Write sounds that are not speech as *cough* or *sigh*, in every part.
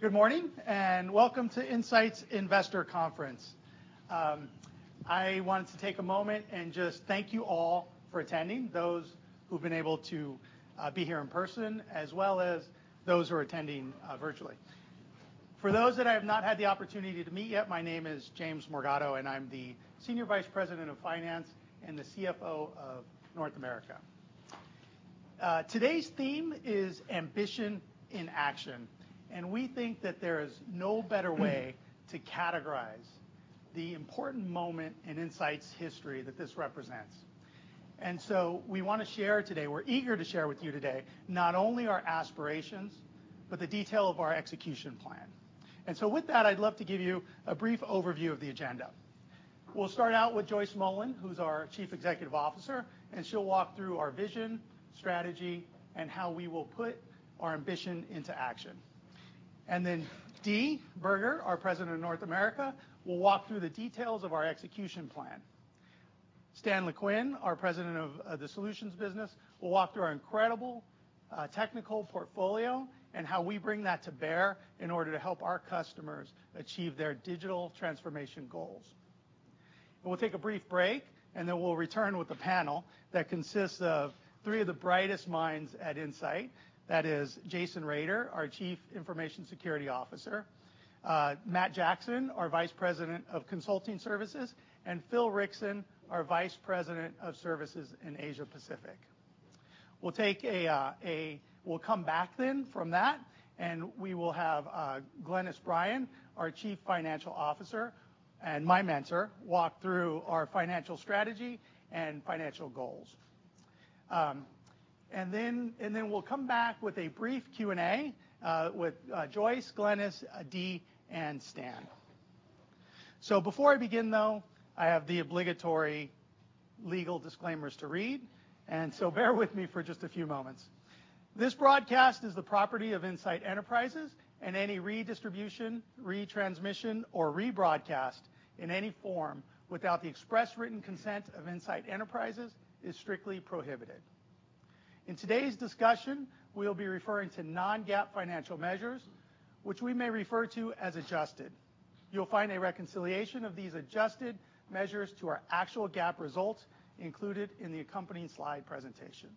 Good morning, and welcome to Insight's Investor Conference. I wanted to take a moment and just thank you all for attending, those who've been able to be here in person, as well as those who are attending virtually. For those that I have not had the opportunity to meet yet, my name is James Morgado, and I'm the Senior Vice President of Finance and the CFO of North America. Today's theme is Ambition in Action, and we think that there is no better way to categorize the important moment in Insight's history that this represents. We wanna share today, we're eager to share with you today, not only our aspirations, but the detail of our execution plan. With that, I'd love to give you a brief overview of the agenda. We'll start out with Joyce Mullen, who's our Chief Executive Officer, and she'll walk through our vision, strategy, and how we will put our ambition into action. Dee Burger, our President of North America, will walk through the details of our execution plan. Stan Lequin, our President of the Solutions business, will walk through our incredible technical portfolio and how we bring that to bear in order to help our customers achieve their digital transformation goals. We'll take a brief break, and then we'll return with a panel that consists of three of the brightest minds at Insight. That is Jason Rader, our Chief Information Security Officer, Matt Jackson, our Vice President of Consulting Services, and Phil Rickson, our Vice President of Services in Asia Pacific. We'll come back then from that, and we will have Glynis Bryan, our Chief Financial Officer, and my mentor, walk through our financial strategy and financial goals. And then we'll come back with a brief Q&A with Joyce, Glynis, Dee, and Stan. Before I begin, though, I have the obligatory legal disclaimers to read, and so bear with me for just a few moments. This broadcast is the property of Insight Enterprises, and any redistribution, retransmission, or rebroadcast in any form without the express written consent of Insight Enterprises is strictly prohibited. In today's discussion, we'll be referring to non-GAAP financial measures, which we may refer to as adjusted. You'll find a reconciliation of these adjusted measures to our actual GAAP results included in the accompanying slide presentation.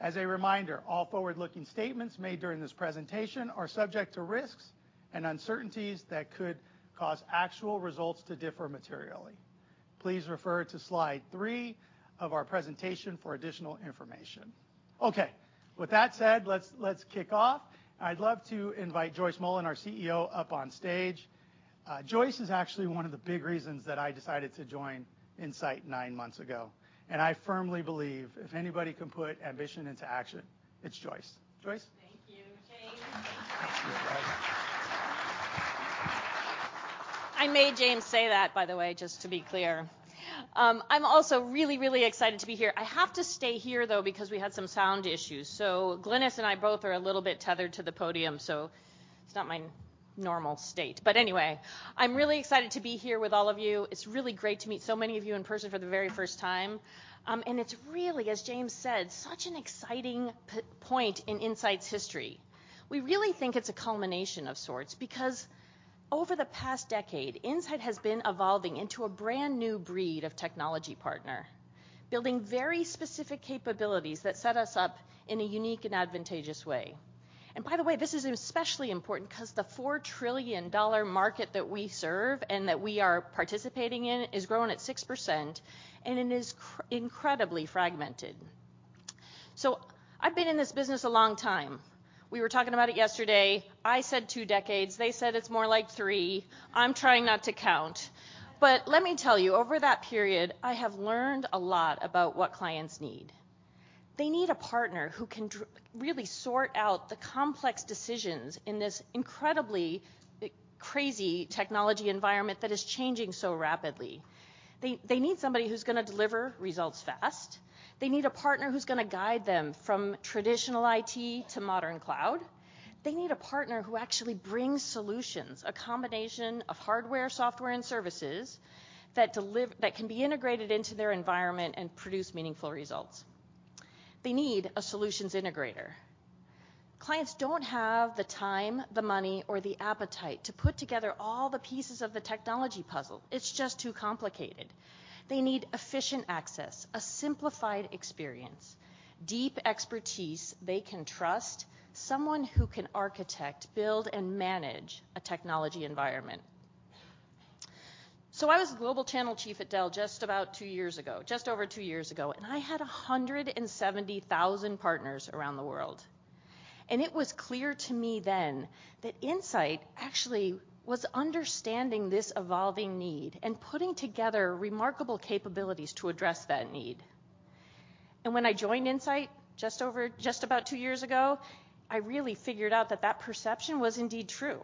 As a reminder, all forward-looking statements made during this presentation are subject to risks and uncertainties that could cause actual results to differ materially. Please refer to slide three of our presentation for additional information. Okay. With that said, let's kick off. I'd love to invite Joyce Mullen, our CEO, up on stage. Joyce is actually one of the big reasons that I decided to join Insight nine months ago, and I firmly believe if anybody can put ambition into action, it's Joyce. Joyce? Thank you, James. I made James say that, by the way, just to be clear. I'm also really, really excited to be here. I have to stay here though, because we had some sound issues. Glynis and I both are a little bit tethered to the podium, so it's not my normal state. Anyway, I'm really excited to be here with all of you. It's really great to meet so many of you in person for the very first time. It's really, as James said, such an exciting point in Insight's history. We really think it's a culmination of sorts because over the past decade, Insight has been evolving into a brand new breed of technology partner, building very specific capabilities that set us up in a unique and advantageous way. By the way, this is especially important 'cause the $4 trillion market that we serve and that we are participating in is growing at 6%, and it is incredibly fragmented. I've been in this business a long time. We were talking about it yesterday. I said two decades. They said it's more like three. I'm trying not to count. Let me tell you, over that period, I have learned a lot about what clients need. They need a partner who can really sort out the complex decisions in this incredibly crazy technology environment that is changing so rapidly. They need somebody who's gonna deliver results fast. They need a partner who's gonna guide them from traditional IT to modern Cloud. They need a partner who actually brings solutions, a combination of hardware, software, and services that can be integrated into their environment and produce meaningful results. They need a solutions integrator. Clients don't have the time, the money, or the appetite to put together all the pieces of the technology puzzle. It's just too complicated. They need efficient access, a simplified experience, deep expertise they can trust, someone who can architect, build, and manage a technology environment. I was Global Channel Chief at Dell just about two years ago, just over two years ago, and I had 170,000 partners around the world. It was clear to me then that Insight actually was understanding this evolving need and putting together remarkable capabilities to address that need. When I joined Insight just about two years ago, I really figured out that perception was indeed true,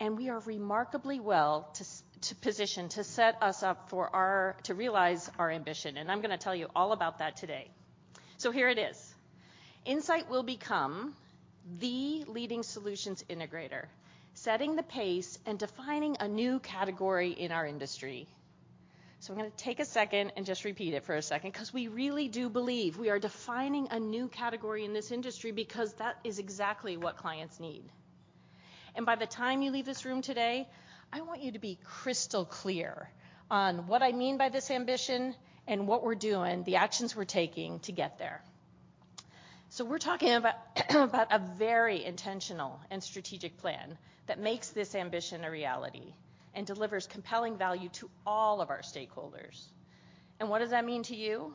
and we are remarkably well positioned to set us up to realize our ambition, and I'm gonna tell you all about that today. Here it is. Insight will become the leading solutions integrator, setting the pace and defining a new category in our industry. I'm gonna take a second and just repeat it for a second 'cause we really do believe we are defining a new category in this industry because that is exactly what clients need. By the time you leave this room today, I want you to be crystal clear on what I mean by this ambition and what we're doing, the actions we're taking to get there. We're talking about a very intentional and strategic plan that makes this ambition a reality and delivers compelling value to all of our stakeholders. What does that mean to you?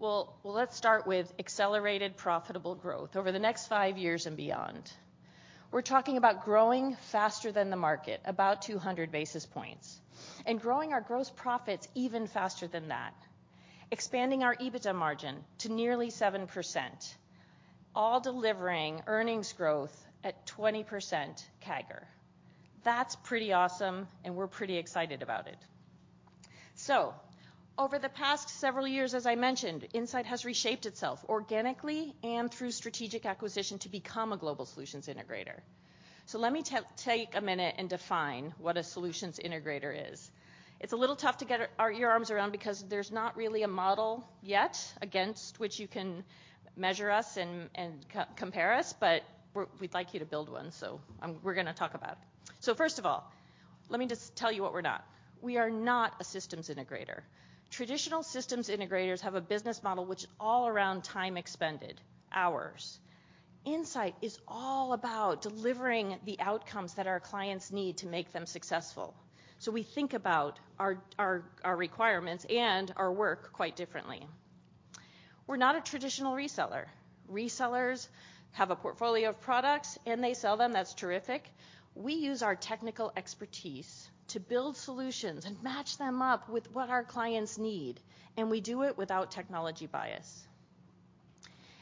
Well let's start with accelerated profitable growth over the next five years and beyond. We're talking about growing faster than the market, about 200 basis points, and growing our gross profits even faster than that, expanding our EBITDA margin to nearly 7%, all delivering earnings growth at 20% CAGR. That's pretty awesome, and we're pretty excited about it. Over the past several years, as I mentioned, Insight has reshaped itself organically and through strategic acquisition to become a global solutions integrator. Let me take a minute and define what a solutions integrator is. It's a little tough to get your arms around because there's not really a model yet against which you can measure us and compare us, but we'd like you to build one, so we're gonna talk about it. First of all, let me just tell you what we're not. We are not a systems integrator. Traditional systems integrators have a business model which all around time expended, hours. Insight is all about delivering the outcomes that our clients need to make them successful, so we think about our requirements and our work quite differently. We're not a traditional reseller. Resellers have a portfolio of products, and they sell them, that's terrific. We use our technical expertise to build solutions and match them up with what our clients need, and we do it without technology bias.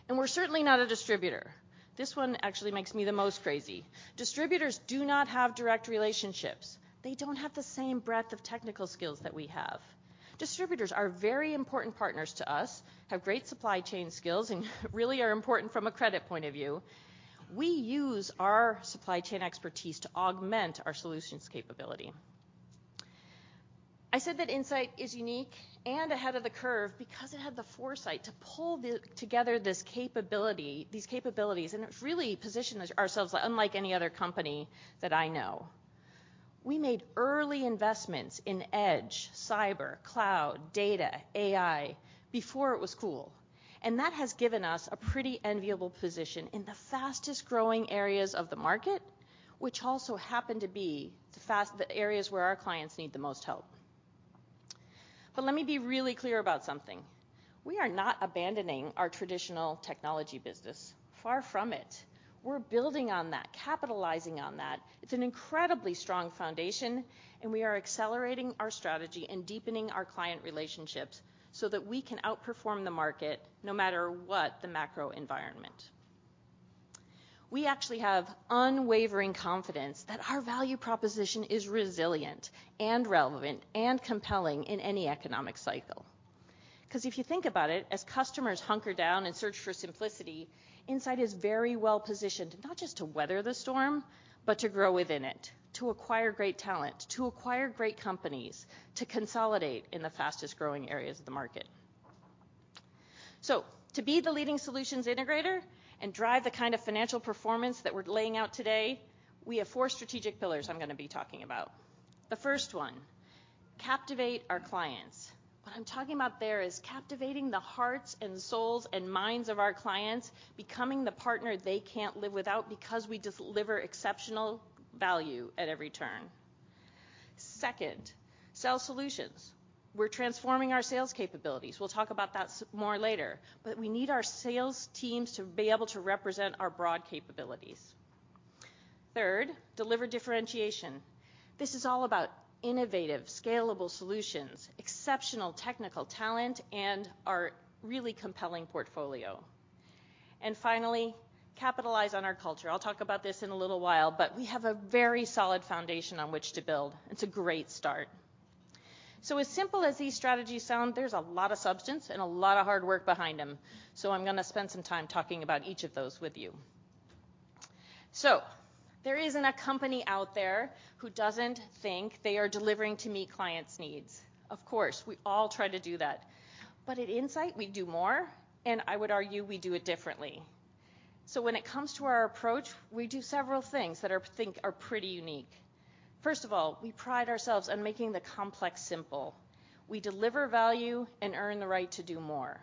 We're certainly not a distributor. This one actually makes me the most crazy. Distributors do not have direct relationships. They don't have the same breadth of technical skills that we have. Distributors are very important partners to us, have great supply chain skills, and really are important from a credit point of view. We use our supply chain expertise to augment our solutions capability. I said that Insight is unique and ahead of the curve because it had the foresight to pull together these capabilities, and it really positioned ourselves, like, unlike any other company that I know. We made early investments in Edge, Cyber, Cloud, Data, AI, before it was cool, and that has given us a pretty enviable position in the fastest-growing areas of the market, which also happen to be the areas where our clients need the most help. Let me be really clear about something. We are not abandoning our traditional technology business. Far from it. We're building on that, capitalizing on that. It's an incredibly strong foundation, and we are accelerating our strategy and deepening our client relationships so that we can outperform the market no matter what the macro environment. We actually have unwavering confidence that our value proposition is resilient and relevant and compelling in any economic cycle. 'Cause if you think about it, as customers hunker down and search for simplicity, Insight is very well-positioned not just to weather the storm, but to grow within it, to acquire great talent, to acquire great companies, to consolidate in the fastest-growing areas of the market. To be the leading solutions integrator and drive the kind of financial performance that we're laying out today, we have four strategic pillars I'm gonna be talking about. The first one, captivate our clients. What I'm talking about there is captivating the hearts and souls and minds of our clients, becoming the partner they can't live without because we deliver exceptional value at every turn. Second, sell solutions. We're transforming our sales capabilities. We'll talk about that more later, but we need our sales teams to be able to represent our broad capabilities. Third, deliver differentiation. This is all about innovative, scalable solutions, exceptional technical talent, and our really compelling portfolio. Finally, capitalize on our culture. I'll talk about this in a little while, but we have a very solid foundation on which to build, and it's a great start. As simple as these strategies sound, there's a lot of substance and a lot of hard work behind them, so I'm gonna spend some time talking about each of those with you. There isn't a company out there who doesn't think they are delivering to meet clients' needs. Of course, we all try to do that. At Insight, we do more, and I would argue we do it differently. When it comes to our approach, we do several things that are pretty unique. First of all, we pride ourselves on making the complex simple. We deliver value and earn the right to do more.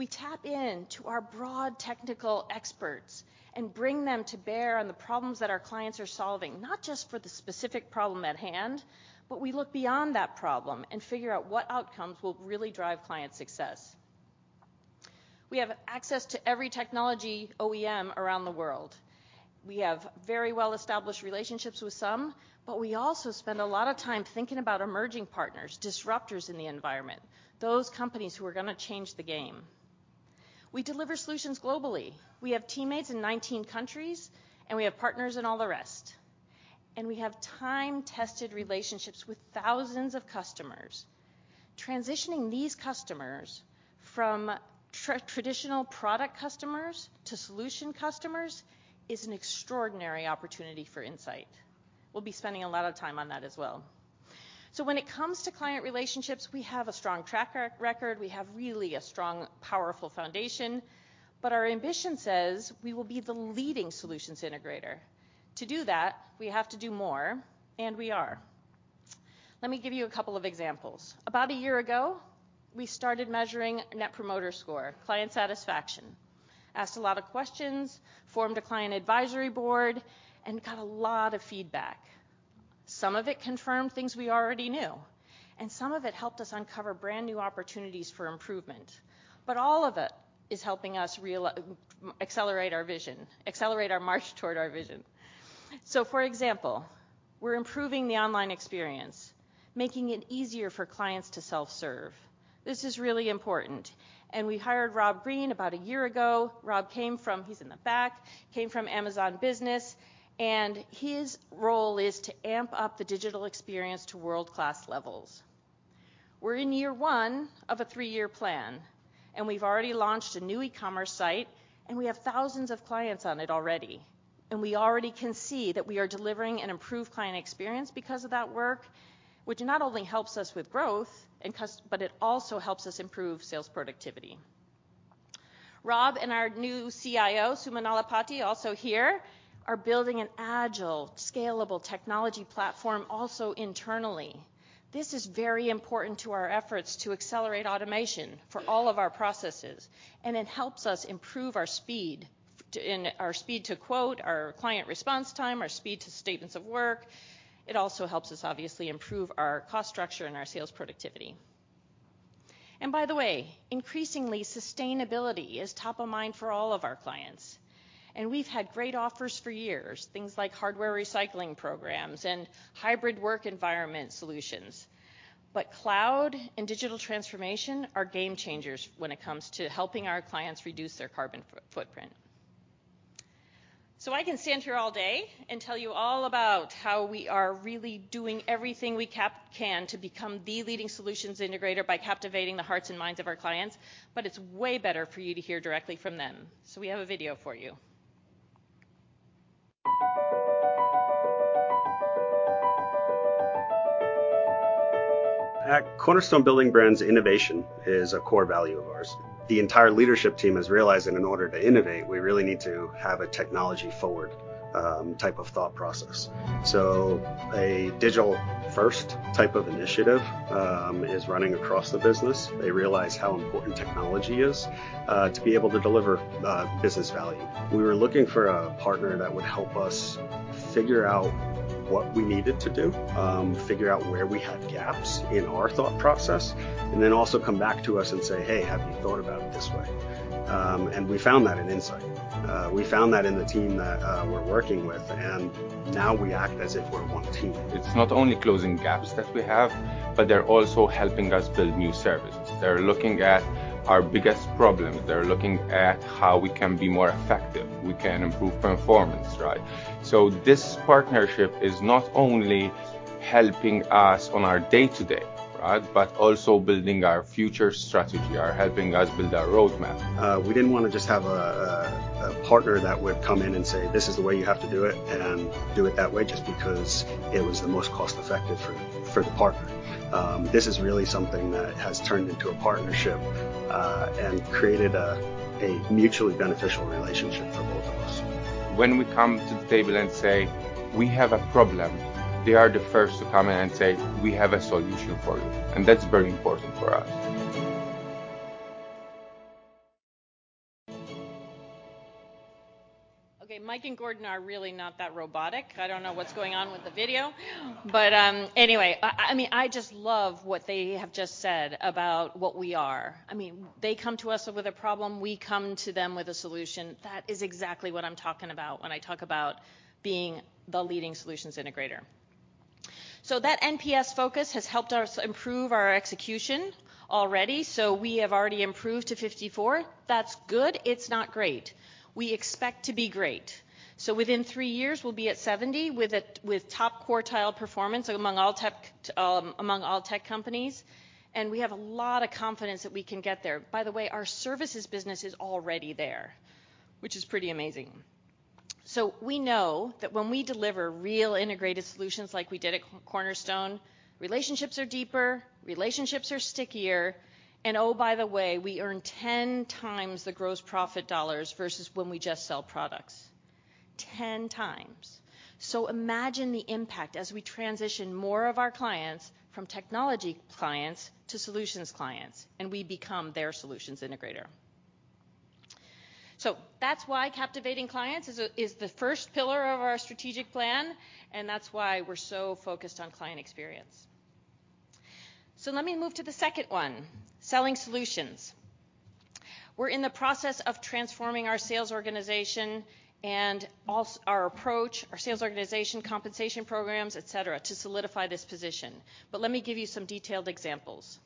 We tap into our broad technical experts and bring them to bear on the problems that our clients are solving, not just for the specific problem at hand, but we look beyond that problem and figure out what outcomes will really drive client success. We have access to every technology OEM around the world. We have very well-established relationships with some, but we also spend a lot of time thinking about emerging partners, disruptors in the environment, those companies who are gonna change the game. We deliver solutions globally. We have teammates in 19 countries, and we have partners in all the rest. We have time-tested relationships with thousands of customers. Transitioning these customers from traditional product customers to solution customers is an extraordinary opportunity for Insight. We'll be spending a lot of time on that as well. When it comes to client relationships, we have a strong track record. We have really a strong, powerful foundation, but our ambition says we will be the leading solutions integrator. To do that, we have to do more, and we are. Let me give you a couple of examples. About a year ago, we started measuring net promoter score, client satisfaction. Asked a lot of questions, formed a Client Advisory Board, and got a lot of feedback. Some of it confirmed things we already knew, and some of it helped us uncover brand-new opportunities for improvement. All of it is helping us accelerate our vision, accelerate our march toward our vision. For example, we're improving the online experience, making it easier for clients to self-serve. This is really important, and we hired Rob Green about a year ago. Rob came from, he's in the back, came from Amazon Business, and his role is to amp up the digital experience to world-class levels. We're in year one of a three-year plan, and we've already launched a new e-commerce site, and we have thousands of clients on it already. We already can see that we are delivering an improved client experience because of that work, which not only helps us with growth, but it also helps us improve sales productivity. Rob and our new CIO, Sumana Nallapati, also here, are building an agile, scalable technology platform also internally. This is very important to our efforts to accelerate automation for all of our processes, and it helps us improve our speed to quote, our client response time, our speed to statements of work. It also helps us obviously improve our cost structure and our sales productivity. By the way, increasingly, sustainability is top of mind for all of our clients. We've had great offers for years, things like hardware recycling programs and hybrid work environment solutions. Cloud and digital transformation are game changers when it comes to helping our clients reduce their carbon footprint. I can stand here all day and tell you all about how we are really doing everything we can to become the leading solutions integrator by captivating the hearts and minds of our clients, but it's way better for you to hear directly from them. We have a video for you. At Cornerstone Building Brands, innovation is a core value of ours. The entire leadership team is realizing in order to innovate, we really need to have a technology-forward type of thought process. A digital first type of initiative is running across the business. They realize how important technology is to be able to deliver business value. We were looking for a partner that would help us figure out what we needed to do, figure out where we had gaps in our thought process, and then also come back to us and say, "Hey, have you thought about it this way?" We found that in Insight. We found that in the team that we're working with, and now we act as if we're one team. It's not only closing gaps that we have, but they're also helping us build new services. They're looking at our biggest problems. They're looking at how we can be more effective, we can improve performance, right? This partnership is not only helping us on our day-to-day, right? Also building our future strategy or helping us build our roadmap. We didn't wanna just have a partner that would come in and say, "This is the way you have to do it," and do it that way just because it was the most cost-effective for the partner. This is really something that has turned into a partnership, and created a mutually beneficial relationship for both of us. When we come to the table and say, "We have a problem," they are the first to come in and say, "We have a solution for you." That's very important for us. Okay, Mike and Gordon are really not that robotic. I don't know what's going on with the video. Anyway, I mean, I just love what they have just said about what we are. I mean, they come to us with a problem, we come to them with a solution. That is exactly what I'm talking about when I talk about being the leading solutions integrator. That NPS focus has helped us improve our execution already, so we have already improved to 54. That's good. It's not great. We expect to be great. Within three years, we'll be at 70 with top quartile performance among all tech companies, and we have a lot of confidence that we can get there. By the way, our services business is already there, which is pretty amazing. We know that when we deliver real integrated solutions like we did at Cornerstone, relationships are deeper, relationships are stickier, and oh by the way, we earn 10 times the gross profit dollars versus when we just sell products. 10 times. Imagine the impact as we transition more of our clients from technology clients to solutions clients, and we become their solutions integrator. That's why captivating clients is the first pillar of our strategic plan, and that's why we're so focused on client experience. Let me move to the second one, selling solutions. We're in the process of transforming our sales organization and our approach, our sales organization compensation programs, et cetera, to solidify this position, but let me give you some detailed examples.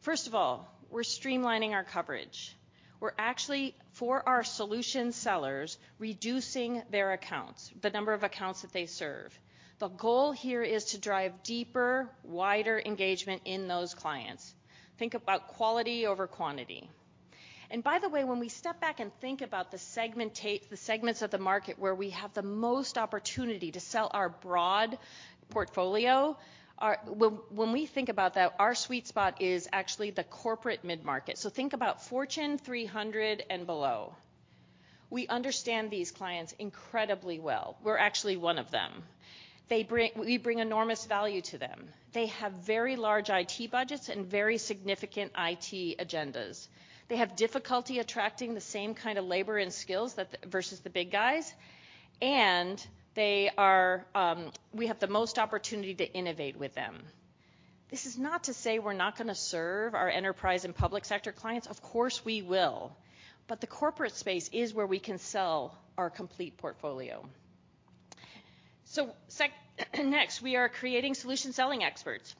First of all, we're streamlining our coverage. We're actually, for our solution sellers, reducing their accounts, the number of accounts that they serve. The goal here is to drive deeper, wider engagement in those clients. Think about quality over quantity. By the way, when we step back and think about the segments of the market where we have the most opportunity to sell our broad portfolio, when we think about that, our sweet spot is actually the corporate mid-market. Think about Fortune 300 and below. We understand these clients incredibly well. We're actually one of them. We bring enormous value to them. They have very large IT budgets and very significant IT agendas. They have difficulty attracting the same kind of labor and skills that versus the big guys, we have the most opportunity to innovate with them. This is not to say we're not gonna serve our enterprise and public sector clients. Of course we will. The corporate space is where we can sell our complete portfolio. Next, we are creating solution selling experts.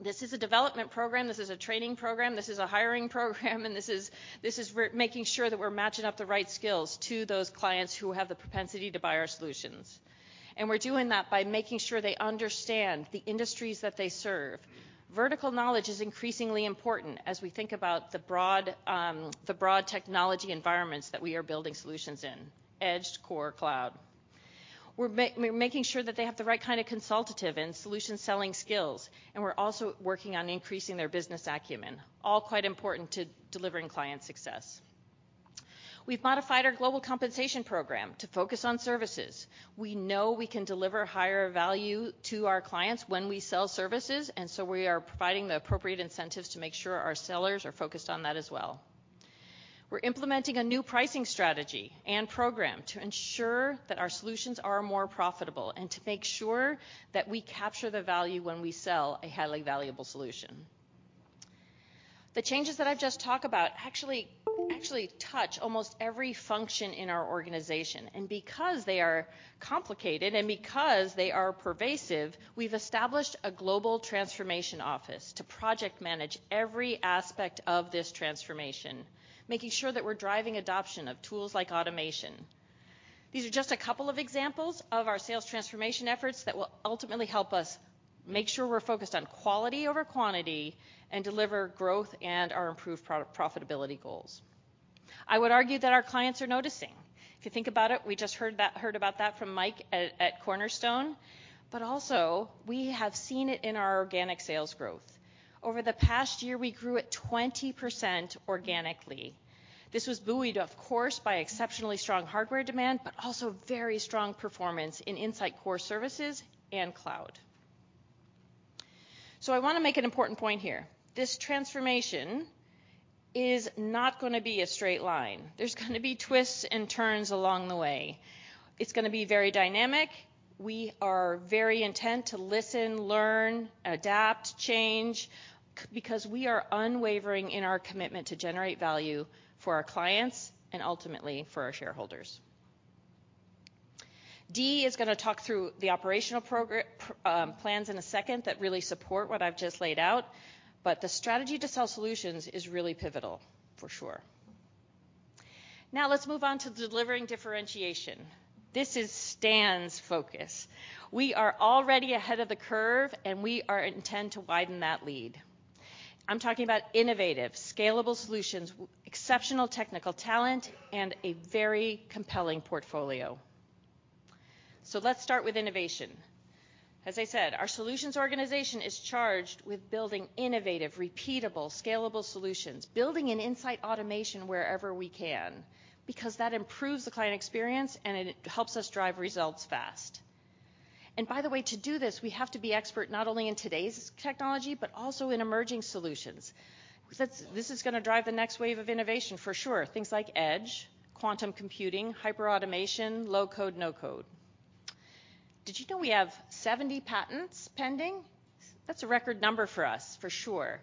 This is a development program. This is a training program. This is a hiring program, and this is where making sure that we're matching up the right skills to those clients who have the propensity to buy our solutions. We're doing that by making sure they understand the industries that they serve. Vertical knowledge is increasingly important as we think about the broad technology environments that we are building solutions in: edge, core, Cloud. We're making sure that they have the right kind of consultative and solution selling skills, and we're also working on increasing their business acumen. All quite important to delivering client success. We've modified our global compensation program to focus on services. We know we can deliver higher value to our clients when we sell services, and so we are providing the appropriate incentives to make sure our sellers are focused on that as well. We're implementing a new pricing strategy and program to ensure that our solutions are more profitable and to make sure that we capture the value when we sell a highly valuable solution. The changes that I've just talked about actually touch almost every function in our organization. Because they are complicated and because they are pervasive, we've established a global transformation office to project manage every aspect of this transformation, making sure that we're driving adoption of tools like automation. These are just a couple of examples of our sales transformation efforts that will ultimately help us make sure we're focused on quality over quantity and deliver growth and our improved profitability goals. I would argue that our clients are noticing. If you think about it, we just heard about that from Mike at Cornerstone. We have seen it in our organic sales growth. Over the past year, we grew at 20% organically. This was buoyed, of course, by exceptionally strong hardware demand, but also very strong performance in Insight core services and Cloud. I wanna make an important point here. This transformation is not gonna be a straight line. There's gonna be twists and turns along the way. It's gonna be very dynamic. We are very intent to listen, learn, adapt, change, because we are unwavering in our commitment to generate value for our clients and ultimately for our shareholders. Dee is gonna talk through the operational plans in a second that really support what I've just laid out, but the strategy to sell solutions is really pivotal, for sure. Now let's move on to delivering differentiation. This is Stan's focus. We are already ahead of the curve, and we are intent to widen that lead. I'm talking about innovative, scalable solutions, exceptional technical talent, and a very compelling portfolio. Let's start with innovation. As I said, our solutions organization is charged with building innovative, repeatable, scalable solutions, building in Insight automation wherever we can, because that improves the client experience and it helps us drive results fast. By the way, to do this, we have to be expert not only in today's technology, but also in emerging solutions. This is gonna drive the next wave of innovation for sure, things like Edge, Quantum Computing, Hyper-Automation, low code/no code. Did you know we have 70 patents pending? That's a record number for us, for sure.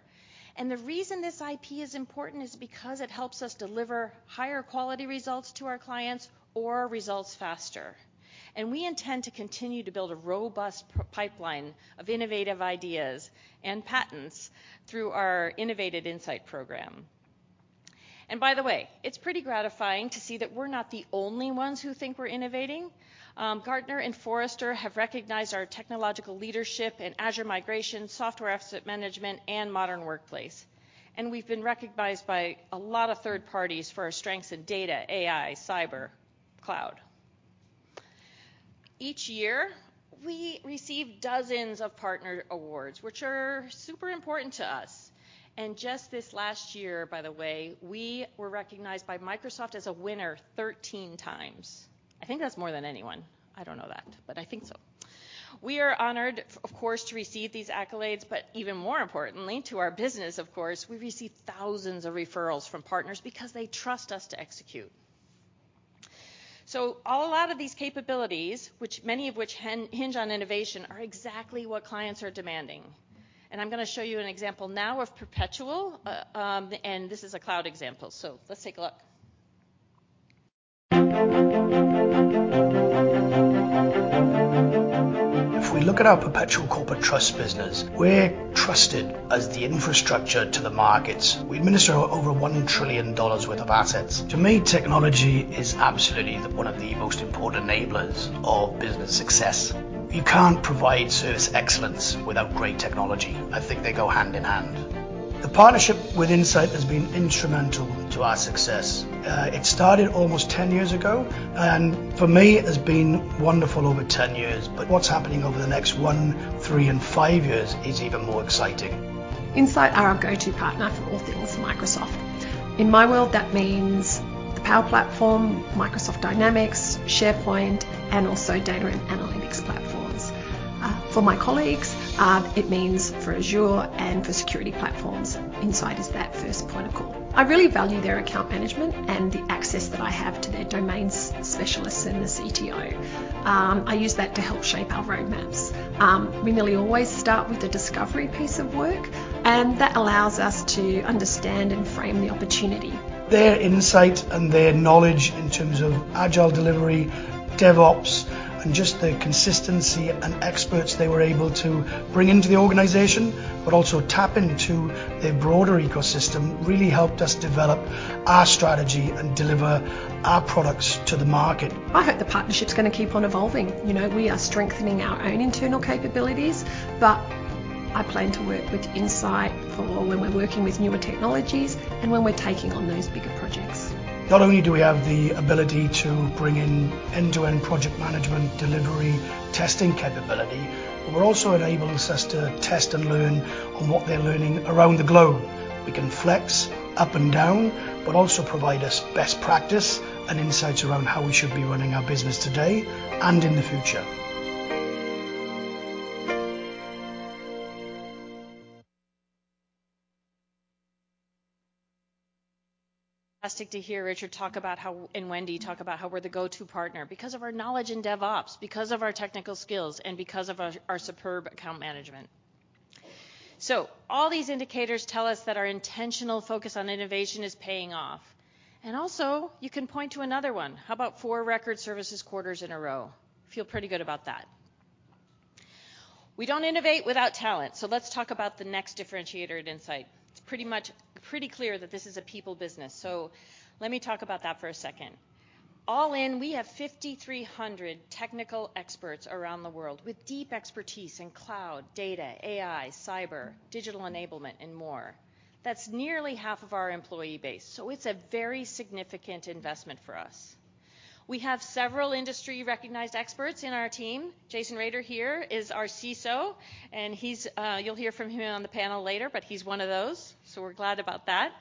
The reason this IP is important is because it helps us deliver higher quality results to our clients or results faster. We intend to continue to build a robust pipline of innovative ideas and patents through our innovative Insight program. By the way, it's pretty gratifying to see that we're not the only ones who think we're innovating. Gartner and Forrester have recognized our technological leadership in Azure migration, software asset management, and modern workplace. We've been recognized by a lot of third parties for our strengths in data, AI, cyber, Cloud. Each year, we receive dozens of partner awards, which are super important to us. Just this last year, by the way, we were recognized by Microsoft as a winner 13 times. I think that's more than anyone. I don't know that, but I think so. We are honored, of course, to receive these accolades, but even more importantly to our business, of course, we receive thousands of referrals from partners because they trust us to execute. A lot of these capabilities, which many of which hinge on innovation, are exactly what clients are demanding. I'm gonna show you an example now of Perpetual, and this is a Cloud example. Let's take a look. If we look at our Perpetual Corporate Trust business, we're trusted as the infrastructure to the markets. We administer over $1 trillion worth of assets. To me, technology is absolutely one of the most important enablers of business success. You can't provide service excellence without great technology. I think they go hand in hand. The partnership with Insight has been instrumental to our success. It started almost 10 years ago, and for me it has been wonderful over 10 years. What's happening over the next one, three, and five years is even more exciting. Insight are our go-to partner for all things Microsoft. In my world, that means the Power Platform, Microsoft Dynamics, SharePoint, and also Data and Analytics platforms. For my colleagues, it means for Azure and for security platforms, Insight is that first point of call. I really value their account management and the access that I have to their domain specialists and the CTO. I use that to help shape our roadmaps. We nearly always start with the discovery piece of work, and that allows us to understand and frame the opportunity. Their insight and their knowledge in terms of agile delivery, DevOps, and just the consistency and experts they were able to bring into the organization, but also tap into their broader ecosystem, really helped us develop our strategy and deliver our products to the market. I hope the partnership's gonna keep on evolving. You know, we are strengthening our own internal capabilities, but I plan to work with Insight for when we're working with newer technologies and when we're taking on those bigger projects. Not only do we have the ability to bring in end-to-end project management, delivery, testing capability, but we're also enabling us to test and learn on what they're learning around the globe. We can flex up and down, but also provide us best practice and insights around how we should be running our business today and in the future. Fantastic to hear Richard talk about how, and Wendy talk about how we're the go-to partner because of our knowledge in DevOps, because of our technical skills, and because of our superb account management. All these indicators tell us that our intentional focus on innovation is paying off. You can point to another one. How about four record services quarters in a row? Feel pretty good about that. We don't innovate without talent, so let's talk about the next differentiator at Insight. It's pretty much pretty clear that this is a people business, so let me talk about that for a second. All in, we have 5,300 technical experts around the world with deep expertise in Cloud, data, AI, cyber, digital enablement, and more. That's nearly half of our employee base, so it's a very significant investment for us. We have several industry-recognized experts in our team. Jason Rader here is our CISO, and he's, you'll hear from him on the panel later, but he's one of those, so we're glad about that.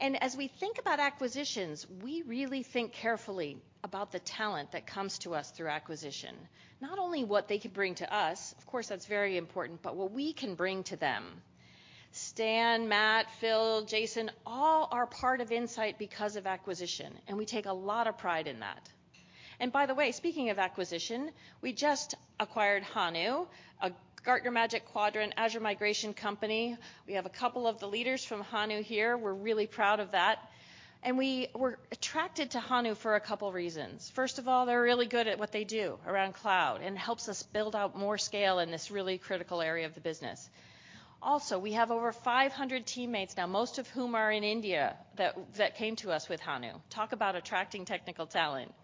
As we think about acquisitions, we really think carefully about the talent that comes to us through acquisition. Not only what they could bring to us, of course that's very important, but what we can bring to them. Stan, Matt, Phil, Jason, all are part of Insight because of acquisition, and we take a lot of pride in that. By the way, speaking of acquisition, we just acquired Hanu, a Gartner Magic Quadrant Azure migration company. We have a couple of the leaders from Hanu here. We're really proud of that. We were attracted to Hanu for a couple reasons. First of all, they're really good at what they do around Cloud and helps us build out more scale in this really critical area of the business. Also, we have over 500 teammates now, most of whom are in India, that came to us with Hanu. Talk about attracting technical talent.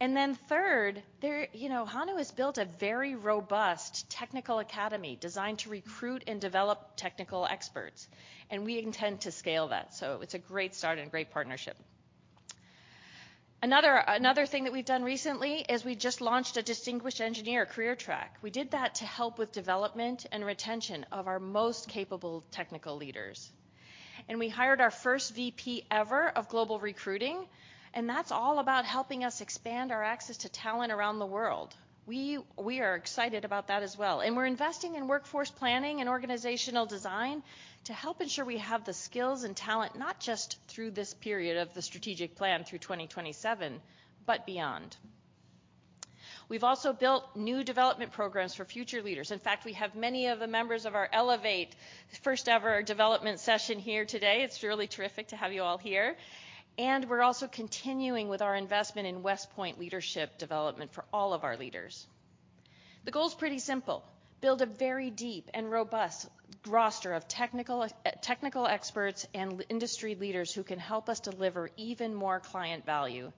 Then third, they're. You know, Hanu has built a very robust technical academy designed to recruit and develop technical experts, and we intend to scale that, so it's a great start and a great partnership. Another thing that we've done recently is we just launched a distinguished engineer career track. We did that to help with development and retention of our most capable technical leaders. We hired our first VP ever of global recruiting, and that's all about helping us expand our access to talent around the world. We are excited about that as well, and we're investing in workforce planning and organizational design to help ensure we have the skills and talent, not just through this period of the strategic plan through 2027, but beyond. We've also built new development programs for future leaders. In fact, we have many of the members of our Elevate first-ever development session here today. It's really terrific to have you all here. We're also continuing with our investment in West Point leadership development for all of our leaders. The goal's pretty simple. Build a very deep and robust roster of technical experts and industry leaders who can help us deliver even more client value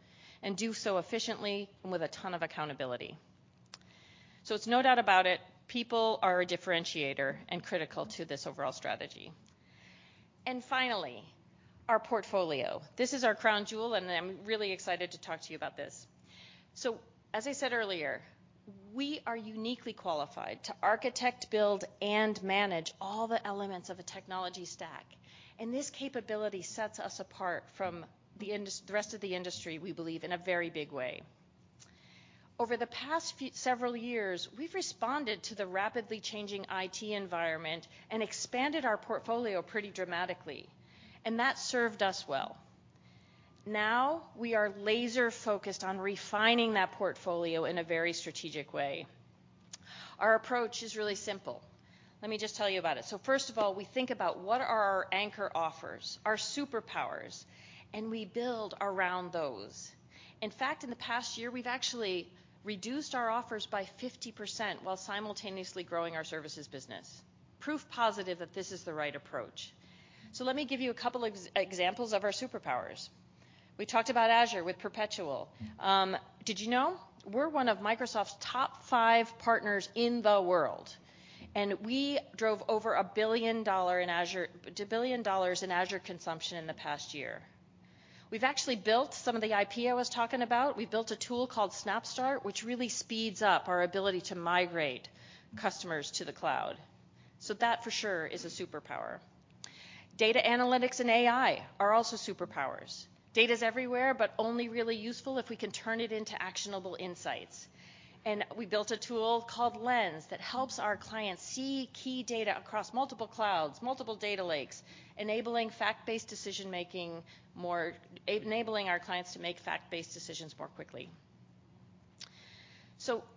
and do so efficiently and with a ton of accountability. It's no doubt about it, people are a differentiator and critical to this overall strategy. Finally, our portfolio. This is our crown jewel, and I'm really excited to talk to you about this. As I said earlier, we are uniquely qualified to architect, build, and manage all the elements of a technology stack, and this capability sets us apart from the rest of the industry, we believe, in a very big way. Over the past several years, we've responded to the rapidly changing IT environment and expanded our portfolio pretty dramatically, and that served us well. Now, we are laser-focused on refining that portfolio in a very strategic way. Our approach is really simple. Let me just tell you about it. First of all, we think about what are our anchor offers, our superpowers, and we build around those. In fact, in the past year, we've actually reduced our offers by 50% while simultaneously growing our services business. Proof positive that this is the right approach. Let me give you a couple examples of our superpowers. We talked about Azure with Perpetual. Did you know we're one of Microsoft's top five partners in the world? We drove over $1 billion in Azure consumption in the past year. We've actually built some of the IP I was talking about. We built a tool called SnapStart, which really speeds up our ability to migrate customers to the Cloud. That for sure is a superpower. Data analytics and AI are also superpowers. Data's everywhere, but only really useful if we can turn it into actionable insights. We built a tool called Lens that helps our clients see key data across multiple Clouds, multiple data lakes, enabling our clients to make fact-based decisions more quickly.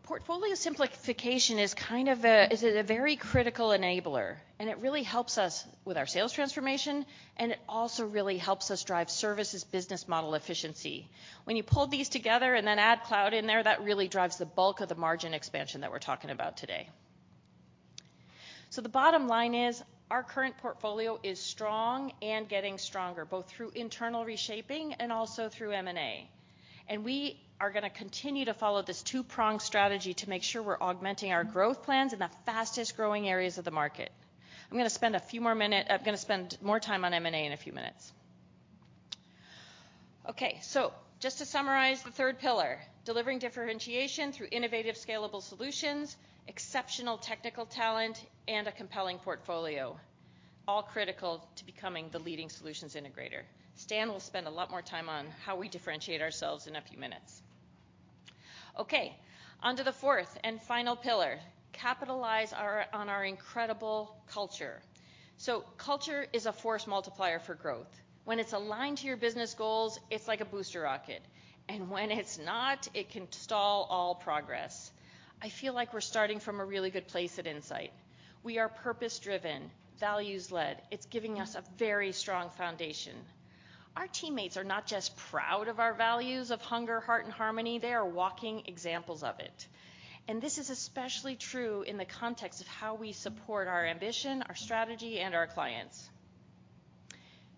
Portfolio simplification is kind of a very critical enabler, and it really helps us with our sales transformation, and it also really helps us drive services business model efficiency. When you pull these together and then add Cloud in there, that really drives the bulk of the margin expansion that we're talking about today. The bottom line is our current portfolio is strong and getting stronger, both through internal reshaping and also through M&A. We are gonna continue to follow this two-pronged strategy to make sure we're augmenting our growth plans in the fastest-growing areas of the market. I'm gonna spend more time on M&A in a few minutes. Okay. Just to summarize the third pillar, delivering differentiation through innovative scalable solutions, exceptional technical talent, and a compelling portfolio, all critical to becoming the leading solutions integrator. Stan will spend a lot more time on how we differentiate ourselves in a few minutes. Okay. Onto the fourth and final pillar, capitalize on our incredible culture. Culture is a force multiplier for growth. When it's aligned to your business goals, it's like a booster rocket, and when it's not, it can stall all progress. I feel like we're starting from a really good place at Insight. We are purpose-driven, values-led. It's giving us a very strong foundation. Our teammates are not just proud of our values of hunger, heart, and harmony, they are walking examples of it. This is especially true in the context of how we support our ambition, our strategy, and our clients.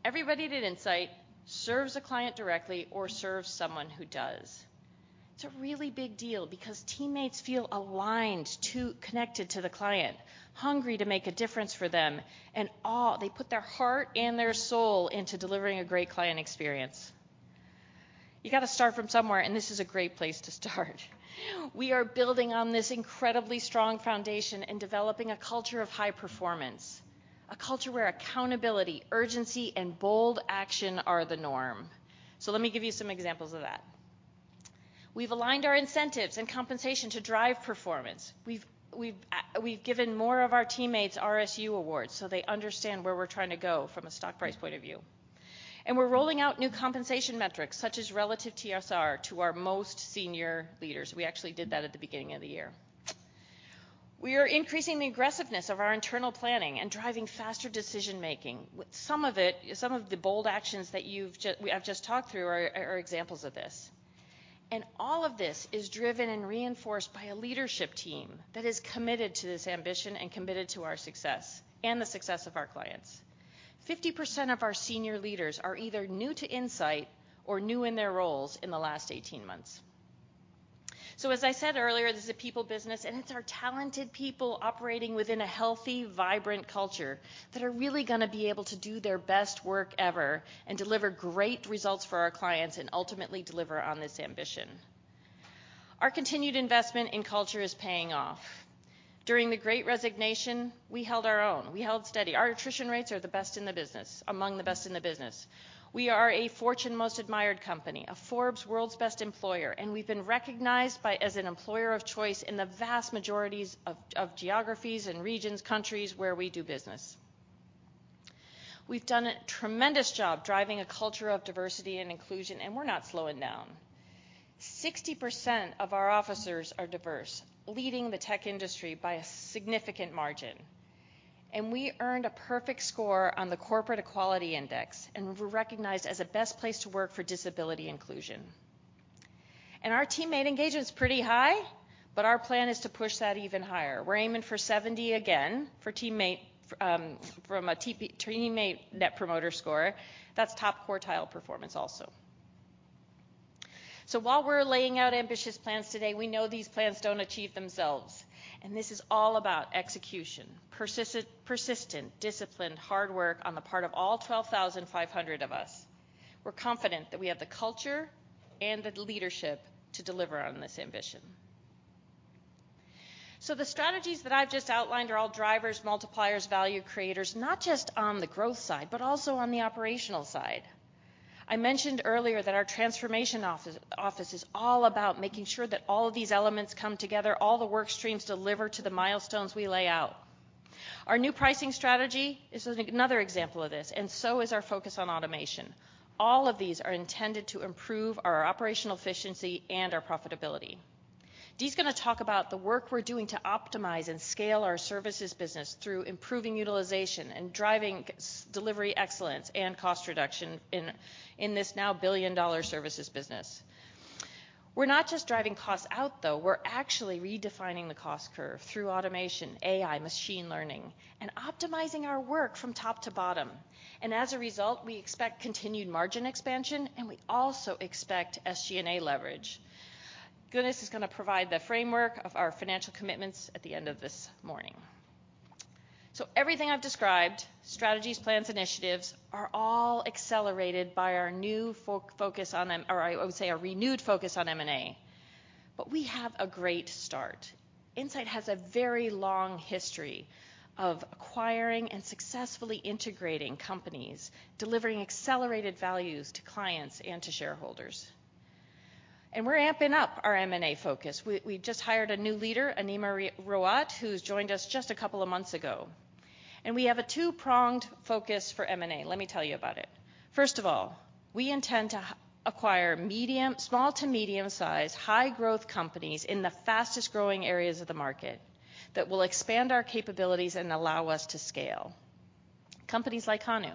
Everybody at Insight serves a client directly or serves someone who does. It's a really big deal because teammates feel aligned connected to the client, hungry to make a difference for them, and all, they put their heart and their soul into delivering a great client experience. You gotta start from somewhere, and this is a great place to start. We are building on this incredibly strong foundation and developing a culture of high performance, a culture where accountability, urgency, and bold action are the norm. Let me give you some examples of that. We've aligned our incentives and compensation to drive performance. We've given more of our teammates RSU awards, so they understand where we're trying to go from a stock price point of view. We're rolling out new compensation metrics such as relative TSR to our most senior leaders. We actually did that at the beginning of the year. We are increasing the aggressiveness of our internal planning and driving faster decision-making. Some of the bold actions that I've just talked through are examples of this. All of this is driven and reinforced by a leadership team that is committed to this ambition and committed to our success and the success of our clients. 50% of our senior leaders are either new to Insight or new in their roles in the last eighteen months. As I said earlier, this is a people business, and it's our talented people operating within a healthy, vibrant culture that are really gonna be able to do their best work ever and deliver great results for our clients and ultimately deliver on this ambition. Our continued investment in culture is paying off. During the Great Resignation, we held our own. We held steady. Our attrition rates are the best in the business, among the best in the business. We are a Fortune Most Admired company, a Forbes World's Best Employer, and we've been recognized as an employer of choice in the vast majority of geographies and regions, countries where we do business. We've done a tremendous job driving a culture of diversity and inclusion, and we're not slowing down. 60% of our officers are diverse, leading the tech industry by a significant margin, and we earned a perfect score on the Corporate Equality Index and were recognized as a Best Place to Work for Disability Inclusion. Our teammate engagement's pretty high, but our plan is to push that even higher. We're aiming for 70 again for teammate net promoter score. That's top quartile performance also. While we're laying out ambitious plans today, we know these plans don't achieve themselves, and this is all about execution, persistent, disciplined hard work on the part of all 12,500 of us. We're confident that we have the culture and the leadership to deliver on this ambition. The strategies that I've just outlined are all drivers, multipliers, value creators, not just on the growth side, but also on the operational side. I mentioned earlier that our transformation office is all about making sure that all of these elements come together, all the work streams deliver to the milestones we lay out. Our new pricing strategy is another example of this, and so is our focus on automation. All of these are intended to improve our operational efficiency and our profitability. Dee's gonna talk about the work we're doing to optimize and scale our services business through improving utilization and driving delivery excellence and cost reduction in this now billion-dollar services business. We're not just driving costs out though. We're actually redefining the cost curve through automation, AI, machine learning, and optimizing our work from top to bottom. As a result, we expect continued margin expansion, and we also expect SG&A leverage. Glynis is gonna provide the framework of our financial commitments at the end of this morning. Everything I've described, strategies, plans, initiatives, are all accelerated by our renewed focus on M&A. We have a great start. Insight has a very long history of acquiring and successfully integrating companies, delivering accelerated values to clients and to shareholders. We're amping up our M&A focus. We just hired a new leader, Anima Rewat, who's joined us just a couple of months ago. We have a two-pronged focus for M&A. Let me tell you about it. First of all, we intend to acquire medium, small to medium-sized, high growth companies in the fastest growing areas of the market that will expand our capabilities and allow us to scale. Companies like Hanu.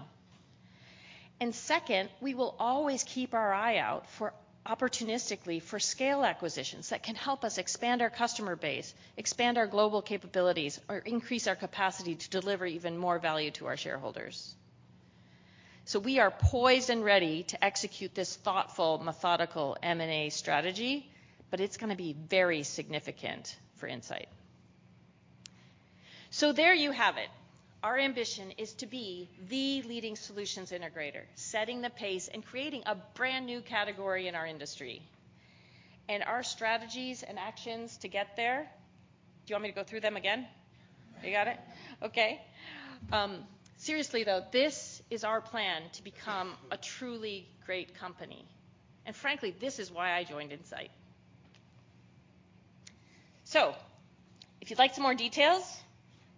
Second, we will always keep our eye out for, opportunistically, for scale acquisitions that can help us expand our customer base, expand our global capabilities, or increase our capacity to deliver even more value to our shareholders. We are poised and ready to execute this thoughtful, methodical M&A strategy, but it's gonna be very significant for Insight. There you have it. Our ambition is to be the leading solutions integrator, setting the pace and creating a brand-new category in our industry. Our strategies and actions to get there, do you want me to go through them again? You got it? Okay. Seriously, though, this is our plan to become a truly great company. Frankly, this is why I joined Insight. If you'd like some more details,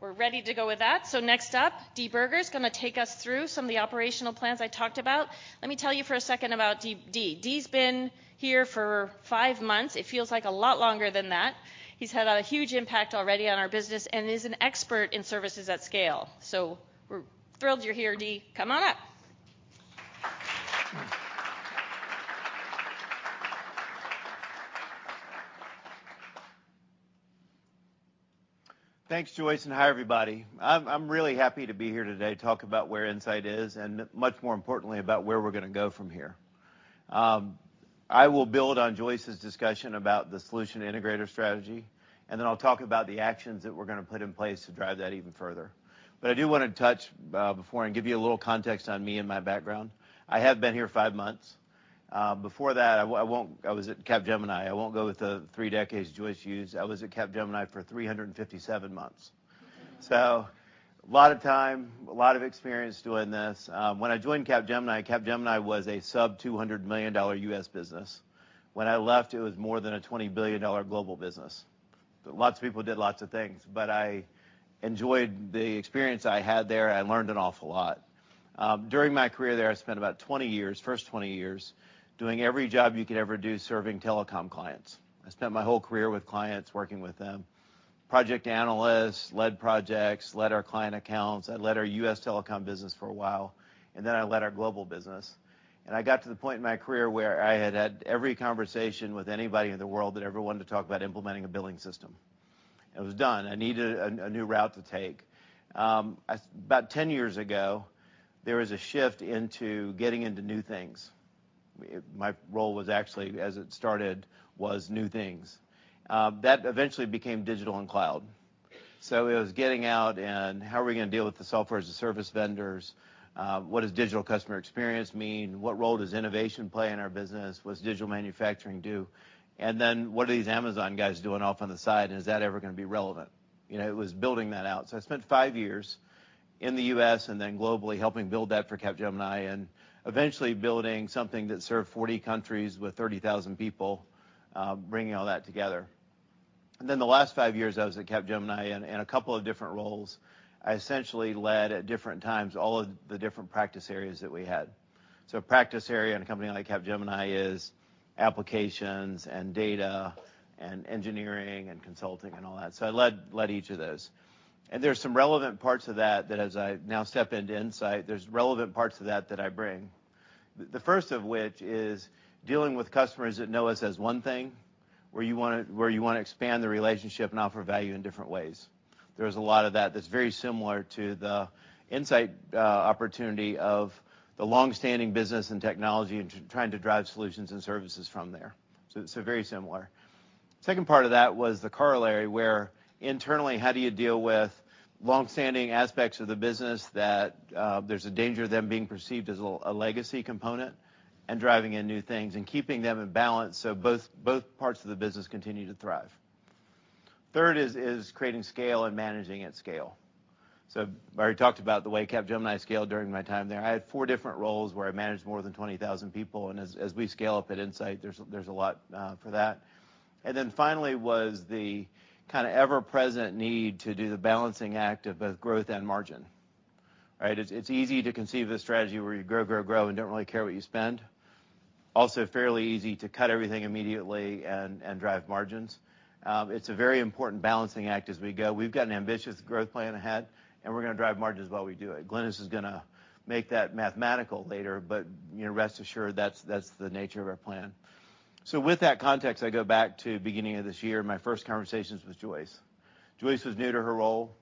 we're ready to go with that. Next up, Dee Burger's gonna take us through some of the operational plans I talked about. Let me tell you for a second about Dee. Dee's been here for five months. It feels like a lot longer than that. He's had a huge impact already on our business and is an expert in services at scale. We're thrilled you're here, Dee. Come on up. Thanks, Joyce, and hi, everybody. I'm really happy to be here today to talk about where Insight is and, much more importantly, about where we're gonna go from here. I will build on Joyce's discussion about the solution integrator strategy, and then I'll talk about the actions that we're gonna put in place to drive that even further. I do wanna touch before and give you a little context on me and my background. I have been here five months. Before that, I won't-I was at Capgemini. I won't go with the three decades Joyce used. I was at Capgemini for 357 months. So a lot of time, a lot of experience doing this. When I joined Capgemini was a sub $200 million U.S. business. When I left, it was more than a $20 billion global business. Lots of people did lots of things, but I enjoyed the experience I had there. I learned an awful lot. During my career there, I spent about 20 years, first 20 years, doing every job you could ever do serving telecom clients. I spent my whole career with clients, working with them. Project analyst, led projects, led our client accounts. I led our U.S. telecom business for a while, and then I led our global business. I got to the point in my career where I had had every conversation with anybody in the world that ever wanted to talk about implementing a billing system. It was done. I needed a new route to take. About 10 years ago, there was a shift into getting into new things. My role was actually, as it started, new things. That eventually became digital and Cloud. It was getting out and how are we gonna deal with the software as a service vendors, what does digital customer experience mean, what role does innovation play in our business, what's digital manufacturing do? And then what are these Amazon guys doing off on the side, and is that ever gonna be relevant? You know, it was building that out. I spent five years in the U.S. and then globally helping build that for Capgemini and eventually building something that served 40 countries with 30,000 people, bringing all that together. The last five years I was at Capgemini in a couple of different roles. I essentially led at different times all of the different practice areas that we had. Practice area in a company like Capgemini is applications and data and engineering and consulting and all that. I led each of those. There are some relevant parts of that as I now step into Insight, there's relevant parts of that that I bring. The first of which is dealing with customers that know us as one thing, where you wanna expand the relationship and offer value in different ways. There's a lot of that that's very similar to the Insight opportunity of the long-standing business and technology and trying to drive solutions and services from there. Very similar. Second part of that was the corollary, where internally, how do you deal with long-standing aspects of the business that, there's a danger of them being perceived as a legacy component and driving in new things and keeping them in balance so both parts of the business continue to thrive. Third is creating scale and managing at scale. I already talked about the way Capgemini scaled during my time there. I had four different roles where I managed more than 20,000 people, and as we scale up at Insight, there's a lot for that. Then finally was the kind of ever-present need to do the balancing act of both growth and margin. Right? It's easy to conceive the strategy where you grow, grow and don't really care what you spend. Fairly easy to cut everything immediately and drive margins. It's a very important balancing act as we go. We've got an ambitious growth plan ahead, and we're gonna drive margins while we do it. Glynis is gonna make that mathematical later, but, you know, rest assured, that's the nature of our plan. With that context, I go back to beginning of this year, my first conversations with Joyce. Joyce was new to her role.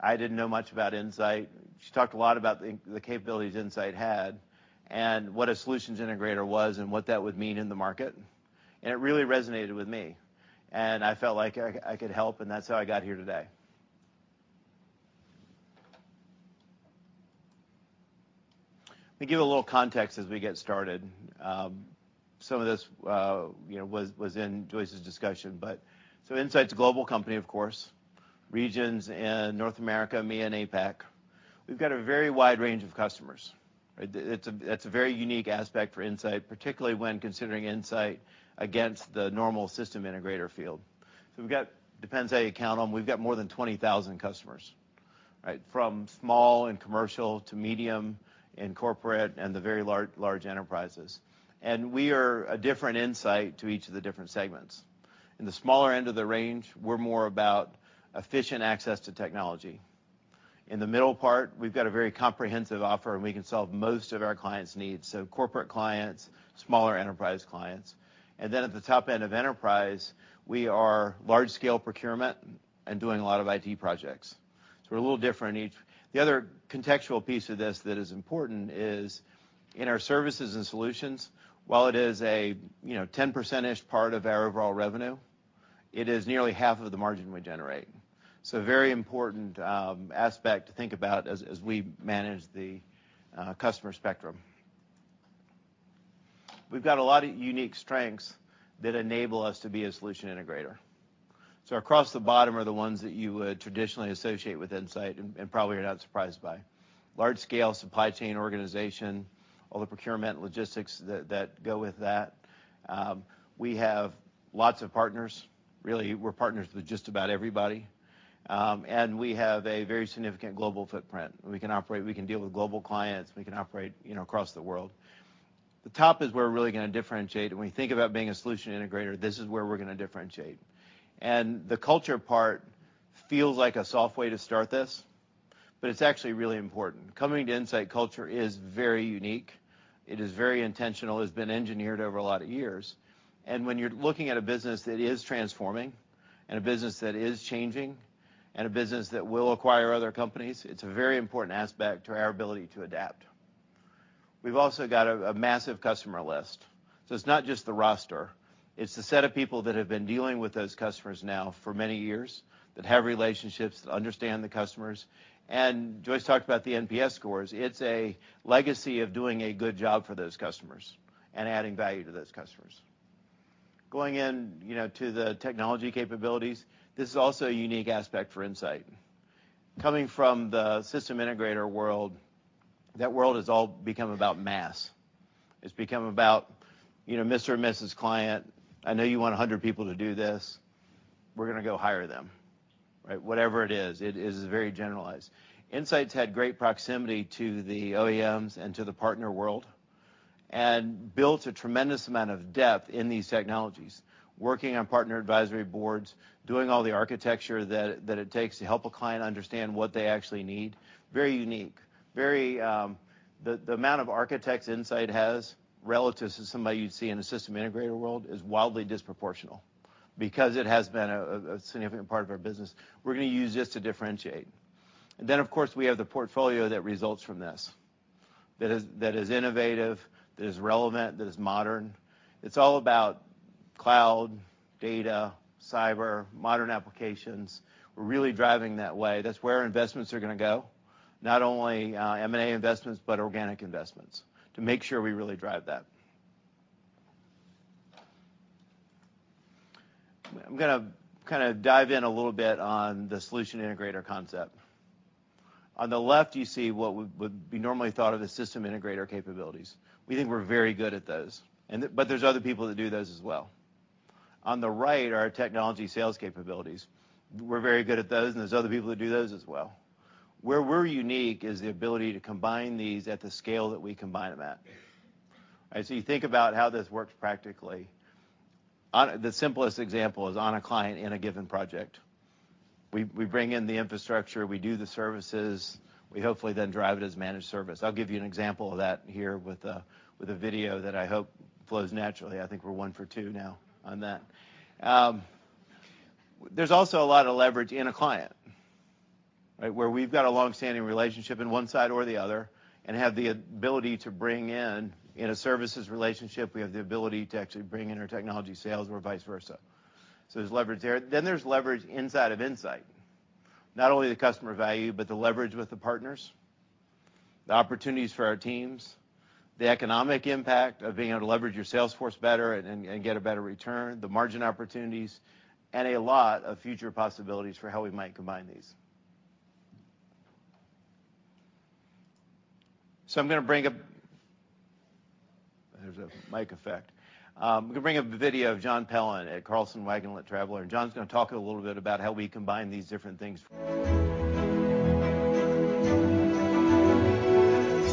I didn't know much about Insight. She talked a lot about the capabilities Insight had and what a solutions integrator was and what that would mean in the market, and it really resonated with me. I felt like I could help, and that's how I got here today. Let me give a little context as we get started. Some of this, you know, was in Joyce's discussion. Insight's a global company, of course. Regions in North America, EMEA, and APAC. We've got a very wide range of customers. Right? It's a very unique aspect for Insight, particularly when considering Insight against the normal system integrator field. We've got, depends how you count them, we've got more than 20,000 customers, right? From small and commercial to medium and corporate and the very large enterprises. We are a different Insight to each of the different segments. In the smaller end of the range, we're more about efficient access to technology. In the middle part, we've got a very comprehensive offer, and we can solve most of our clients' needs, so corporate clients, smaller enterprise clients. At the top end of enterprise, we are large scale procurement and doing a lot of IT projects. We're a little different in each. The other contextual piece of this that is important is in our services and solutions, while it is a 10%-ish part of our overall revenue, it is nearly half of the margin we generate. Very important aspect to think about as we manage the customer spectrum. We've got a lot of unique strengths that enable us to be a solution integrator. Across the bottom are the ones that you would traditionally associate with Insight and probably are not surprised by. Large scale supply chain organization, all the procurement logistics that go with that. We have lots of partners. Really, we're partners with just about everybody. We have a very significant global footprint. We can operate, we can deal with global clients. We can operate, you know, across the world. The top is where we're really gonna differentiate. When we think about being a solution integrator, this is where we're gonna differentiate. The culture part feels like a soft way to start this, but it's actually really important. Coming to Insight, culture is very unique. It is very intentional. It's been engineered over a lot of years. When you're looking at a business that is transforming and a business that is changing and a business that will acquire other companies, it's a very important aspect to our ability to adapt. We've also got a massive customer list, so it's not just the roster. It's the set of people that have been dealing with those customers now for many years, that have relationships, that understand the customers. Joyce talked about the NPS scores. It's a legacy of doing a good job for those customers and adding value to those customers. Going in, you know, to the technology capabilities, this is also a unique aspect for Insight. Coming from the system integrator world, that world has all become about mass. It's become about, you know, Mr. or Mrs. Client, I know you want 100 people to do this. We're gonna go hire them. Right? Whatever it is, it is very generalized. Insight's had great proximity to the OEMs and to the partner world and built a tremendous amount of depth in these technologies, working on partner advisory boards, doing all the architecture that it takes to help a client understand what they actually need. Very unique. Very. The amount of architects Insight has relative to somebody you'd see in the system integrator world is wildly disproportional. Because it has been a significant part of our business, we're gonna use this to differentiate. Then of course, we have the portfolio that results from this, that is innovative, that is relevant, that is modern. It's all about Cloud, data, cyber, modern applications. We're really driving that way. That's where investments are gonna go, not only M&A investments, but organic investments to make sure we really drive that. I'm gonna kinda dive in a little bit on the solution integrator concept. On the left, you see what would be normally thought of as system integrator capabilities. We think we're very good at those, but there's other people that do those as well. On the right are our technology sales capabilities. We're very good at those, and there's other people that do those as well. Where we're unique is the ability to combine these at the scale that we combine them at. As you think about how this works practically, the simplest example is on a client in a given project. We bring in the infrastructure. We do the services. We hopefully then drive it as managed service. I'll give you an example of that here with a video that I hope flows naturally. I think we're one for two now on that. There's also a lot of leverage in a client, right? Where we've got a long-standing relationship in one side or the other and have the ability to bring in a services relationship, we have the ability to actually bring in our technology sales or vice versa. There's leverage there. There's leverage inside of Insight. Not only the customer value, but the leverage with the partners, the opportunities for our teams, the economic impact of being able to leverage your sales force better and get a better return, the margin opportunities, and a lot of future possibilities for how we might combine these. I'm gonna bring up. There's a mic effect. I'm gonna bring up a video of John Pelant at Carlson Wagonlit Travel, and John's gonna talk a little bit about how we combine these different things.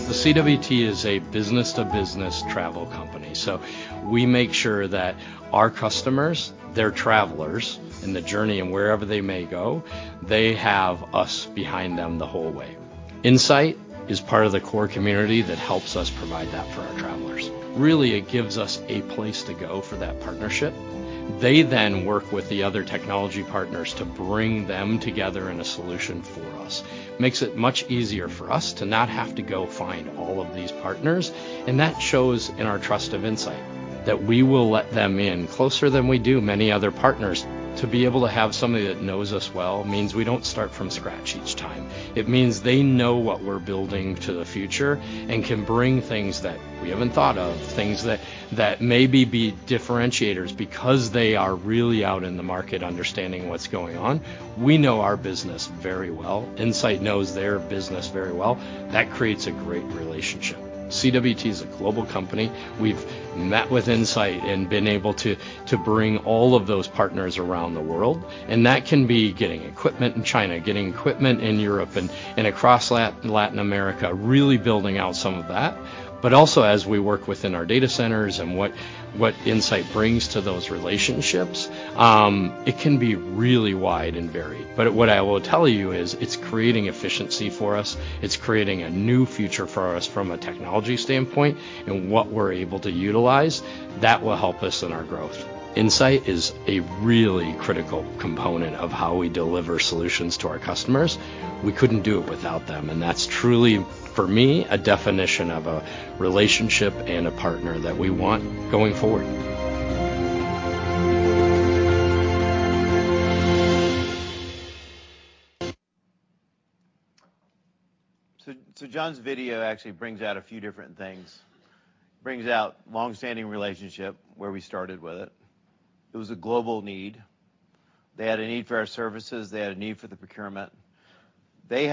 The CWT is a business-to-business travel company, so we make sure that our customers, their travelers, in the journey and wherever they may go, they have us behind them the whole way. Insight is part of the core community that helps us provide that for our travelers. Really, it gives us a place to go for that partnership. They then work with the other technology partners to bring them together in a solution for us. Makes it much easier for us to not have to go find all of these partners, and that shows in our trust of Insight that we will let them in closer than we do many other partners. To be able to have somebody that knows us well means we don't start from scratch each time. It means they know what we're building to the future and can bring things that we haven't thought of, things that may be differentiators because they are really out in the market understanding what's going on. We know our business very well. Insight knows their business very well. That creates a great relationship. CWT is a global company. We've met with Insight and been able to bring all of those partners around the world, and that can be getting equipment in China, getting equipment in Europe and across Latin America, really building out some of that. Also, as we work within our data centers and what Insight brings to those relationships, it can be really wide and varied. What I will tell you is it's creating efficiency for us. It's creating a new future for us from a technology standpoint, and what we're able to utilize, that will help us in our growth. Insight is a really critical component of how we deliver solutions to our customers. We couldn't do it without them, and that's truly, for me, a definition of a relationship and a partner that we want going forward. John's video actually brings out a few different thingI. Brings out long-standing relationship where we started with it. It was a global need. They had a need for our services. They had a need for the procurement. They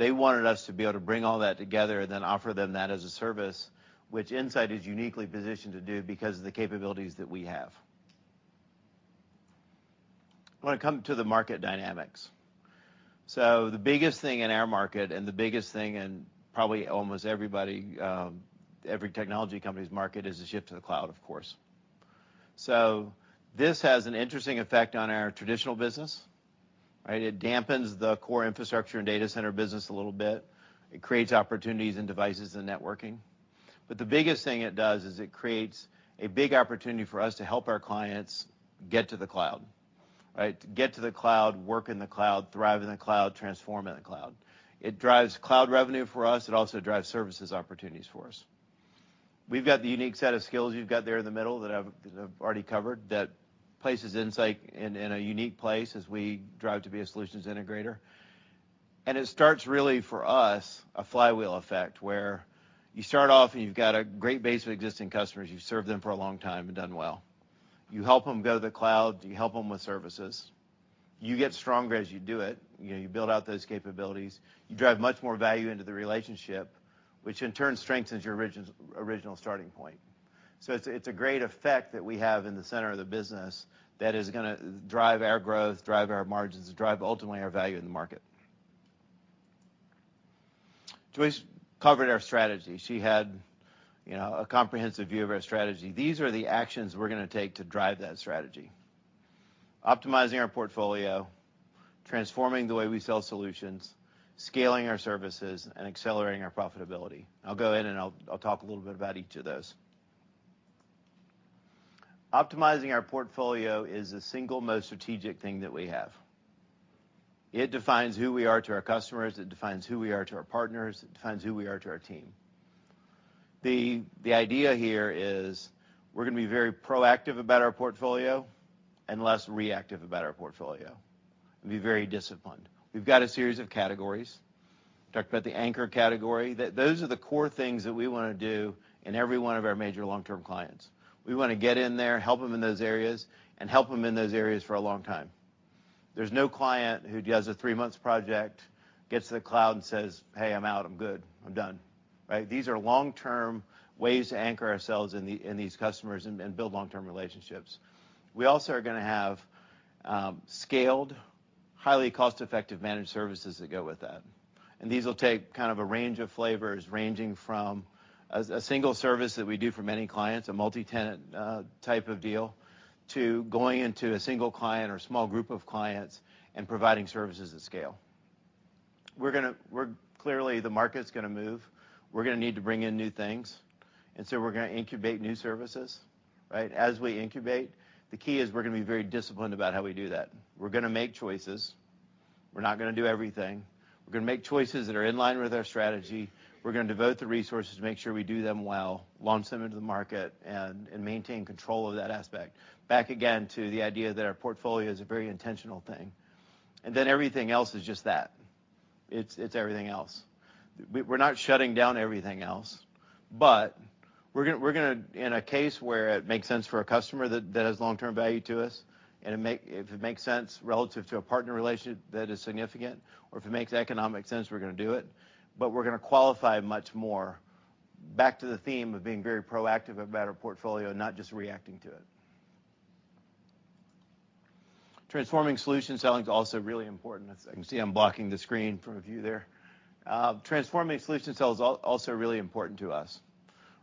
wanted us to be able to bring all that together and then offer them that as a service, which Insight is uniquely positioned to do because of the capabilities that we have. I wanna come to the market dynamics. The biggest thing in our market and the biggest thing in probably almost everybody, every technology company's market is a shift to the Cloud, of course. This has an interesting effect on our traditional business, right? It dampens the core infrastructure and data center business a little bit. It creates opportunities in devices and networking. The biggest thing it does is it creates a big opportunity for us to help our clients get to the Cloud, right? Get to the Cloud, work in the Cloud, thrive in the Cloud, transform in the Cloud. It drives Cloud revenue for us. It also drives services opportunities for us. We've got the unique set of skills you've got there in the middle that I've already covered, that places Insight in a unique place as we drive to be a solutions integrator, and it starts really for us a flywheel effect, where you start off and you've got a great base of existing customers. You've served them for a long time and done well. You help them go to the Cloud. You help them with services. You get stronger as you do it. You know, you build out those capabilities. You drive much more value into the relationship, which in turn strengthens your original starting point. It's a great effect that we have in the center of the business that is gonna drive our growth, drive our margins, drive ultimately our value in the market. Joyce covered our strategy. She had, you know, a comprehensive view of our strategy. These are the actions we're gonna take to drive that strategy, optimizing our portfolio, transforming the way we sell solutions, scaling our services, and accelerating our profitability. I'll go in and I'll talk a little bit about each of those. Optimizing our portfolio is the single most strategic thing that we have. It defines who we are to our customers. It defines who we are to our partners. It defines who we are to our team. The idea here is we're gonna be very proactive about our portfolio and less reactive about our portfolio and be very disciplined. We've got a series of categories. Talked about the anchor category, that are the core things that we wanna do in every one of our major long-term clients. We wanna get in there, help them in those areas, and help them in those areas for a long time. There's no client who does a three-month project, gets to the Cloud and says, "Hey, I'm out. I'm good. I'm done." Right? These are long-term ways to anchor ourselves in these customers and build long-term relationships. We also are gonna have scaled, highly cost-effective managed services that go with that, and these will take kind of a range of flavors, ranging from a single service that we do for many clients, a multi-tenant type of deal, to going into a single client or small group of clients and providing services at scale. Clearly, the market's gonna move. We're gonna need to bring in new things, and so we're gonna incubate new services, right? As we incubate, the key is we're gonna be very disciplined about how we do that. We're gonna make choices. We're not gonna do everything. We're gonna make choices that are in line with our strategy. We're gonna devote the resources to make sure we do them well, launch them into the market, and maintain control of that aspect. Back again to the idea that our portfolio is a very intentional thing. Everything else is just that. It's everything else. We're not shutting down everything else. In a case where it makes sense for a customer that has long-term value to us, and if it makes sense relative to a partner relationship that is significant, or if it makes economic sense, we're gonna do it. We're gonna qualify much more back to the theme of being very proactive about our portfolio, not just reacting to it. Transforming solution selling is also really important. As you can see, I'm blocking the screen from a view there. Transforming solution selling is also really important to us.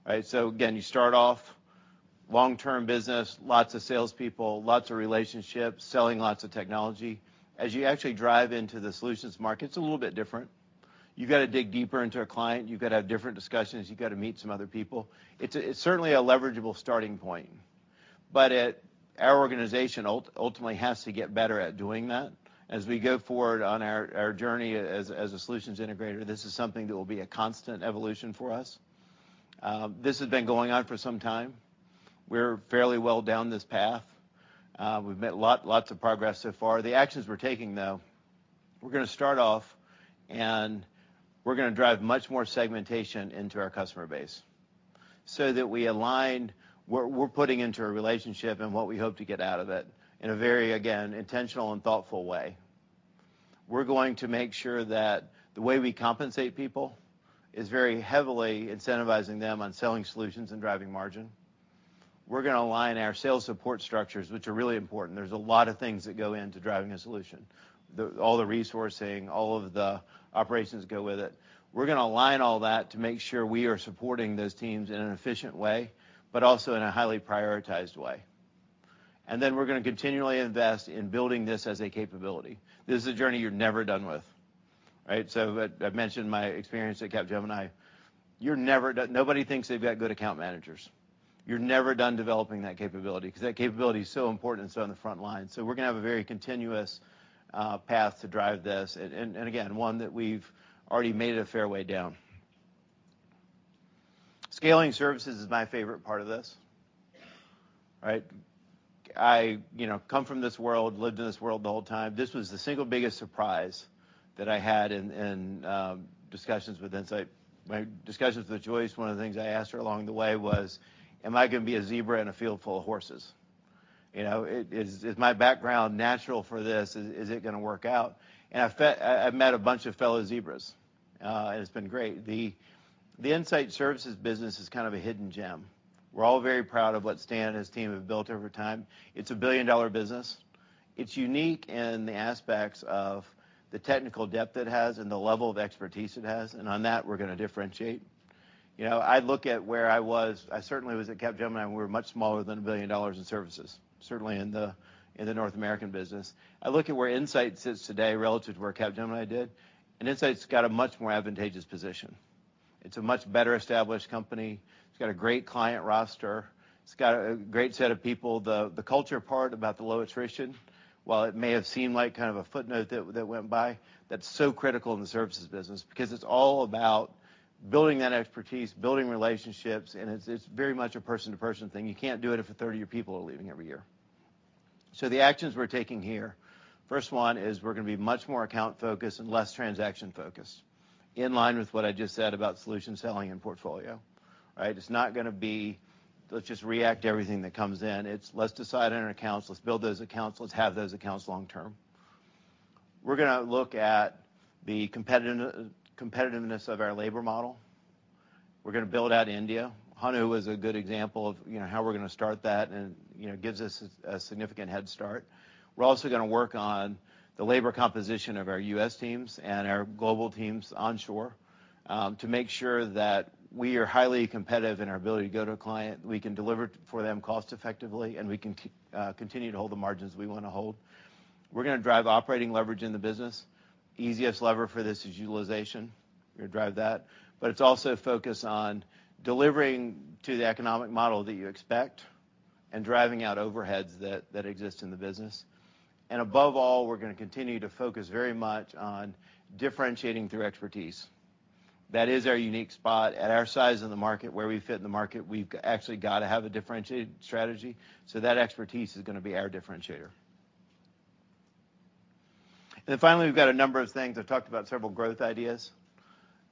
Right? Again, you start off long-term business, lots of salespeople, lots of relationships, selling lots of technology. As you actually drive into the solutions market, it's a little bit different. You've gotta dig deeper into a client, you've gotta have different discussions, you've gotta meet some other people. It's certainly a leverageable starting point. Our organization ultimately has to get better at doing that. As we go forward on our journey as a solutions integrator, this is something that will be a constant evolution for us. This has been going on for some time. We're fairly well down this path. We've made lots of progress so far. The actions we're taking, though, we're gonna start off and we're gonna drive much more segmentation into our customer base so that we align what we're putting into a relationship and what we hope to get out of it in a very, again, intentional and thoughtful way. We're going to make sure that the way we compensate people is very heavily incentivizing them on selling solutions and driving margin. We're gonna align our sales support structures, which are really important. There's a lot of things that go into driving a solution. All the resourcing, all of the operations go with it. We're gonna align all that to make sure we are supporting those teams in an efficient way, but also in a highly prioritized way. We're gonna continually invest in building this as a capability. This is a journey you're never done with. Right? I've mentioned my experience at Capgemini. Nobody thinks they've got good account managers. You're never done developing that capability, 'cause that capability is so important, it's on the front line. We're gonna have a very continuous path to drive this, and again, one that we've already made a fair way down. Scaling services is my favorite part of this, right? You know, I come from this world, lived in this world the whole time. This was the single biggest surprise that I had in discussions with Insight. My discussions with Joyce, one of the things I asked her along the way was, "Am I gonna be a zebra in a field full of horses?" You know, is my background natural for this? Is it gonna work out? I met a bunch of fellow zebras, and it's been great. The Insight services business is kind of a hidden gem. We're all very proud of what Stan and his team have built over time. It's a billion-dollar business. It's unique in the aspects of the technical depth it has and the level of expertise it has, and on that, we're gonna differentiate. You know, I look at where I was. I certainly was at Capgemini, and we were much smaller than $1 billion in services, certainly in the North American business. I look at where Insight sits today relative to where Capgemini did, and Insight's got a much more advantageous position. It's a much better established company. It's got a great client roster. It's got a great set of people. The culture part about the low attrition, while it may have seemed like kind of a footnote that went by, that's so critical in the services business because it's all about building that expertise, building relationships, and it's very much a person-to-person thing. You can't do it if 30 of your people are leaving every year. The actions we're taking here, first one is we're gonna be much more account-focused and less transaction-focused, in line with what I just said about solution selling and portfolio. Right? It's not gonna be, "Let's just react to everything that comes in." It's, "Let's decide on our accounts. Let's build those accounts. Let's have those accounts long term." We're gonna look at the competitiveness of our labor model. We're gonna build out India. Hanu is a good example of, you know, how we're gonna start that and, you know, gives us a significant head start. We're also gonna work on the labor composition of our U.S. teams and our global teams onshore, to make sure that we are highly competitive in our ability to go to a client, we can deliver for them cost effectively, and we can continue to hold the margins we wanna hold. We're gonna drive operating leverage in the business. Easiest lever for this is utilization. We're gonna drive that. But it's also a focus on delivering to the economic model that you expect and driving out overheads that exist in the business. Above all, we're gonna continue to focus very much on differentiating through expertise. That is our unique spot. At our size in the market, where we fit in the market, we've actually gotta have a differentiated strategy, so that expertise is gonna be our differentiator. Finally, we've got a number of things. I've talked about several growth ideas.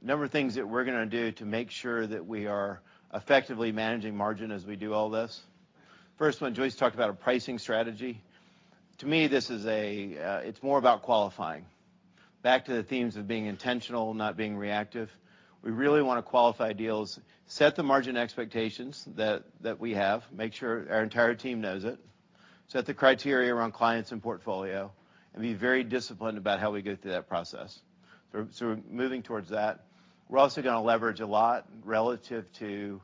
A number of things that we're gonna do to make sure that we are effectively managing margin as we do all this. First one, Joyce talked about our pricing strategy. To me, this is a, it's more about qualifying. Back to the themes of being intentional, not being reactive. We really wanna qualify deals, set the margin expectations that we have, make sure our entire team knows it, set the criteria around clients and portfolio, and be very disciplined about how we go through that process. So we're moving towards that. We're also gonna leverage a lot relative to,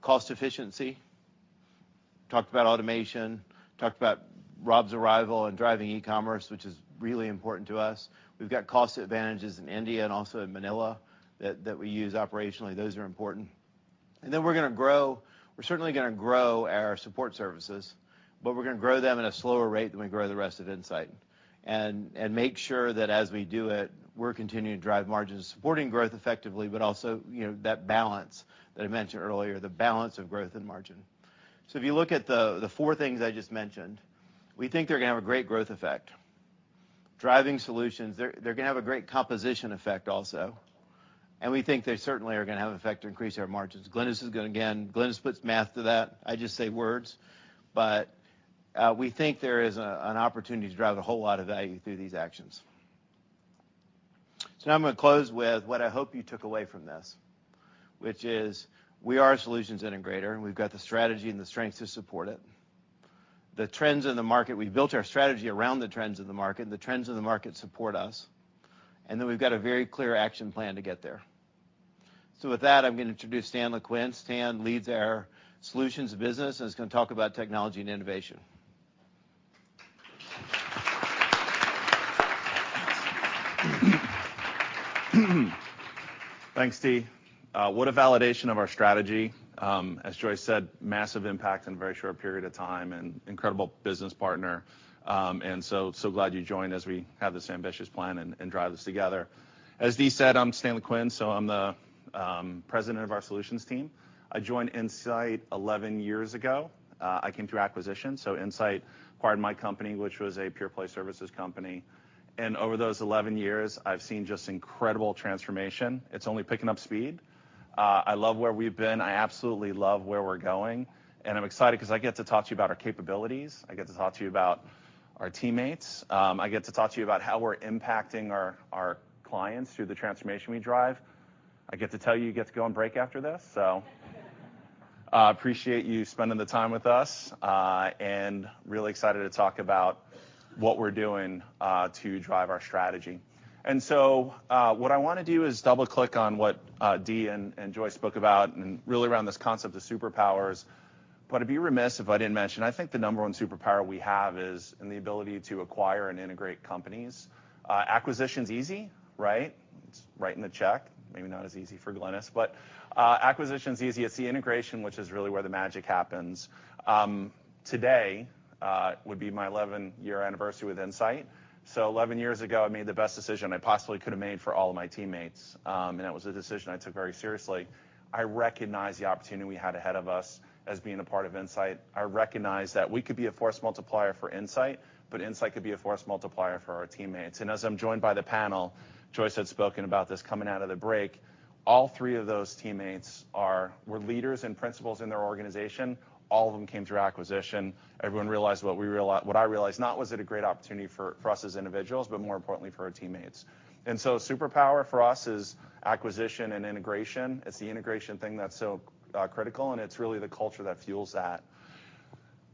cost efficiency. Talked about automation, talked about Rob's arrival and driving e-commerce, which is really important to us. We've got cost advantages in India and also in Manila that we use operationally. Those are important. We're certainly gonna grow our support services, but we're gonna grow them at a slower rate than we grow the rest of Insight and make sure that as we do it, we're continuing to drive margins, supporting growth effectively, but also, you know, that balance that I mentioned earlier, the balance of growth and margin. If you look at the four things I just mentioned, we think they're gonna have a great growth effect. Driving solutions, they're gonna have a great composition effect also, and we think they certainly are gonna have an effect to increase our margins. Glynis puts math to that. I just say words, but we think there is an opportunity to drive a whole lot of value through these actions. Now I'm gonna close with what I hope you took away from this, which is we are a solutions integrator, and we've got the strategy and the strength to support it. The trends in the market, we've built our strategy around the trends in the market, and the trends in the market support us, and then we've got a very clear action plan to get there. With that, I'm gonna introduce Stan Lequin. Stan leads our solutions business and is gonna talk about technology and innovation Thanks, Dee. What a validation of our strategy. As Joyce said, massive impact in a very short period of time and incredible business partner. So glad you joined as we have this ambitious plan and drive this together. As Dee said, I'm Stan Lequin, so I'm the president of our solutions team. I joined Insight 11 years ago. I came through acquisition, so Insight acquired my company, which was a pure play services company. Over those 11 years, I've seen just incredible transformation. It's only picking up speed. I love where we've been. I absolutely love where we're going, and I'm excited 'cause I get to talk to you about our capabilities. I get to talk to you about our teammates. I get to talk to you about how we're impacting our clients through the transformation we drive. I get to tell you you get to go on break after this. Appreciate you spending the time with us. Really excited to talk about what we're doing to drive our strategy. What I wanna do is double-click on what Dee and Joyce spoke about and really around this concept of superpowers. I'd be remiss if I didn't mention. I think the number one superpower we have is in the ability to acquire and integrate companies. Acquisition's easy, right? It's writing the check. Maybe not as easy for Glynis, but acquisition's easy. It's the integration, which is really where the magic happens. Today would be my 11-year anniversary with Insight. 11 years ago, I made the best decision I possibly could have made for all of my teammates. It was a decision I took very seriously. I recognized the opportunity we had ahead of us as being a part of Insight. I recognized that we could be a force multiplier for Insight, but Insight could be a force multiplier for our teammates. As I'm joined by the panel, Joyce had spoken about this coming out of the break. All three of those teammates were leaders and principals in their organization. All of them came through acquisition. Everyone realized what I realized, not was it a great opportunity for us as individuals, but more importantly for our teammates. Superpower for us is acquisition and integration. It's the integration thing that's so critical, and it's really the culture that fuels that.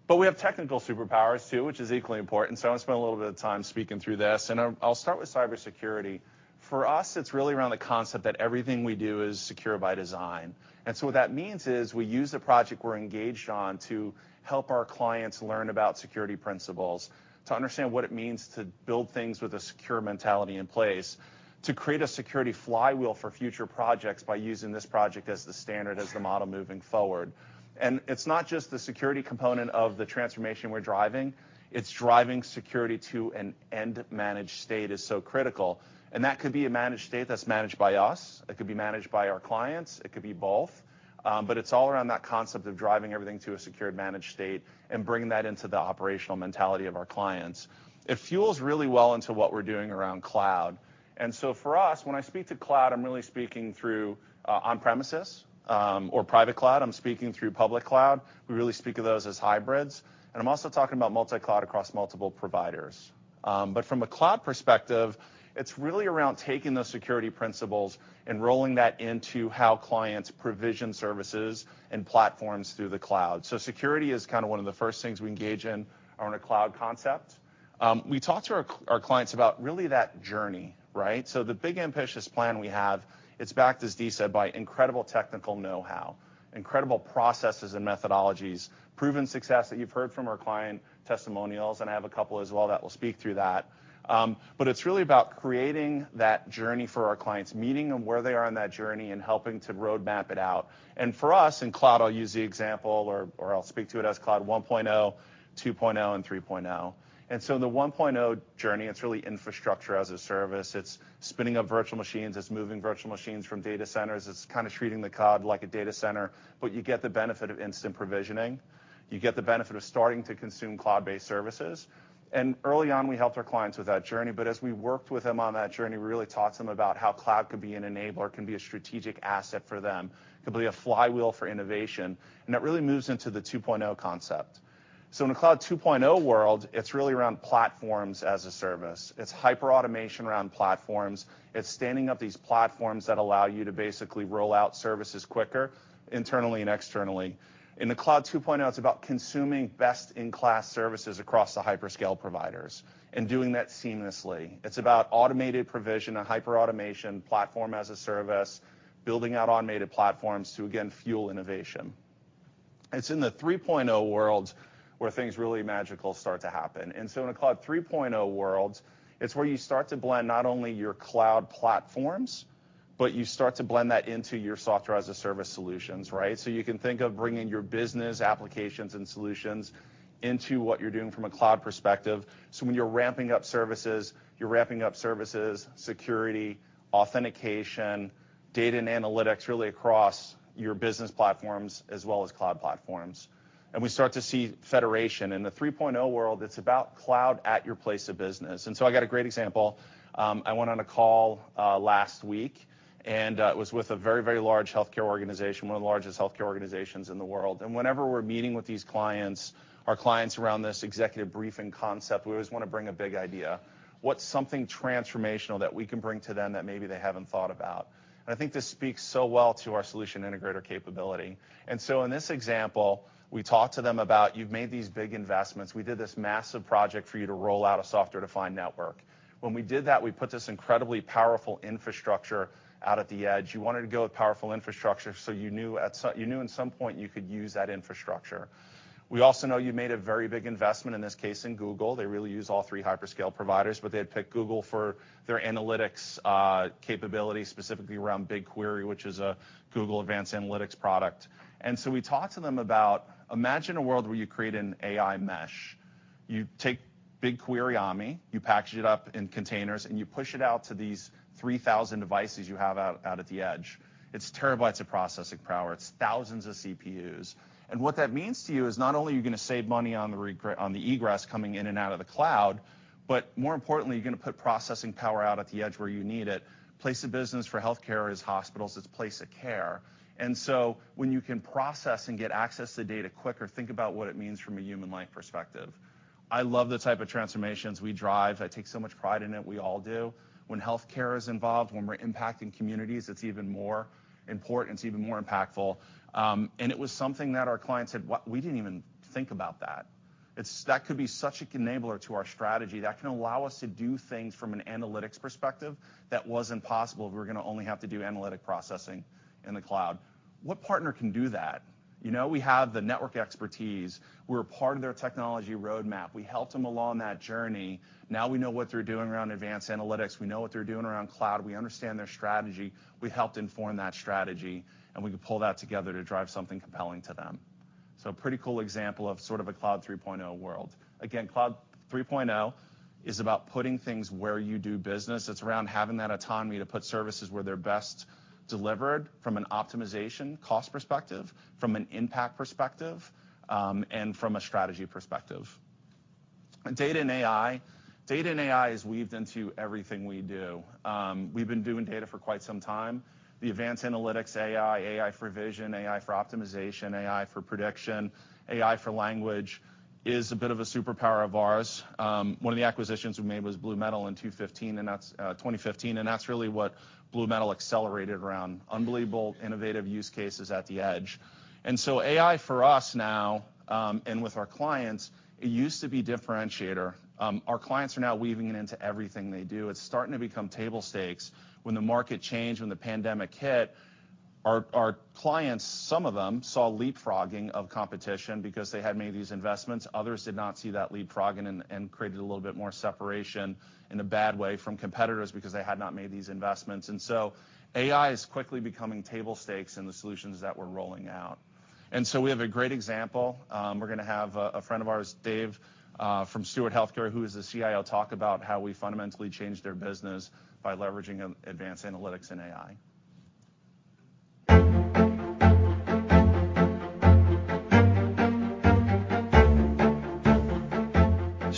We have technical superpowers too, which is equally important, so I'm gonna spend a little bit of time speaking through this, and I'll start with cybersecurity. For us, it's really around the concept that everything we do is secure by design. What that means is we use the project we're engaged on to help our clients learn about security principles, to understand what it means to build things with a secure mentality in place, to create a security flywheel for future projects by using this project as the standard, as the model moving forward. It's not just the security component of the transformation we're driving, it's driving security to an end managed state is so critical, and that could be a managed state that's managed by us, it could be managed by our clients, it could be both, but it's all around that concept of driving everything to a secured managed state and bringing that into the operational mentality of our clients. It fuels really well into what we're doing around Cloud. For us, when I speak to Cloud, I'm really speaking through on premises or private Cloud. I'm speaking through public Cloud. We really speak of those as hybrids, and I'm also talking about multi-Cloud across multiple providers. From a Cloud perspective, it's really around taking those security principles and rolling that into how clients provision services and platforms through the Cloud. Security is kinda one of the first things we engage in around a Cloud concept. We talk to our clients about really that journey, right? The big ambitious plan we have, it's backed, as Dee said, by incredible technical know-how, incredible processes and methodologies, proven success that you've heard from our client testimonials, and I have a couple as well that will speak through that. It's really about creating that journey for our clients, meeting them where they are on that journey, and helping to roadmap it out. For us, in Cloud, I'll use the example, or I'll speak to it as Cloud 1.0, 2.0, and 3.0. In the 1.0 journey, it's really infrastructure-as-a-service. It's spinning up virtual machines. It's moving virtual machines from data centers. It's kinda treating the Cloud like a data center, but you get the benefit of instant provisioning. You get the benefit of starting to consume Cloud-based services. Early on, we helped our clients with that journey, but as we worked with them on that journey, we really taught them about how Cloud could be an enabler, can be a strategic asset for them. It could be a flywheel for innovation, and that really moves into the 2.0 concept. On a Cloud 2.0 world, it's really around platforms-as-a-service. It's hyper-automation around platforms. It's standing up these platforms that allow you to basically roll out services quicker, internally and externally. In the Cloud 2.0, it's about consuming best-in-class services across the hyperscale providers and doing that seamlessly. It's about automated provision, a hyper-automation platform-as-a-service, building out automated platforms to, again, fuel innovation. It's in the 3.0 world where things really magical start to happen. In a Cloud 3.0 world, it's where you start to blend not only your Cloud platforms, but you start to blend that into your software as a service solutions, right? You can think of bringing your business applications and solutions into what you're doing from a Cloud perspective. When you're ramping up services, you're ramping up services, security, authentication, data and analytics really across your business platforms as well as Cloud platforms. We start to see federation. In the 3.0 world, it's about Cloud at your place of business. I got a great example. I went on a call last week, and it was with a very, very large healthcare organization, one of the largest healthcare organizations in the world. Whenever we're meeting with these clients, our clients around this executive briefing concept, we always wanna bring a big idea. What's something transformational that we can bring to them that maybe they haven't thought about? I think this speaks so well to our solution integrator capability. In this example, we talked to them about you've made these big investments. We did this massive project for you to roll out a software-defined network. When we did that, we put this incredibly powerful infrastructure out at the edge. You wanted to go with powerful infrastructure, so you knew at some point you could use that infrastructure. We also know you made a very big investment, in this case, in Google. They really use all three hyperscale providers, but they had picked Google for their analytics capabilities, specifically around BigQuery, which is a Google advanced analytics product. We talked to them about imagine a world where you create an AI mesh. You take BigQuery Omni, you package it up in containers, and you push it out to these 3,000 devices you have out at the edge. It's TB of processing power. It's thousands of CPUs. What that means to you is not only are you gonna save money on the egress coming in and out of the Cloud, but more importantly, you're gonna put processing power out at the edge where you need it. Place of business for healthcare is hospitals. It's a place of care. When you can process and get access to data quicker, think about what it means from a human life perspective. I love the type of transformations we drive. I take so much pride in it. We all do. When healthcare is involved, when we're impacting communities, it's even more important. It's even more impactful. It was something that our clients said, "What? We didn't even think about that. It's that could be such an enabler to our strategy. That can allow us to do things from an analytics perspective that was impossible if we're gonna only have to do analytic processing in the Cloud." What partner can do that? You know? We have the network expertise. We're a part of their technology roadmap. We helped them along that journey. Now we know what they're doing around advanced analytics. We know what they're doing around Cloud. We understand their strategy. We helped inform that strategy, and we can pull that together to drive something compelling to them. Pretty cool example of sort of a Cloud 3.0 world. Again, Cloud 3.0 is about putting things where you do business. It's around having that autonomy to put services where they're best delivered from an optimization cost perspective, from an impact perspective, and from a strategy perspective. Data and AI. Data and AI is weaved into everything we do. We've been doing data for quite some time. The advanced analytics AI for vision, AI for optimization, AI for prediction, AI for language is a bit of a superpower of ours. One of the acquisitions we made was BlueMetal in 2015, and that's really what BlueMetal accelerated around unbelievable, innovative use cases at the edge. AI for us now, and with our clients, it used to be differentiator. Our clients are now weaving it into everything they do. It's starting to become table stakes. When the market changed, when the pandemic hit, our clients, some of them, saw leapfrogging of competition because they had made these investments. Others did not see that leapfrogging and created a little bit more separation in a bad way from competitors because they had not made these investments. AI is quickly becoming table stakes in the solutions that we're rolling out. We have a great example. We're gonna have a friend of ours, Dave, from Steward Health Care, who is the CIO, talk about how we fundamentally changed their business by leveraging advanced analytics and AI.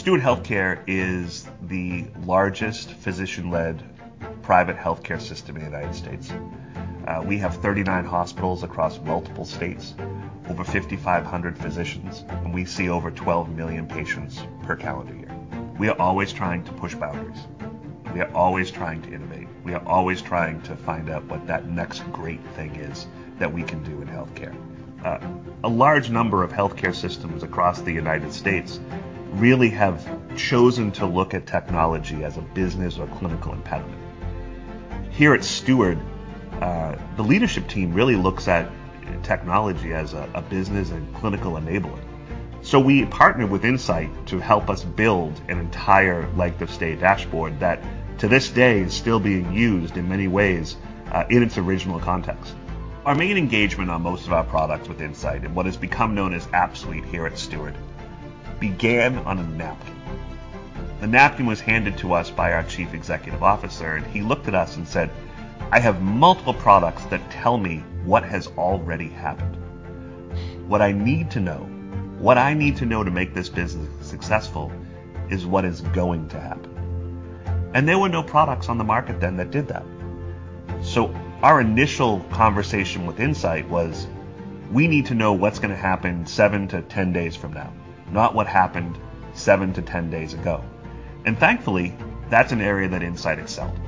Steward Health Care is the largest physician-led private healthcare system in the United States. We have 39 hospitals across multiple states, over 5,500 physicians, and we see over 12 million patients per calendar year. We are always trying to push boundaries. We are always trying to innovate. We are always trying to find out what that next great thing is that we can do in healthcare. A large number of healthcare systems across the United States really have chosen to look at technology as a business or clinical impediment. Here at Steward, the leadership team really looks at technology as a business and clinical enabler. We partnered with Insight to help us build an entire length of stay dashboard that, to this day, is still being used in many ways, in its original context. Our main engagement on most of our products with Insight, and what has become known as AppSuite here at Steward, began on a napkin. The napkin was handed to us by our Chief Executive Officer, and he looked at us and said, "I have multiple products that tell me what has already happened. What I need to know to make this business successful is what is going to happen." There were no products on the market then that did that. Our initial conversation with Insight was, "We need to know what's gonna happen seven to 10 days from now, not what happened seven to 10 days ago." Thankfully, that's an area that Insight excelled.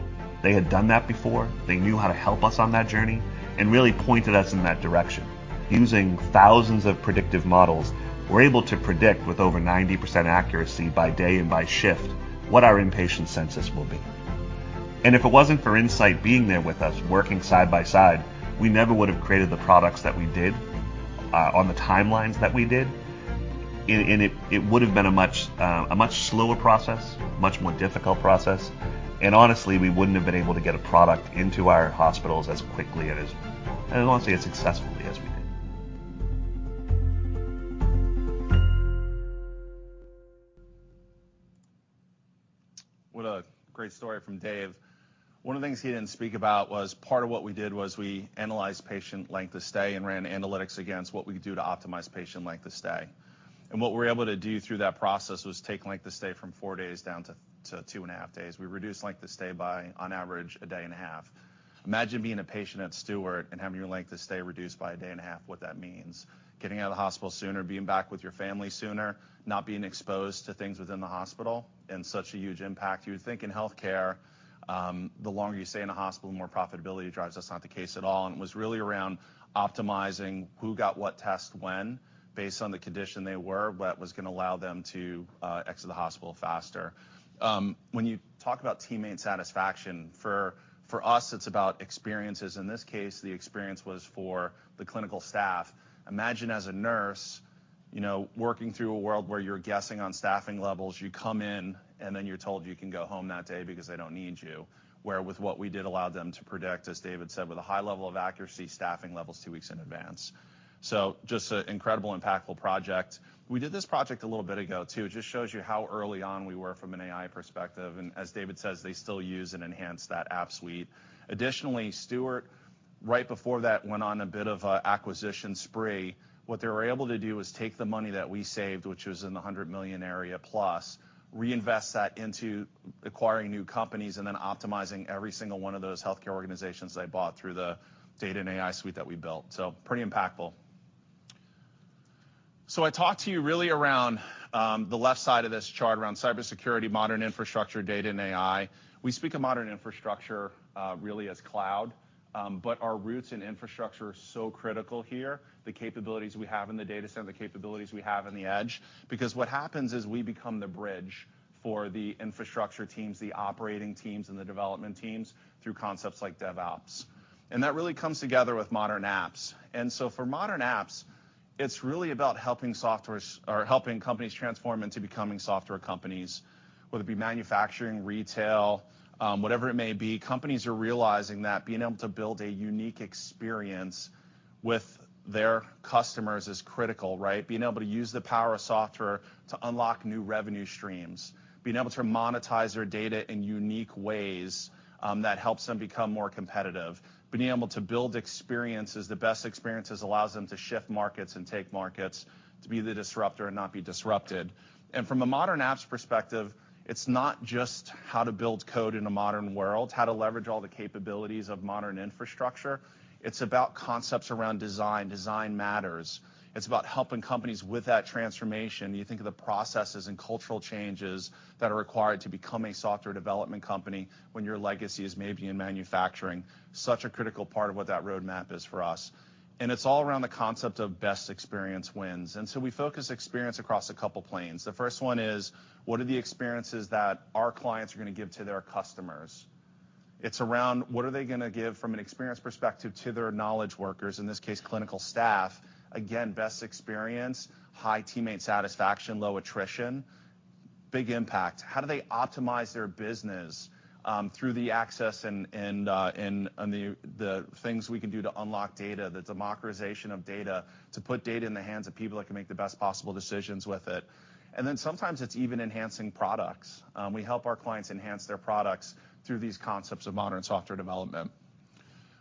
They had done that before. They knew how to help us on that journey and really pointed us in that direction. Using thousands of predictive models, we're able to predict with over 90% accuracy by day and by shift what our inpatient census will be. If it wasn't for Insight being there with us, working side by side, we never would have created the products that we did, on the timelines that we did. It would have been a much slower process, much more difficult process. Honestly, we wouldn't have been able to get a product into our hospitals as quickly and, honestly, as successfully as we did. What a great story from Dave. One of the things he didn't speak about was part of what we did was we analyzed patient length of stay and ran analytics against what we could do to optimize patient length of stay. What we were able to do through that process was take length of stay from four days down to 2.5 days. We reduced length of stay by, on average, 1.5 days. Imagine being a patient at Steward and having your length of stay reduced by 1.5 days, what that means. Getting out of the hospital sooner, being back with your family sooner, not being exposed to things within the hospital, and such a huge impact. You would think in healthcare, the longer you stay in a hospital, more profitability drives. That's not the case at all, and it was really around optimizing who got what test when based on the condition they were, what was gonna allow them to exit the hospital faster. When you talk about teammate satisfaction, for us, it's about experiences. In this case, the experience was for the clinical staff. Imagine as a nurse, you know, working through a world where you're guessing on staffing levels. You come in, and then you're told you can go home that day because they don't need you. Where with what we did allowed them to predict, as David said, with a high level of accuracy, staffing levels two weeks in advance. Just an incredible, impactful project. We did this project a little bit ago too. It just shows you how early on we were from an AI perspective, and as David says, they still use and enhance that AppSuite. Additionally, Steward Health Care, right before that, went on a bit of a acquisition spree. What they were able to do was take the money that we saved, which was in the $100 million area plus, reinvest that into acquiring new companies, and then optimizing every single one of those healthcare organizations they bought through the data and AI suite that we built. Pretty impactful. I talked to you really around the left side of this chart around cybersecurity, modern infrastructure, data and AI. We speak of modern infrastructure really as Cloud. But our roots in infrastructure are so critical here, the capabilities we have in the data center, the capabilities we have in the edge. Because what happens is we become the bridge for the infrastructure teams, the operating teams, and the development teams through concepts like DevOps. That really comes together with modern apps. For modern apps, it's really about helping software or helping companies transform into becoming software companies, whether it be manufacturing, retail, whatever it may be. Companies are realizing that being able to build a unique experience with their customers is critical, right? Being able to use the power of software to unlock new revenue streams, being able to monetize their data in unique ways, that helps them become more competitive. Being able to build experiences, the best experiences allows them to shift markets and take markets, to be the disruptor and not be disrupted. From a modern apps perspective, it's not just how to build code in a modern world, how to leverage all the capabilities of modern infrastructure. It's about concepts around design. Design matters. It's about helping companies with that transformation. You think of the processes and cultural changes that are required to become a software development company when your legacy is maybe in manufacturing. Such a critical part of what that roadmap is for us. It's all around the concept of best experience wins. We focus experience across a couple planes. The first one is, what are the experiences that our clients are gonna give to their customers? It's around what are they gonna give from an experience perspective to their knowledge workers, in this case, clinical staff. Again, best experience, high teammate satisfaction, low attrition, big impact. How do they optimize their business through the access and the things we can do to unlock data, the democratization of data, to put data in the hands of people that can make the best possible decisions with it. Sometimes it's even enhancing products. We help our clients enhance their products through these concepts of modern software development.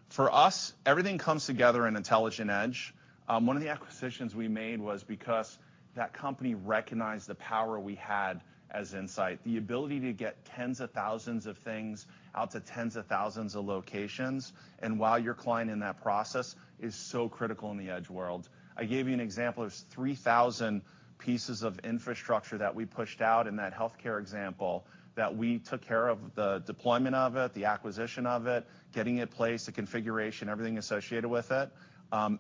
For us, everything comes together in intelligent edge. One of the acquisitions we made was because that company recognized the power we had as Insight. The ability to get tens of thousands of things out to tens of thousands of locations, and why our client in that process is so critical in the edge world. I gave you an example of 3,000 pieces of infrastructure that we pushed out in that healthcare example that we took care of the deployment of it, the acquisition of it, getting it placed, the configuration, everything associated with it.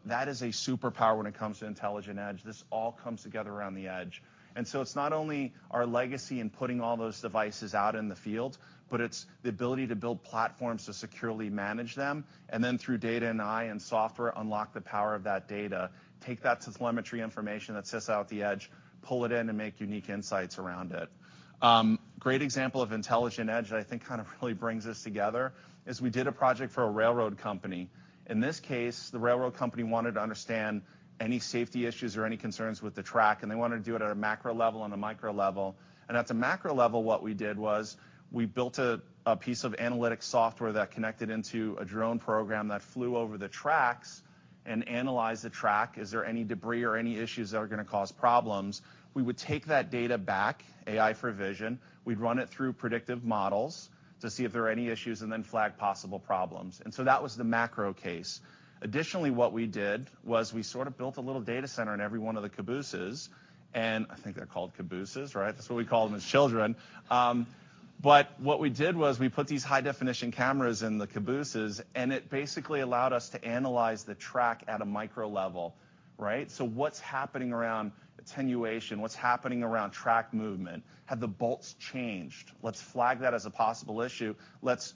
That is a superpower when it comes to intelligent edge. This all comes together around the edge. It's not only our legacy in putting all those devices out in the field, but it's the ability to build platforms to securely manage them, and then through data and AI and software, unlock the power of that data, take that telemetry information that sits out at the edge, pull it in, and make unique insights around it. Great example of intelligent edge that I think kind of really brings this together is we did a project for a railroad company. In this case, the railroad company wanted to understand any safety issues or any concerns with the track, and they wanted to do it at a macro level and a micro level. At the macro level, what we did was we built a piece of analytic software that connected into a drone program that flew over the tracks and analyzed the track. Is there any debris or any issues that are gonna cause problems? We would take that data back, AI for vision. We'd run it through predictive models to see if there are any issues and then flag possible problems. That was the macro case. Additionally, what we did was we sort of built a little data center in every one of the cabooses, and I think they're called cabooses, right? That's what we called them as children. What we did was we put these high-definition cameras in the cabooses, and it basically allowed us to analyze the track at a micro level, right? So what's happening around attenuation? What's happening around track movement? Have the bolts changed? Let's flag that as a possible issue. Let's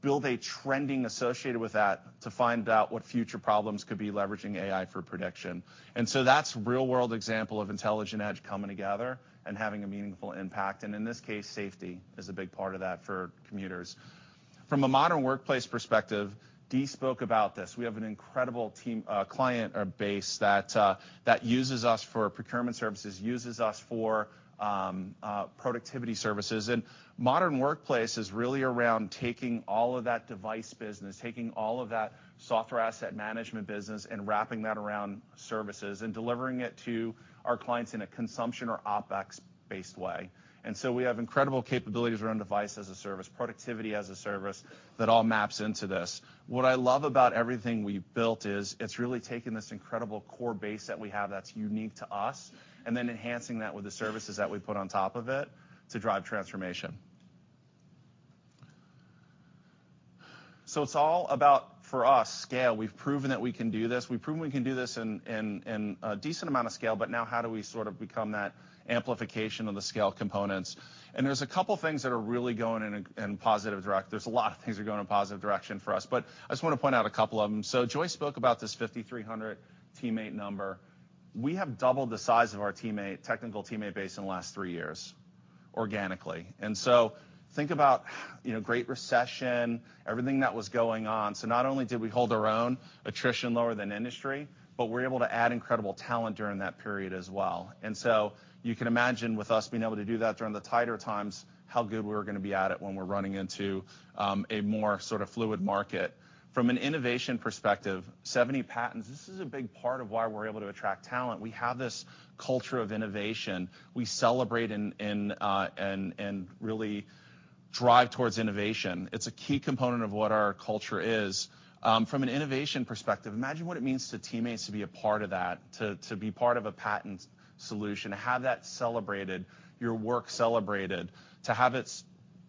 build a trending associated with that to find out what future problems could be leveraging AI for prediction. That's a real-world example of intelligent edge coming together and having a meaningful impact, and in this case, safety is a big part of that for commuters. From a modern workplace perspective, Dee spoke about this. We have an incredible team, client or base that uses us for procurement services, uses us for productivity services. Modern workplace is really around taking all of that device business, taking all of that software asset management business, and wrapping that around services and delivering it to our clients in a consumption or OpEx-based way. We have incredible capabilities around device as a service, productivity as a service that all maps into this. What I love about everything we've built is it's really taken this incredible core base that we have that's unique to us, and then enhancing that with the services that we put on top of it to drive transformation. It's all about, for us, scale. We've proven that we can do this. We've proven we can do this in a decent amount of scale, but now how do we sort of become that amplification of the scale components? There's a lot of things that are going in a positive direction for us, but I just wanna point out a couple of them. Joyce spoke about this 5,300 teammate number. We have doubled the size of our teammate, technical teammate base in the last three years organically. Think about, you know, Great Recession, everything that was going on. Not only did we hold our own, attrition lower than industry, but we were able to add incredible talent during that period as well. You can imagine with us being able to do that during the tighter times, how good we're gonna be at it when we're running into a more sort of fluid market. From an innovation perspective, 70 patents, this is a big part of why we're able to attract talent. We have this culture of innovation. We celebrate and really drive towards innovation. It's a key component of what our culture is. From an innovation perspective, imagine what it means to teammates to be a part of that, to be part of a patent solution, to have that celebrated, your work celebrated, to have it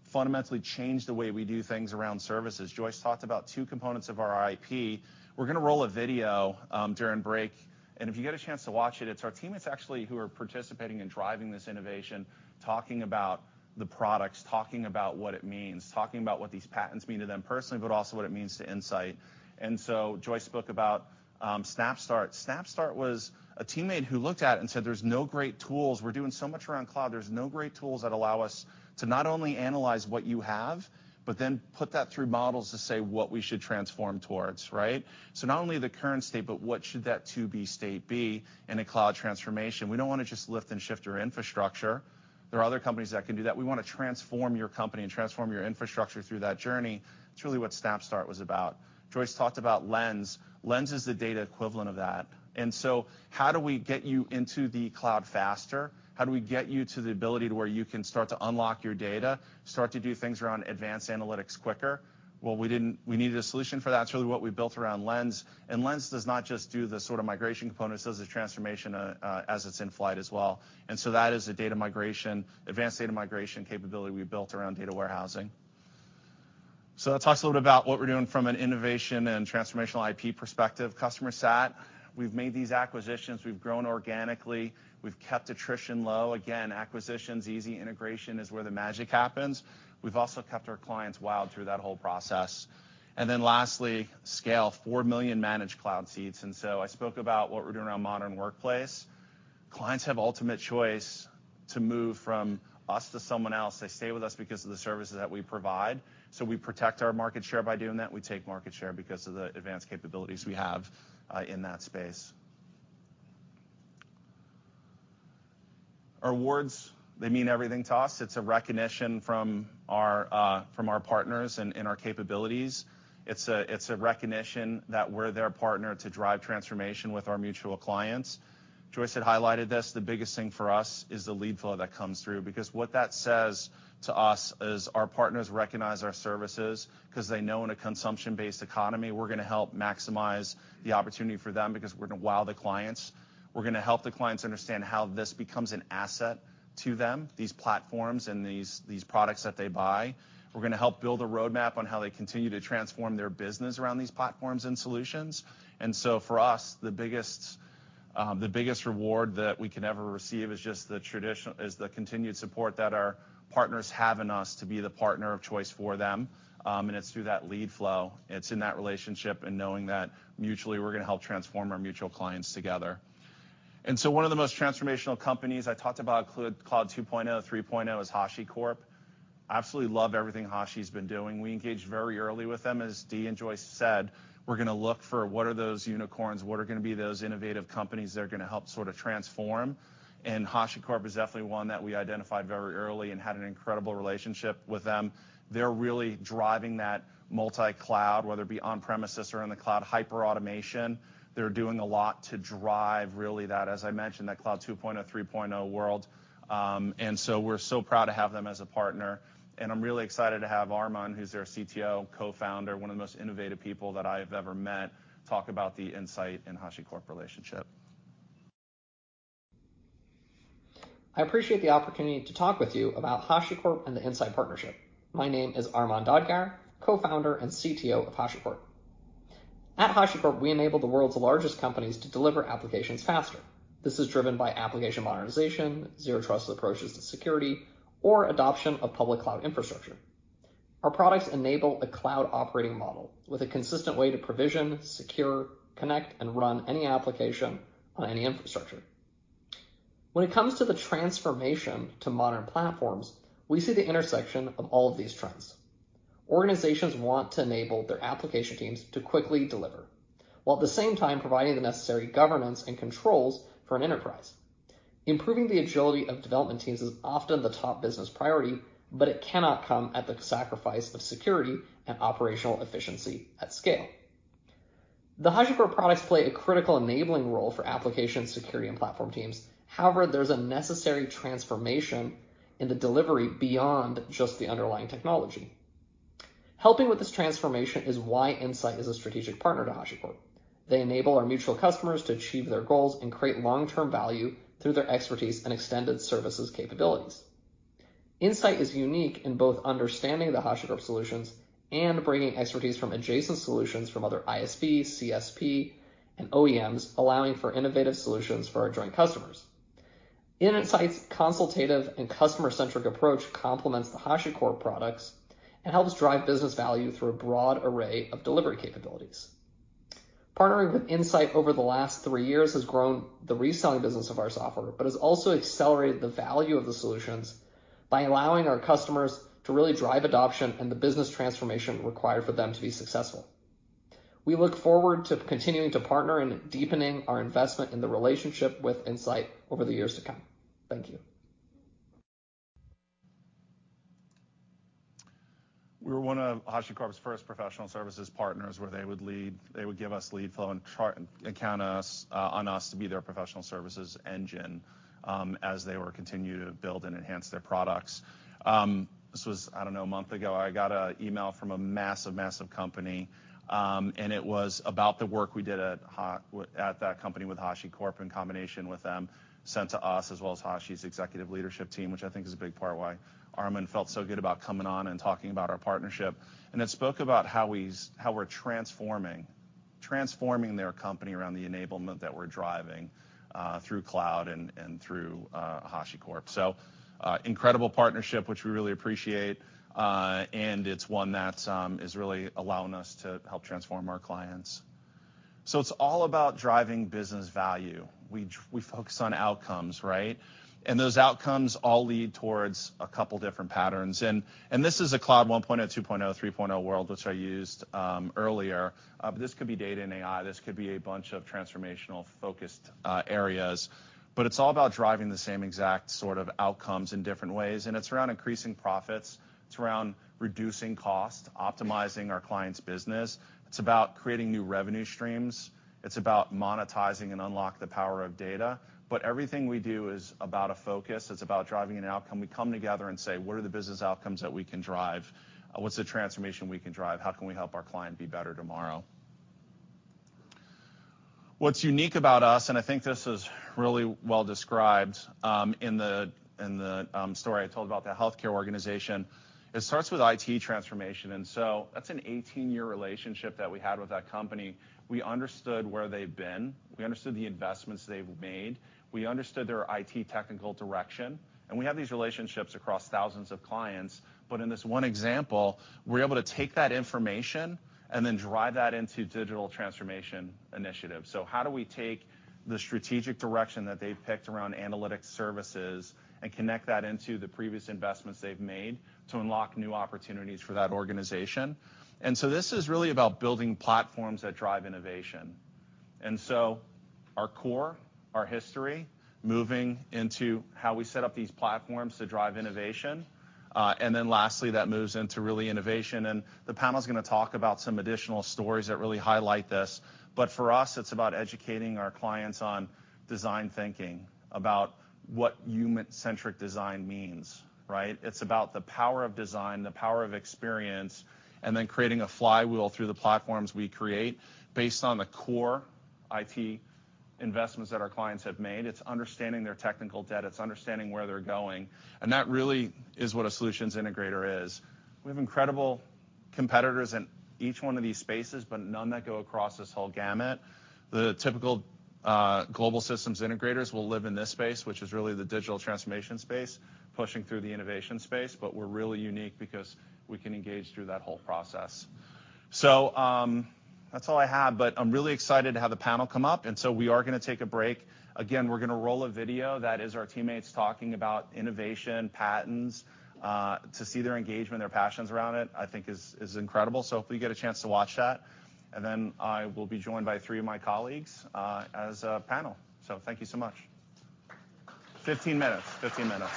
fundamentally change the way we do things around services. Joyce talked about two components of our IP. We're gonna roll a video during break, and if you get a chance to watch it's our teammates actually who are participating in driving this innovation, talking about the products, talking about what it means, talking about what these patents mean to them personally, but also what it means to Insight. Joyce spoke about SnapStart. SnapStart was a teammate who looked at it and said, "There's no great tools. We're doing so much around Cloud, there's no great tools that allow us to not only analyze what you have, but then put that through models to say what we should transform towards," right? Not only the current state, but what should that to-be state be in a Cloud transformation. We don't wanna just lift and shift your infrastructure. There are other companies that can do that. We wanna transform your company and transform your infrastructure through that journey. It's really what SnapStart was about. Joyce talked about Lens. Lens is the data equivalent of that. How do we get you into the Cloud faster? How do we get you to the ability to where you can start to unlock your data, start to do things around advanced analytics quicker? Well, we needed a solution for that. It's really what we built around Lens, and Lens does not just do the sort of migration components, it does the transformation, as it's in flight as well. That is a data migration, advanced data migration capability we built around data warehousing. That talks a little about what we're doing from an innovation and transformational IP perspective. Customer sat. We've made these acquisitions. We've grown organically. We've kept attrition low. Again, acquisition's easy. Integration is where the magic happens. We've also kept our clients wowed through that whole process. Lastly, scale. 4 million managed Cloud seats. I spoke about what we're doing around modern workplace. Clients have ultimate choice to move from us to someone else. They stay with us because of the services that we provide. We protect our market share by doing that. We take market share because of the advanced capabilities we have in that space. Our awards, they mean everything to us. It's a recognition from our from our partners in our capabilities. It's a recognition that we're their partner to drive transformation with our mutual clients. Joyce had highlighted this. The biggest thing for us is the lead flow that comes through, because what that says to us is our partners recognize our services 'cause they know in a consumption-based economy, we're gonna help maximize the opportunity for them because we're gonna wow the clients. We're gonna help the clients understand how this becomes an asset to them, these platforms and these products that they buy. We're gonna help build a roadmap on how they continue to transform their business around these platforms and solutions. For us, the biggest reward that we could ever receive is just the continued support that our partners have in us to be the partner of choice for them. It's through that lead flow. It's in that relationship and knowing that mutually we're gonna help transform our mutual clients together. One of the most transformational companies I talked about Cloud 2.0, 3.0 is HashiCorp. Absolutely love everything Hashi's been doing. We engaged very early with them. As Dee and Joyce said, we're gonna look for what are those unicorns? What are gonna be those innovative companies that are gonna help sort of transform? HashiCorp is definitely one that we identified very early and had an incredible relationship with them. They're really driving that multi-Cloud, whether it be on-premises or in the Cloud, hyper-automation. They're doing a lot to drive really that, as I mentioned, that Cloud two point oh, three point oh world. We're so proud to have them as a partner, and I'm really excited to have Armon, who's their CTO and Co-founder, one of the most innovative people that I've ever met, talk about the Insight and HashiCorp relationship. I appreciate the opportunity to talk with you about HashiCorp and the Insight partnership. My name is Armon Dadgar, Co-founder and CTO of HashiCorp. At HashiCorp, we enable the world's largest companies to deliver applications faster. This is driven by application modernization, zero trust approaches to security, or adoption of public Cloud infrastructure. Our products enable a Cloud operating model with a consistent way to provision, secure, connect, and run any application on any infrastructure. When it comes to the transformation to modern platforms, we see the intersection of all of these trends. Organizations want to enable their application teams to quickly deliver, while at the same time providing the necessary governance and controls for an enterprise. Improving the agility of development teams is often the top business priority, but it cannot come at the sacrifice of security and operational efficiency at scale. The HashiCorp products play a critical enabling role for application security and platform teams. However, there's a necessary transformation in the delivery beyond just the underlying technology. Helping with this transformation is why Insight is a strategic partner to HashiCorp. They enable our mutual customers to achieve their goals and create long-term value through their expertise and extended services capabilities. Insight is unique in both understanding the HashiCorp solutions and bringing expertise from adjacent solutions from other ISV, CSP, and OEMs, allowing for innovative solutions for our joint customers. Insight's consultative and customer-centric approach complements the HashiCorp products and helps drive business value through a broad array of delivery capabilities. Partnering with Insight over the last three years has grown the reselling business of our software, but has also accelerated the value of the solutions by allowing our customers to really drive adoption and the business transformation required for them to be successful. We look forward to continuing to partner and deepening our investment in the relationship with Insight over the years to come. Thank you. We were one of HashiCorp's first professional services partners. They would give us lead flow and count on us to be their professional services engine, as they were continuing to build and enhance their products. This was, I don't know, a month ago, I got an email from a massive company, and it was about the work we did at that company with HashiCorp in combination with them, sent to us as well as HashiCorp's executive leadership team, which I think is a big part why Armon felt so good about coming on and talking about our partnership. It spoke about how we're transforming their company around the enablement that we're driving through Cloud and through HashiCorp. Incredible partnership, which we really appreciate. It's one that's is really allowing us to help transform our clients. It's all about driving business value. We focus on outcomes, right? Those outcomes all lead towards a couple different patterns. This is a Cloud 1.0, 2.0, 3.0 world, which I used earlier. But this could be data and AI, this could be a bunch of transformational-focused areas, but it's all about driving the same exact sort of outcomes in different ways, and it's around increasing profits, it's around reducing cost, optimizing our clients' business. It's about creating new revenue streams. It's about monetizing and unlock the power of data. Everything we do is about a focus. It's about driving an outcome. We come together and say, "What are the business outcomes that we can drive? What's the transformation we can drive? How can we help our client be better tomorrow?" What's unique about us, and I think this is really well described in the story I told about the healthcare organization. It starts with IT transformation. That's an 18-year relationship that we had with that company. We understood where they've been. We understood the investments they've made. We understood their IT technical direction, and we have these relationships across thousands of clients. In this one example, we're able to take that information and then drive that into digital transformation initiatives. How do we take the strategic direction that they've picked around analytics services and connect that into the previous investments they've made to unlock new opportunities for that organization? This is really about building platforms that drive innovation. Our core, our history, moving into how we set up these platforms to drive innovation. Lastly, that moves into really innovation. The panel's gonna talk about some additional stories that really highlight this. For us, it's about educating our clients on design thinking, about what human-centric design means, right? It's about the power of design, the power of experience, and then creating a flywheel through the platforms we create based on the core IT investments that our clients have made. It's understanding their technical debt. It's understanding where they're going. That really is what a solutions integrator is. We have incredible competitors in each one of these spaces, but none that go across this whole gamut. The typical, global systems integrators will live in this space, which is really the digital transformation space, pushing through the innovation space, but we're really unique because we can engage through that whole process. That's all I have, but I'm really excited to have the panel come up, and so we are gonna take a break. Again, we're gonna roll a video that is our teammates talking about innovation, patents. To see their engagement, their passions around it, I think is incredible. Hopefully you get a chance to watch that. I will be joined by three of my colleagues, as a panel. Thank you so much. 15 minutes. 15 minutes.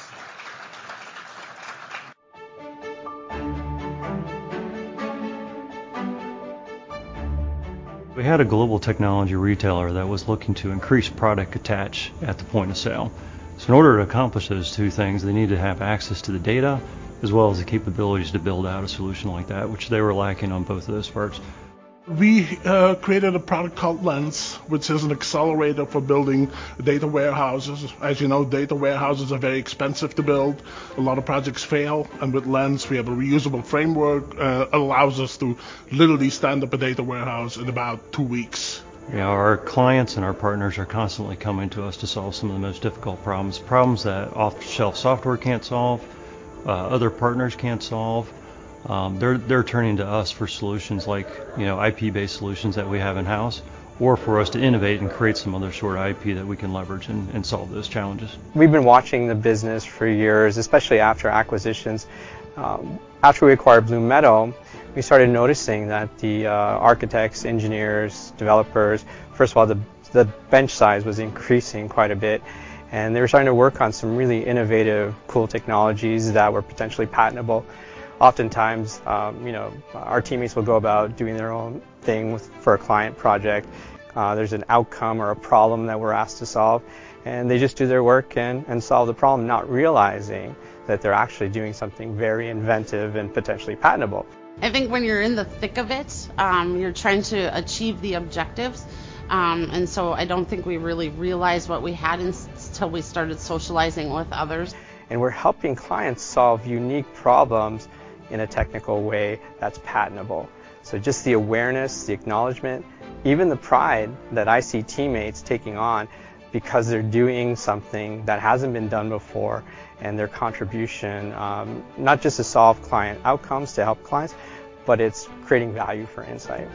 We had a global technology retailer that was looking to increase product attach at the point of sale. In order to accomplish those two things, they needed to have access to the data as well as the capabilities to build out a solution like that, which they were lacking on both of those parts. We created a product called Lens, which is an accelerator for building data warehouses. As you know, data warehouses are very expensive to build. A lot of projects fail, and with Lens, we have a reusable framework allows us to literally stand up a data warehouse in about two weeks. Our clients and our partners are constantly coming to us to solve some of the most difficult problems that off-the-shelf software can't solve, other partners can't solve. They're turning to us for solutions like, you know, IP-based solutions that we have in-house or for us to innovate and create some other short IP that we can leverage and solve those challenges. We've been watching the business for years, especially after acquisitions. After we acquired BlueMetal, we started noticing that the architects, engineers, developers, first of all, the bench size was increasing quite a bit, and they were starting to work on some really innovative, cool technologies that were potentially patentable. Oftentimes, you know, our teammates will go about doing their own thing for a client project. There's an outcome or a problem that we're asked to solve, and they just do their work and solve the problem, not realizing that they're actually doing something very inventive and potentially patentable. I think when you're in the thick of it, you're trying to achieve the objectives, and so I don't think we really realized what we had until we started socializing with others. We're helping clients solve unique problems in a technical way that's patentable. Just the awareness, the acknowledgement, even the pride that I see teammates taking on because they're doing something that hasn't been done before and their contribution, not just to solve client outcomes, to help clients, but it's creating value for Insight.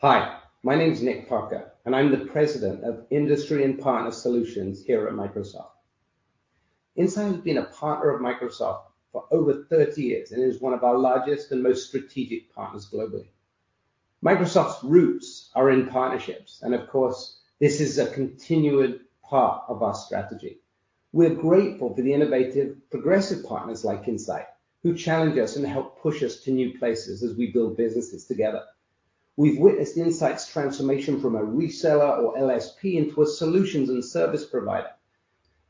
Hi, my name is Nick Parker, and I'm the President of Industry and Partner Solutions here at Microsoft. Insight has been a partner of Microsoft for over 30 years, and is one of our largest and most strategic partners globally. Microsoft's roots are in partnerships, and of course, this is a continued part of our strategy. We're grateful for the innovative, progressive partners like Insight, who challenge us and help push us to new places as we build businesses together. We've witnessed Insight's transformation from a reseller or LSP into a solutions and service provider.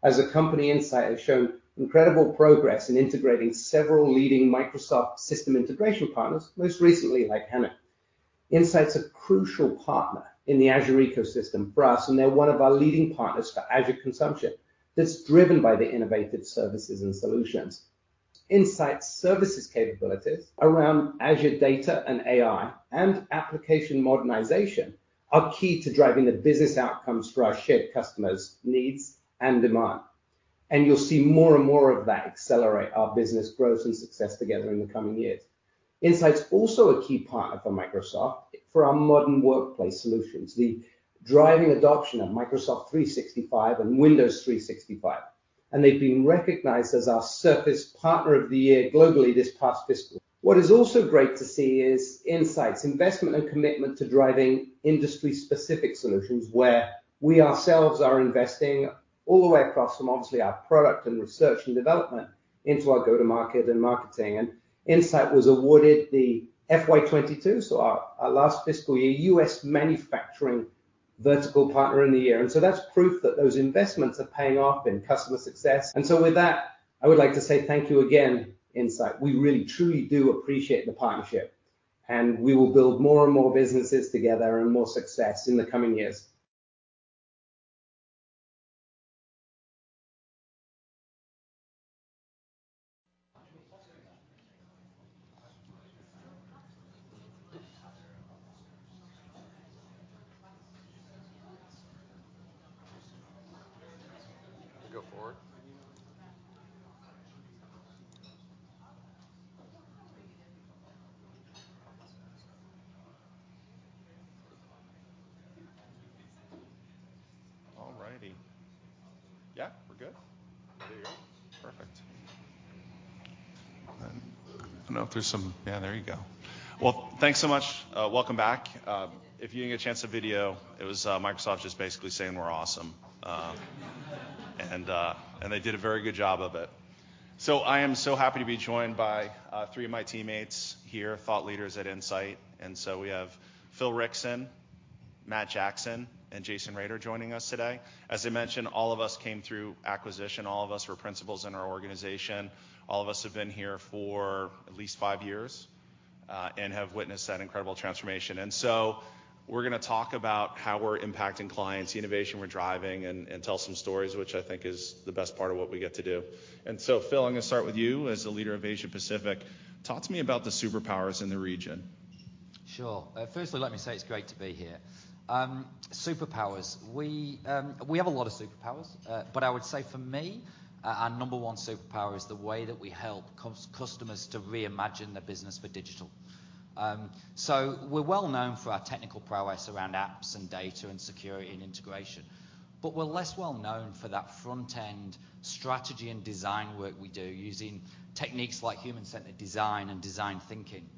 As a company, Insight has shown incredible progress in integrating several leading Microsoft system integration partners, most recently like Hanu. Insight's a crucial partner in the Azure ecosystem for us, and they're one of our leading partners for Azure consumption, that's driven by the innovative services and solutions. Insight's services capabilities around Azure data and AI and application modernization are key to driving the business outcomes for our shared customers' needs and demand. You'll see more and more of that accelerate our business growth and success together in the coming years. Insight's also a key partner for Microsoft for our modern workplace solutions, the driving adoption of Microsoft 365 and Windows 365, and they've been recognized as our Surface Partner of the Year globally this past fiscal. What is also great to see is Insight's investment and commitment to driving industry-specific solutions where we ourselves are investing all the way across from obviously our product and research and development into our go-to-market and marketing. Insight was awarded the FY 2022, so our last fiscal year, U.S. Manufacturing Vertical Partner of the Year. That's proof that those investments are paying off in customer success. With that, I would like to say thank you again, Insight. We really truly do appreciate the partnership, and we will build more and more businesses together and more success in the coming years. *crosstalk* Go forward. All righty. Yeah, we're good. Perfect. Well, thanks so much. Welcome back. If you didn't get a chance to video, it was Microsoft just basically saying we're awesome. They did a very good job of it. I am so happy to be joined by three of my teammates here, thought leaders at Insight. We have Phil Rickson, Matt Jackson, and Jason Rader joining us today. As I mentioned, all of us came through acquisition. All of us were principals in our organization. All of us have been here for at least five years and have witnessed that incredible transformation. We're gonna talk about how we're impacting clients, the innovation we're driving, and tell some stories, which I think is the best part of what we get to do. Phil, I'm gonna start with you as the leader of Asia Pacific. Talk to me about the superpowers in the region. Sure. Firstly, let me say it's great to be here. Superpowers. We have a lot of superpowers, but I would say for me, our number one superpower is the way that we help customers to reimagine their business for digital. We're well known for our technical prowess around apps and data and security and integration, but we're less well known for that front-end strategy and design work we do using techniques like human-centered design and design thinking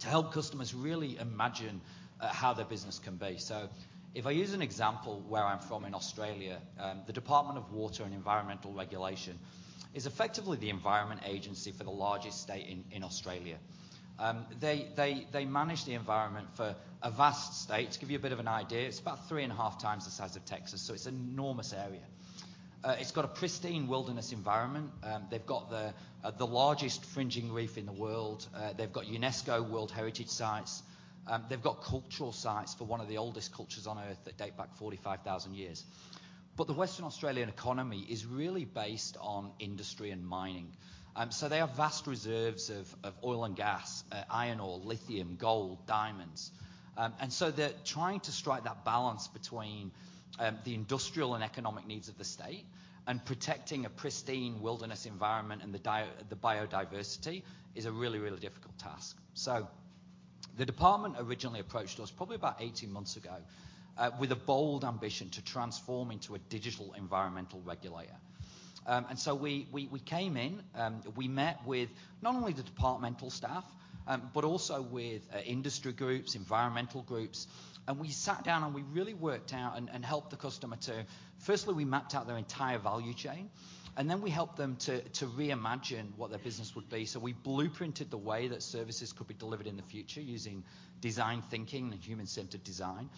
to help customers really imagine how their business can be. If I use an example where I'm from in Australia, the Department of Water and Environmental Regulation is effectively the environment agency for the largest state in Australia. They manage the environment for a vast state. To give you a bit of an idea, it's about 3.5 times the size of Texas, so it's an enormous area. It's got a pristine wilderness environment. They've got the largest fringing reef in the world. They've got UNESCO World Heritage sites. They've got cultural sites for one of the oldest cultures on Earth that date back 45,000 years. The Western Australian economy is really based on industry and mining. They have vast reserves of oil and gas, iron ore, lithium, gold, diamonds. They're trying to strike that balance between the industrial and economic needs of the state and protecting a pristine wilderness environment and the biodiversity is a really difficult task. The department originally approached us probably about 18 months ago with a bold ambition to transform into a digital environmental regulator. We came in, we met with not only the departmental staff, but also with industry groups, environmental groups, and we sat down, and we really worked out and helped the customer to firstly map out their entire value chain, and then we helped them to reimagine what their business would be. We blueprinted the way that services could be delivered in the future using design thinking and human-centered design.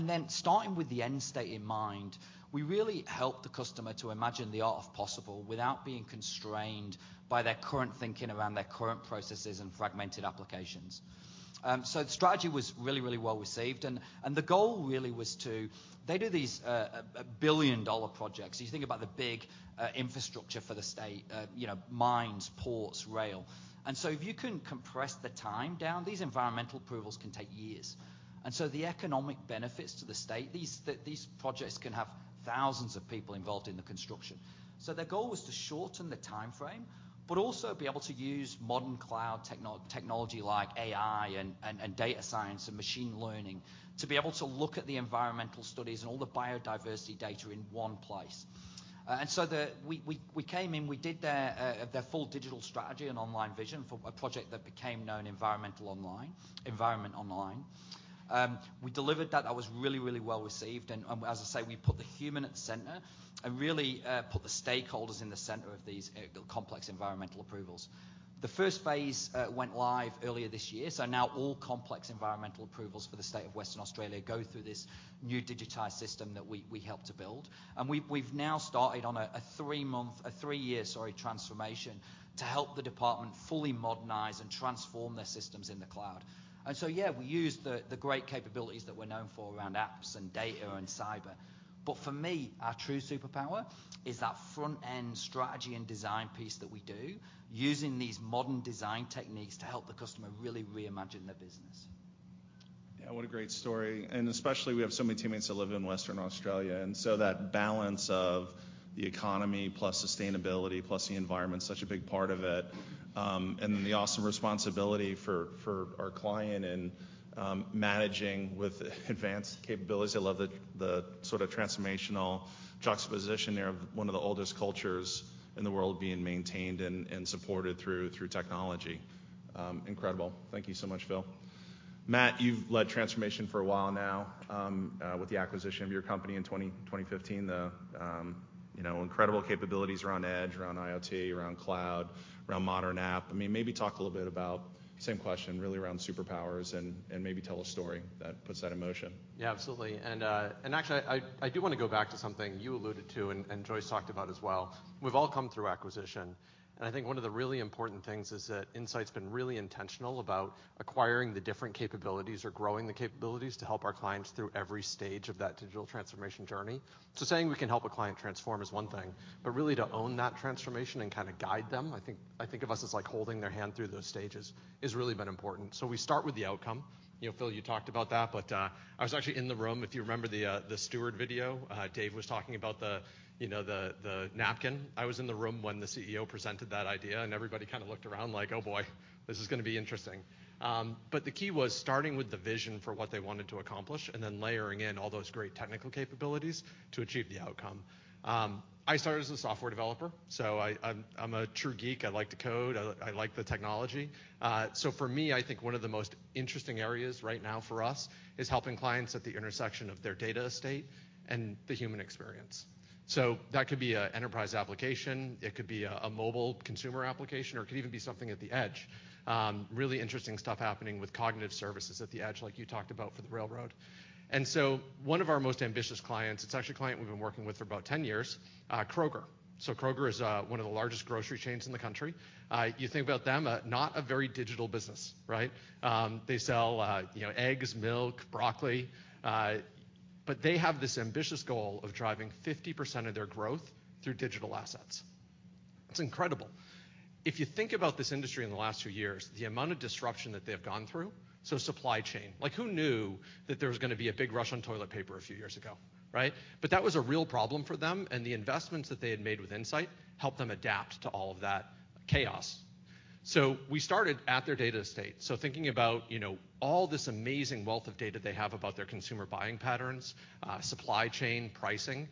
Then starting with the end state in mind, we really helped the customer to imagine the art of the possible without being constrained by their current thinking around their current processes and fragmented applications. The strategy was really, really well received. The goal really was to do these billion-dollar projects. You think about the big infrastructure for the state, you know, mines, ports, rail. If you can compress the time down, these environmental approvals can take years. The economic benefits to the state, these projects can have thousands of people involved in the construction. Their goal was to shorten the timeframe, but also be able to use modern Cloud technology like AI and data science and machine learning to be able to look at the environmental studies and all the biodiversity data in one place. We came in, we did their full digital strategy and online vision for a project that became known Environment Online. We delivered that. That was really well-received. As I say, we put the human at the center and really put the stakeholders in the center of these complex environmental approvals. The first phase went live earlier this year, so now all complex environmental approvals for the state of Western Australia go through this new digitized system that we helped to build. We've now started on a three-year transformation to help the department fully modernize and transform their systems in the Cloud. Yeah, we use the great capabilities that we're known for around apps and data and cyber. For me, our true superpower is that front-end strategy and design piece that we do using these modern design techniques to help the customer really reimagine their business. Yeah. What a great story. Especially, we have so many teammates that live in Western Australia, and so that balance of the economy plus sustainability plus the environment is such a big part of it. Then the awesome responsibility for our client in managing with advanced capabilities. I love the sort of transformational just a position there of one of the oldest cultures in the world being maintained and supported through technology. Incredible. Thank you so much, Phil. Matt, you've led transformation for a while now, with the acquisition of your company in 2015, you know, incredible capabilities around Edge, around IoT, around Cloud, around Modern App. I mean, maybe talk a little bit about same question really around superpowers and maybe tell a story that puts that in motion. Yeah, absolutely. Actually I do wanna go back to something you alluded to and Joyce talked about as well. We've all come through acquisition, and I think one of the really important things is that Insight's been really intentional about acquiring the different capabilities or growing the capabilities to help our clients through every stage of that digital transformation journey. Saying we can help a client transform is one thing, but really to own that transformation and kinda guide them, I think of us as like holding their hand through those stages, has really been important. We start with the outcome. You know, Phil, you talked about that, but I was actually in the room if you remember the Steward video. Dave was talking about the, you know, the napkin. I was in the room when the CEO presented that idea, and everybody kinda looked around like, "Oh, boy, this is gonna be interesting." The key was starting with the vision for what they wanted to accomplish and then layering in all those great technical capabilities to achieve the outcome. I started as a software developer, so I'm a true geek. I like to code. I like the technology. For me, I think one of the most interesting areas right now for us is helping clients at the intersection of their data estate and the human experience. That could be a enterprise application, it could be a mobile consumer application, or it could even be something at the edge. Really interesting stuff happening with cognitive services at the edge like you talked about for the railroad. One of our most ambitious clients, it's actually a client we've been working with for about 10 years, Kroger. Kroger is one of the largest grocery chains in the country. You think about them, not a very digital business, right? They sell, you know, eggs, milk, broccoli, but they have this ambitious goal of driving 50% of their growth through digital assets. It's incredible. If you think about this industry in the last few years, the amount of disruption that they have gone through, supply chain. Like who knew that there was gonna be a big rush on toilet paper a few years ago, right? But that was a real problem for them, and the investments that they had made with Insight helped them adapt to all of that chaos. We started at their data estate. Thinking about, you know, all this amazing wealth of data they have about their consumer buying patterns, supply chain pricing,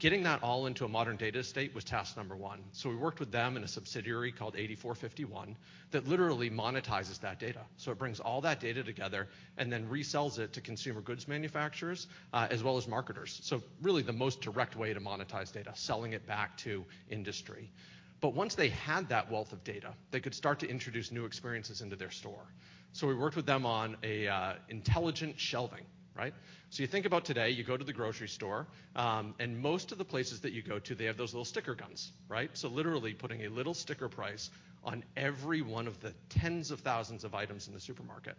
getting that all into a modern data estate was task number one. We worked with them in a subsidiary called 84.51° that literally monetizes that data. It brings all that data together and then resells it to consumer goods manufacturers, as well as marketers. Really the most direct way to monetize data, selling it back to industry. Once they had that wealth of data, they could start to introduce new experiences into their store. We worked with them on a intelligent shelving, right? You think about today, you go to the grocery store, and most of the places that you go to, they have those little sticker guns, right? Literally putting a little sticker price on every one of the tens of thousands of items in the supermarket.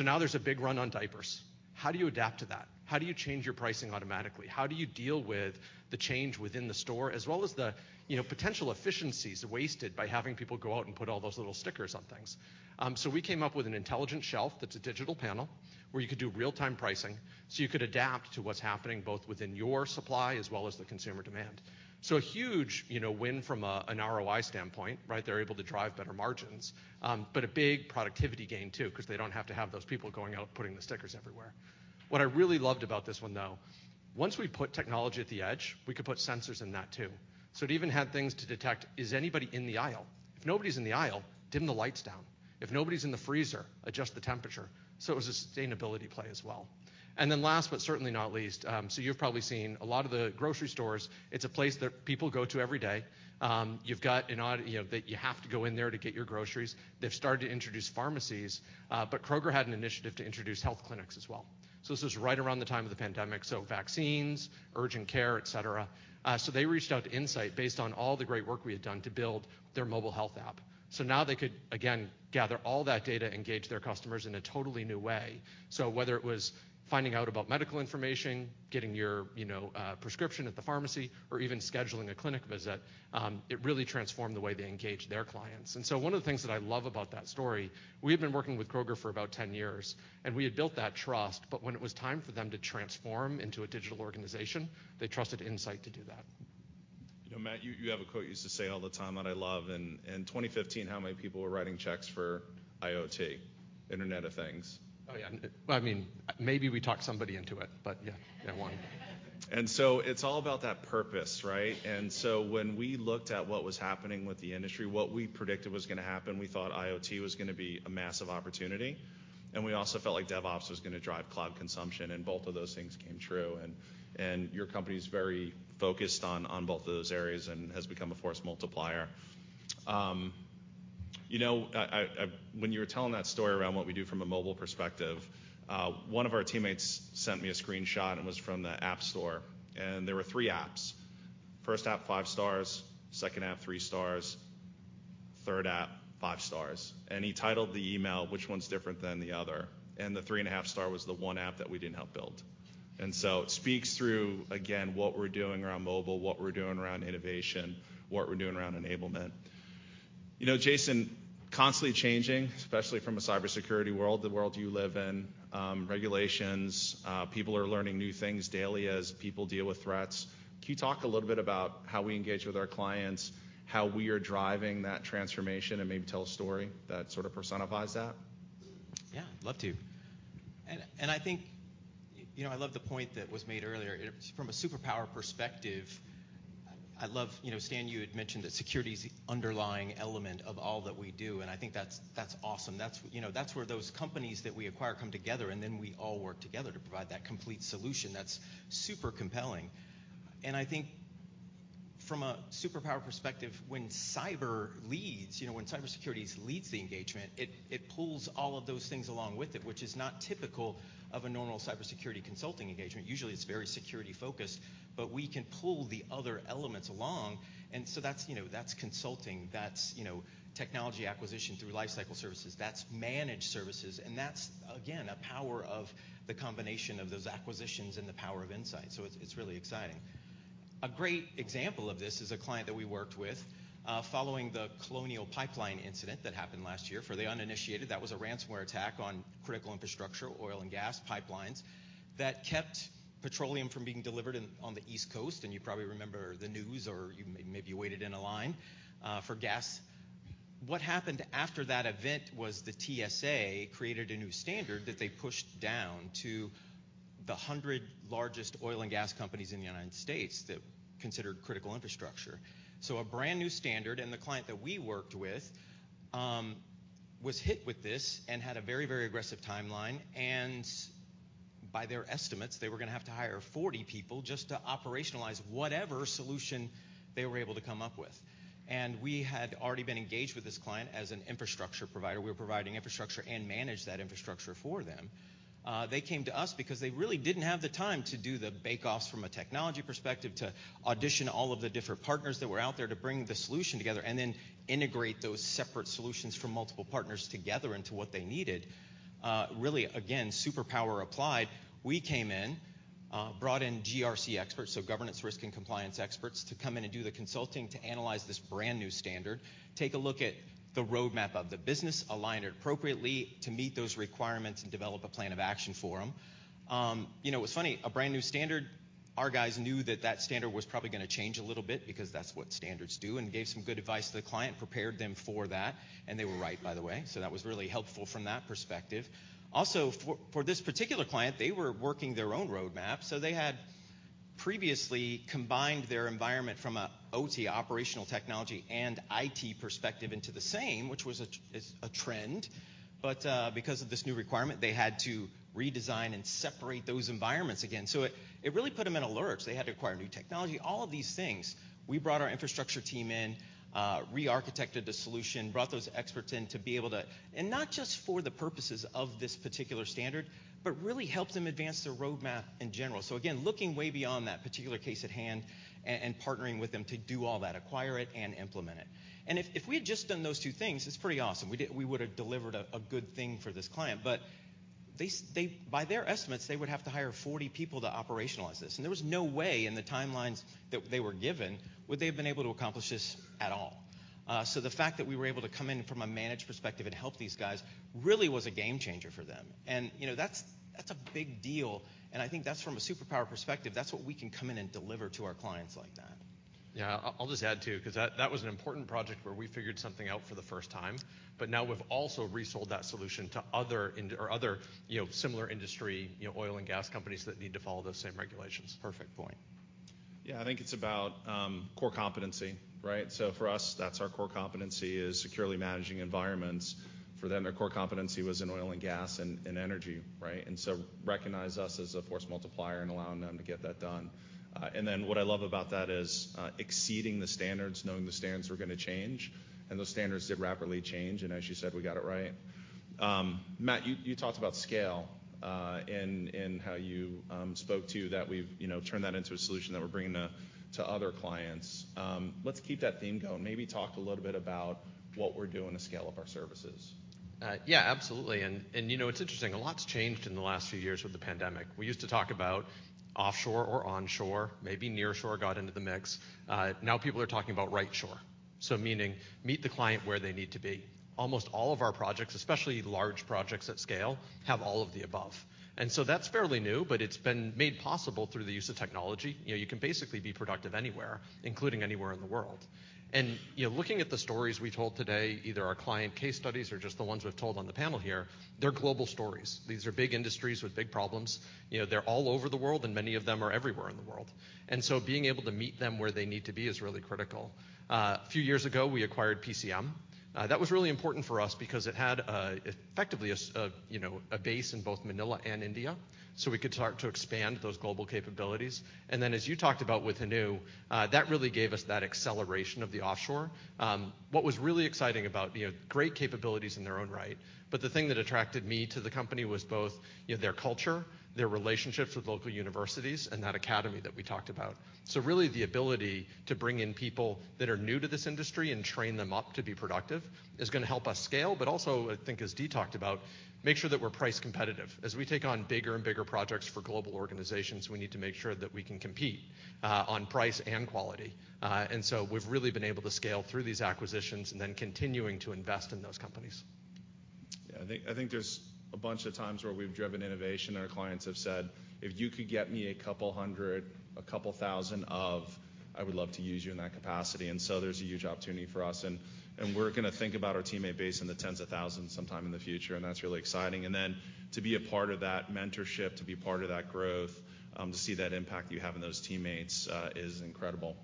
Now there's a big run on diapers. How do you adapt to that? How do you change your pricing automatically? How do you deal with the change within the store as well as the, you know, potential efficiencies wasted by having people go out and put all those little stickers on things? We came up with an intelligent shelf that's a digital panel, where you could do real-time pricing, so you could adapt to what's happening both within your supply as well as the consumer demand. A huge, you know, win from a, an ROI standpoint, right? They're able to drive better margins. But a big productivity gain too 'cause they don't have to have those people going out putting the stickers everywhere. What I really loved about this one though, once we put technology at the edge, we could put sensors in that too. It even had things to detect, is anybody in the aisle? If nobody's in the aisle, dim the lights down. If nobody's in the freezer, adjust the temperature. It was a sustainability play as well. Then last, but certainly not least, you've probably seen a lot of the grocery stores, it's a place that people go to every day. You've got, you know, that you have to go in there to get your groceries. They've started to introduce pharmacies, but Kroger had an initiative to introduce health clinics as well. This was right around the time of the pandemic, so vaccines, urgent care, et cetera. They reached out to Insight based on all the great work we had done to build their mobile health app. Now they could again gather all that data, engage their customers in a totally new way. Whether it was finding out about medical information, getting your, you know, prescription at the pharmacy, or even scheduling a clinic visit, it really transformed the way they engaged their clients. One of the things that I love about that story, we had been working with Kroger for about 10 years, and we had built that trust. But when it was time for them to transform into a digital organization, they trusted Insight to do that. You know, Matt, you have a quote you used to say all the time that I love. In 2015, how many people were writing checks for IoT, Internet of Things? Oh, yeah. I mean, maybe we talked somebody into it, but yeah. Yeah, one. It's all about that purpose, right? When we looked at what was happening with the industry, what we predicted was gonna happen, we thought IoT was gonna be a massive opportunity, and we also felt like DevOps was gonna drive Cloud consumption, and both of those things came true. Your company's very focused on both of those areas and has become a force multiplier. When you were telling that story around what we do from a mobile perspective, one of our teammates sent me a screenshot, and it was from the App Store, and there were three apps. First app, five stars, second app, three stars, third app, five stars. He titled the email, "Which one's different than the other?" The 3.5-star was the one app that we didn't help build. It speaks through, again, what we're doing around mobile, what we're doing around innovation, what we're doing around enablement. You know, Jason, constantly changing, especially from a cybersecurity world, the world you live in, regulations, people are learning new things daily as people deal with threats. Can you talk a little bit about how we engage with our clients, how we are driving that transformation, and maybe tell a story that sort of personifies that? Yeah, love to. I think, you know, I love the point that was made earlier. From a superpower perspective, I love, you know, Stan, you had mentioned that security's the underlying element of all that we do, and I think that's awesome. That's, you know, that's where those companies that we acquire come together, and then we all work together to provide that complete solution. That's super compelling. I think from a superpower perspective, when cyber leads, you know, when cybersecurity leads the engagement, it pulls all of those things along with it, which is not typical of a normal cybersecurity consulting engagement. Usually, it's very security-focused, but we can pull the other elements along, and so that's, you know, that's consulting. That's, you know, technology acquisition through lifecycle services. That's managed services, and that's, again, a power of the combination of those acquisitions and the power of Insight. It's really exciting. A great example of this is a client that we worked with following the Colonial Pipeline incident that happened last year. For the uninitiated, that was a ransomware attack on critical infrastructure, oil and gas pipelines, that kept petroleum from being delivered on the East Coast, and you probably remember the news or you maybe waited in a line for gas. What happened after that event was the TSA created a new standard that they pushed down to the 100 largest oil and gas companies in the United States that considered critical infrastructure. A brand-new standard, and the client that we worked with was hit with this and had a very, very aggressive timeline, and by their estimates, they were gonna have to hire 40 people just to operationalize whatever solution they were able to come up with. We had already been engaged with this client as an infrastructure provider. We were providing infrastructure and managed that infrastructure for them. They came to us because they really didn't have the time to do the bake-offs from a technology perspective to audition all of the different partners that were out there to bring the solution together and then integrate those separate solutions from multiple partners together into what they needed. Really, again, superpower applied. We came in, brought in GRC experts, so governance, risk, and compliance experts, to come in and do the consulting to analyze this brand-new standard, take a look at the roadmap of the business, align it appropriately to meet those requirements, and develop a plan of action for them. You know, it was funny. A brand-new standard, our guys knew that standard was probably gonna change a little bit because that's what standards do and gave some good advice to the client, prepared them for that, and they were right, by the way. That was really helpful from that perspective. Also, for this particular client, they were working their own roadmap, so they had previously combined their environment from an OT, operational technology, and IT perspective into the same, which is a trend. Because of this new requirement, they had to redesign and separate those environments again. It really put them in a lurch. They had to acquire new technology, all of these things. We brought our infrastructure team in, rearchitected the solution, brought those experts in to be able to and not just for the purposes of this particular standard, but really helped them advance their roadmap in general. Again, looking way beyond that particular case at hand and partnering with them to do all that, acquire it and implement it. If we had just done those two things, it's pretty awesome. We would have delivered a good thing for this client. They, by their estimates, would have to hire 40 people to operationalize this, and there was no way in the timelines that they were given would they have been able to accomplish this at all. The fact that we were able to come in from a managed perspective and help these guys really was a game changer for them. You know, that's a big deal, and I think that's from a superpower perspective. That's what we can come in and deliver to our clients like that. Yeah. I'll just add, too, 'cause that was an important project where we figured something out for the first time. Now we've also resold that solution to other or other, you know, similar industry, you know, oil and gas companies that need to follow those same regulations. Perfect point. Yeah. I think it's about core competency, right? For us, that's our core competency is securely managing environments. For them, their core competency was in oil and gas and energy, right? Recognize us as a force multiplier and allowing them to get that done. What I love about that is exceeding the standards, knowing the standards were gonna change, and those standards did rapidly change, and as you said, we got it right. Matt, you talked about scale in how you spoke to that we've you know turned that into a solution that we're bringing to other clients. Let's keep that theme going. Maybe talk a little bit about what we're doing to scale up our services. Yeah, absolutely. You know, it's interesting. A lot's changed in the last few years with the pandemic. We used to talk about offshore or onshore, maybe nearshore got into the mix. Now people are talking about rightshore. So meaning meet the client where they need to be. Almost all of our projects, especially large projects at scale, have all of the above. That's fairly new, but it's been made possible through the use of technology. You know, you can basically be productive anywhere, including anywhere in the world. You know, looking at the stories we told today, either our client case studies or just the ones we've told on the panel here, they're global stories. These are big industries with big problems. You know, they're all over the world, and many of them are everywhere in the world. Being able to meet them where they need to be is really critical. A few years ago, we acquired PCM. That was really important for us because it had effectively a base in both Manila and India, so we could start to expand those global capabilities. Then as you talked about with Hanu, that really gave us that acceleration of the offshore. What was really exciting about great capabilities in their own right, but the thing that attracted me to the company was both their culture, their relationships with local universities, and that academy that we talked about. Really the ability to bring in people that are new to this industry and train them up to be productive is gonna help us scale. Also, I think as Dee talked about, make sure that we're price competitive. As we take on bigger and bigger projects for global organizations, we need to make sure that we can compete on price and quality. We've really been able to scale through these acquisitions and then continuing to invest in those companies. Yeah, I think there's a bunch of times where we've driven innovation and our clients have said, "If you could get me a couple hundred, a couple thousand of-I would love to use you in that capacity." So there's a huge opportunity for us and we're gonna think about our teammate base in the tens of thousands sometime in the future, and that's really exciting. Then to be a part of that mentorship, to be part of that growth, to see that impact you have on those teammates, is incredible.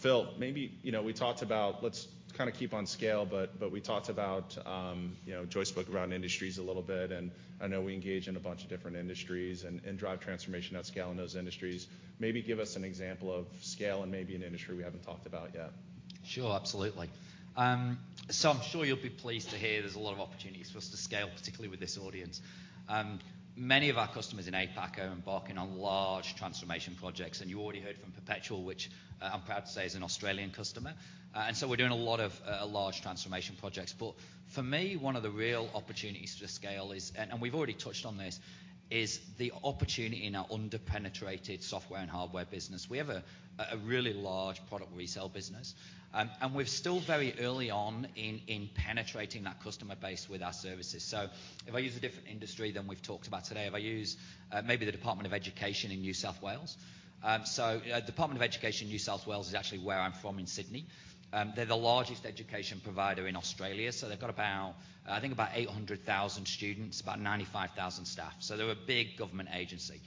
Phil, maybe, you know, we talked about let's kinda keep on scale, but we talked about, you know, Joyce spoke around industries a little bit, and I know we engage in a bunch of different industries and drive transformation at scale in those industries. Maybe give us an example of scale and maybe an industry we haven't talked about yet. Sure, absolutely. I'm sure you'll be pleased to hear there's a lot of opportunities for us to scale, particularly with this audience. Many of our customers in APAC are embarking on large transformation projects, and you already heard from Perpetual, which, I'm proud to say is an Australian customer. We're doing a lot of large transformation projects. For me, one of the real opportunities to scale is, and we've already touched on this, is the opportunity in our under-penetrated software and hardware business. We have a really large product resell business, and we're still very early on in penetrating that customer base with our services. If I use a different industry than we've talked about today, maybe the Department of Education in New South Wales. Department of Education, New South Wales is actually where I'm from in Sydney. They're the largest education provider in Australia, so they've got about, I think, 800,000 students, about 95,000 staff. They're a big government agency.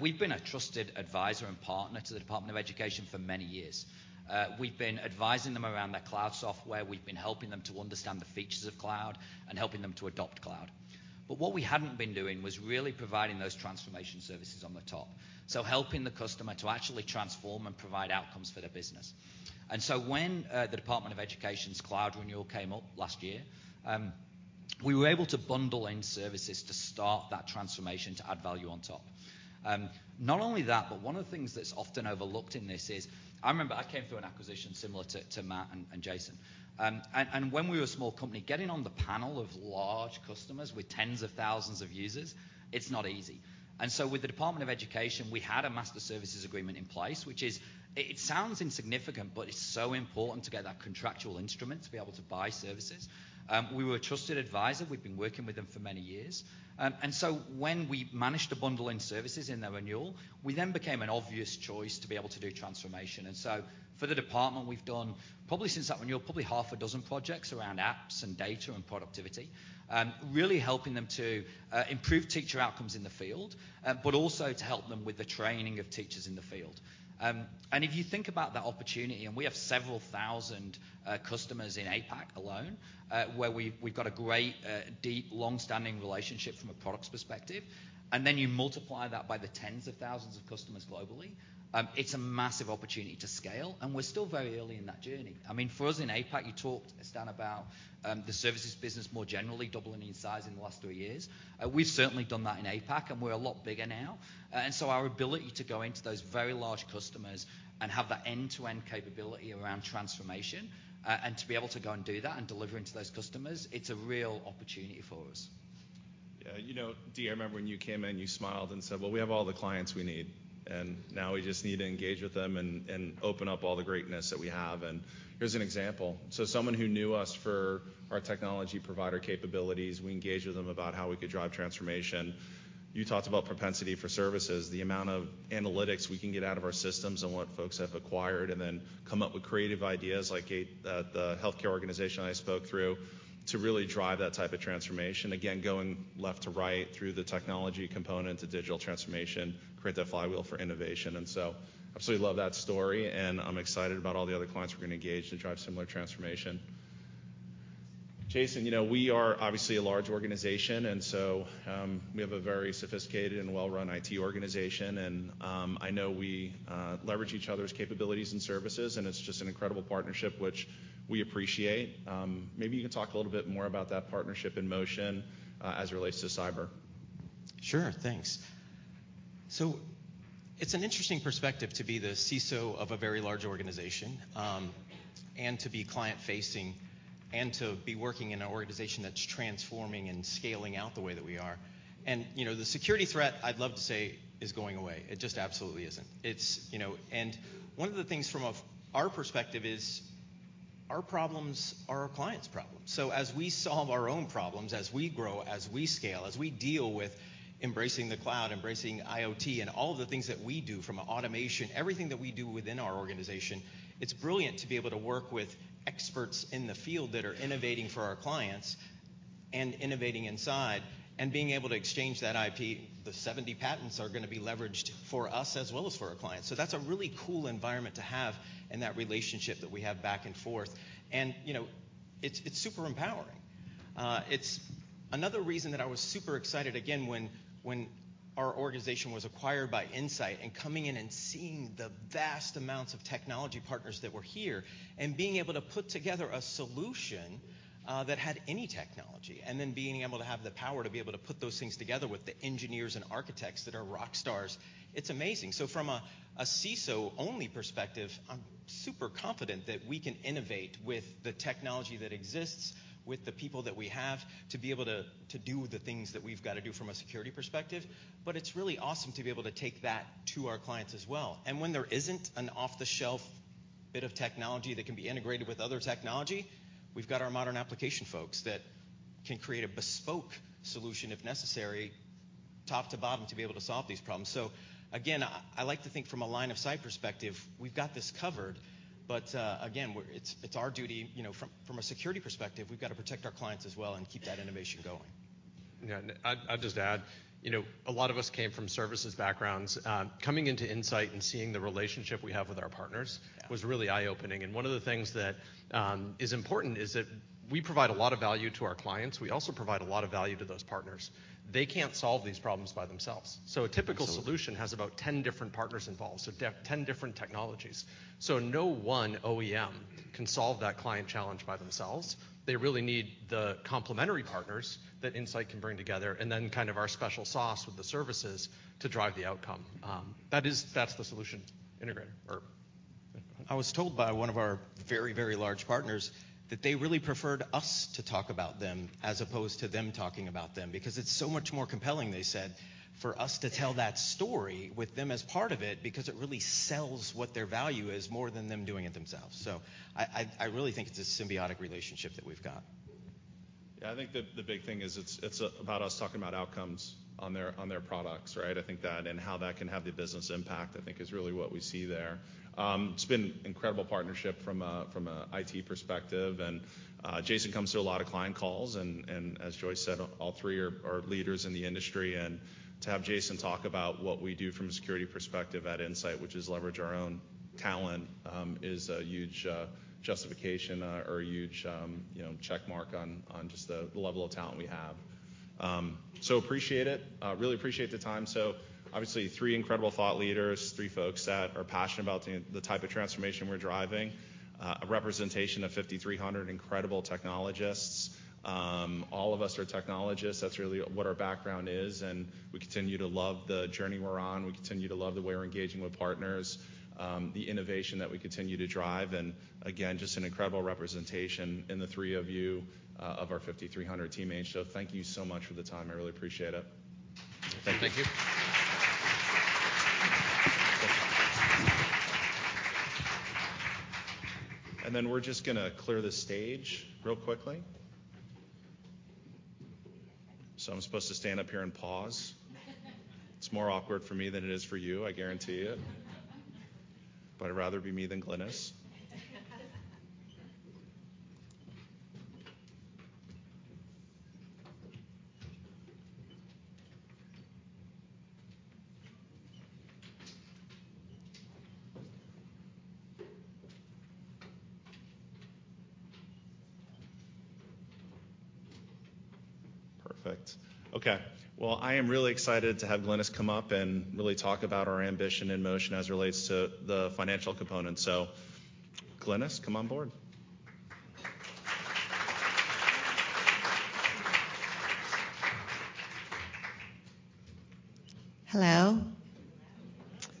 We've been a trusted advisor and partner to the Department of Education for many years. We've been advising them around their Cloud software. We've been helping them to understand the features of Cloud and helping them to adopt Cloud. What we hadn't been doing was really providing those transformation services on the top, so helping the customer to actually transform and provide outcomes for their business. When the Department of Education's Cloud renewal came up last year, we were able to bundle in services to start that transformation to add value on top. Not only that, but one of the things that's often overlooked in this is. I remember I came through an acquisition similar to Matt and Jason. When we were a small company, getting on the panel of large customers with tens of thousands of users, it's not easy. With the Department of Education, we had a master services agreement in place, which is. It sounds insignificant, but it's so important to get that contractual instrument to be able to buy services. We were a trusted advisor. We'd been working with them for many years. When we managed to bundle in services in their renewal, we then became an obvious choice to be able to do transformation. For the department, we've done probably since that renewal, probably six projects around apps and data and productivity, really helping them to improve teacher outcomes in the field, but also to help them with the training of teachers in the field. If you think about that opportunity, and we have several thousand customers in APAC alone, where we've got a great deep long-standing relationship from a products perspective, and then you multiply that by the tens of thousands of customers globally, it's a massive opportunity to scale, and we're still very early in that journey. I mean, for us in APAC, you talked, Stan, about the services business more generally doubling in size in the last three years. We've certainly done that in APAC, and we're a lot bigger now. Our ability to go into those very large customers and have that end-to-end capability around transformation, and to be able to go and do that and deliver into those customers, it's a real opportunity for us. Yeah. You know, Dee, I remember when you came in, you smiled and said, "Well, we have all the clients we need, and now we just need to engage with them and open up all the greatness that we have." Here's an example. Someone who knew us for our technology provider capabilities, we engaged with them about how we could drive transformation. You talked about propensity for services, the amount of analytics we can get out of our systems and what folks have acquired, and then come up with creative ideas like, the healthcare organization I spoke through to really drive that type of transformation. Again, going left to right through the technology component to digital transformation, create that flywheel for innovation. Absolutely love that story, and I'm excited about all the other clients we're gonna engage to drive similar transformation. Jason, you know, we are obviously a large organization, and so, we have a very sophisticated and well-run IT organization, and, I know we leverage each other's capabilities and services, and it's just an incredible partnership which we appreciate. Maybe you can talk a little bit more about that partnership in motion, as it relates to cyber. Sure. Thanks. It's an interesting perspective to be the CISO of a very large organization, and to be client-facing. To be working in an organization that's transforming and scaling out the way that we are. You know, the security threat I'd love to say is going away. It just absolutely isn't. It's. You know, and one of the things from our perspective is our problems are our clients' problems. So as we solve our own problems, as we grow, as we scale, as we deal with embracing the Cloud, embracing IoT, and all of the things that we do from automation, everything that we do within our organization, it's brilliant to be able to work with experts in the field that are innovating for our clients and innovating inside and being able to exchange that IP. The 70 patents are gonna be leveraged for us as well as for our clients. That's a really cool environment to have and that relationship that we have back and forth. You know, it's super empowering. It's another reason that I was super excited again when our organization was acquired by Insight and coming in and seeing the vast amounts of technology partners that were here, and being able to put together a solution that had any technology, and then being able to have the power to be able to put those things together with the engineers and architects that are rock stars. It's amazing. From a CISO-only perspective, I'm super confident that we can innovate with the technology that exists, with the people that we have to be able to do the things that we've gotta do from a security perspective, but it's really awesome to be able to take that to our clients as well. When there isn't an off-the-shelf bit of technology that can be integrated with other technology, we've got our modern application folks that can create a bespoke solution if necessary, top to bottom, to be able to solve these problems. Again, I like to think from a line of sight perspective, we've got this covered, but again, it's our duty, you know, from a security perspective, we've gotta protect our clients as well and keep that innovation going. Yeah. I'd just add, you know, a lot of us came from services backgrounds, coming into Insight and seeing the relationship we have with our partners. Yeah. It was really eye-opening. One of the things that is important is that we provide a lot of value to our clients. We also provide a lot of value to those partners. They can't solve these problems by themselves. Absolutely. A typical solution has about 10 different partners involved, 10 different technologies. No one OEM can solve that client challenge by themselves. They really need the complementary partners that Insight can bring together, and then kind of our special sauce with the services to drive the outcome. That's the solution integrator or- I was told by one of our very, very large partners that they really preferred us to talk about them as opposed to them talking about them because it's so much more compelling, they said, for us to tell that story with them as part of it because it really sells what their value is more than them doing it themselves. I really think it's a symbiotic relationship that we've got. Yeah. I think the big thing is it's about us talking about outcomes on their products, right? I think that and how that can have the business impact, I think is really what we see there. It's been incredible partnership from an IT perspective and Jason comes to a lot of client calls and as Joyce said, all three are leaders in the industry. To have Jason talk about what we do from a security perspective at Insight, which is leverage our own talent, is a huge justification or a huge you know, check mark on just the level of talent we have. So appreciate it. Really appreciate the time. Obviously three incredible thought leaders, three folks that are passionate about the type of transformation we're driving. A representation of 5,300 incredible technologists. All of us are technologists. That's really what our background is, and we continue to love the journey we're on. We continue to love the way we're engaging with partners, the innovation that we continue to drive, and again, just an incredible representation in the three of you, of our 5,300 teammates. Thank you so much for the time. I really appreciate it. Thank you. Thank you. Then we're just gonna clear the stage real quickly. I'm supposed to stand up here and pause. It's more awkward for me than it is for you, I guarantee it. I'd rather it be me than Glynis. Perfect. Okay. Well, I am really excited to have Glynis come up and really talk about our ambition in motion as it relates to the financial component. Glynis, come on board. Hello.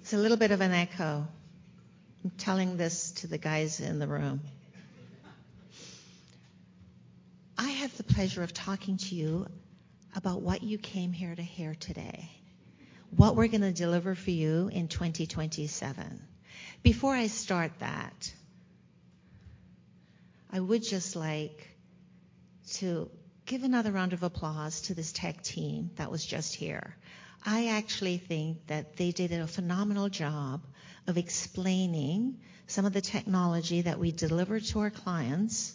There's a little bit of an echo. I'm telling this to the guys in the room. I have the pleasure of talking to you about what you came here to hear today, what we're gonna deliver for you in 2027. Before I start that, I would just like to give another round of applause to this tech team that was just here. I actually think that they did a phenomenal job of explaining some of the technology that we deliver to our clients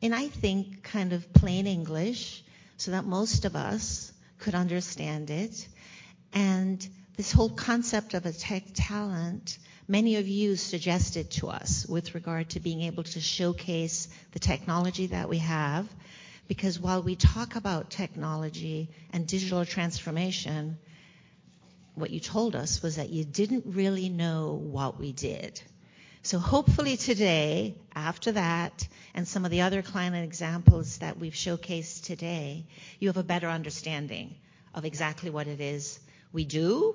in, I think, kind of plain English so that most of us could understand it. This whole concept of a tech talent, many of you suggested to us with regard to being able to showcase the technology that we have, because while we talk about technology and digital transformation, what you told us was that you didn't really know what we did. Hopefully today, after that and some of the other client examples that we've showcased today, you have a better understanding of exactly what it is we do.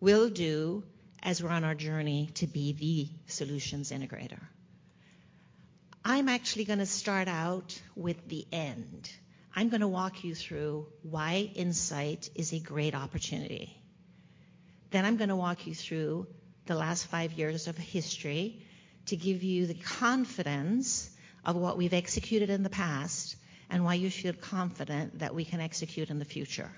Will do as we're on our journey to be the solutions integrator. I'm actually gonna start out with the end. I'm gonna walk you through why Insight is a great opportunity. I'm gonna walk you through the last five years of history to give you the confidence of what we've executed in the past and why you should feel confident that we can execute in the future.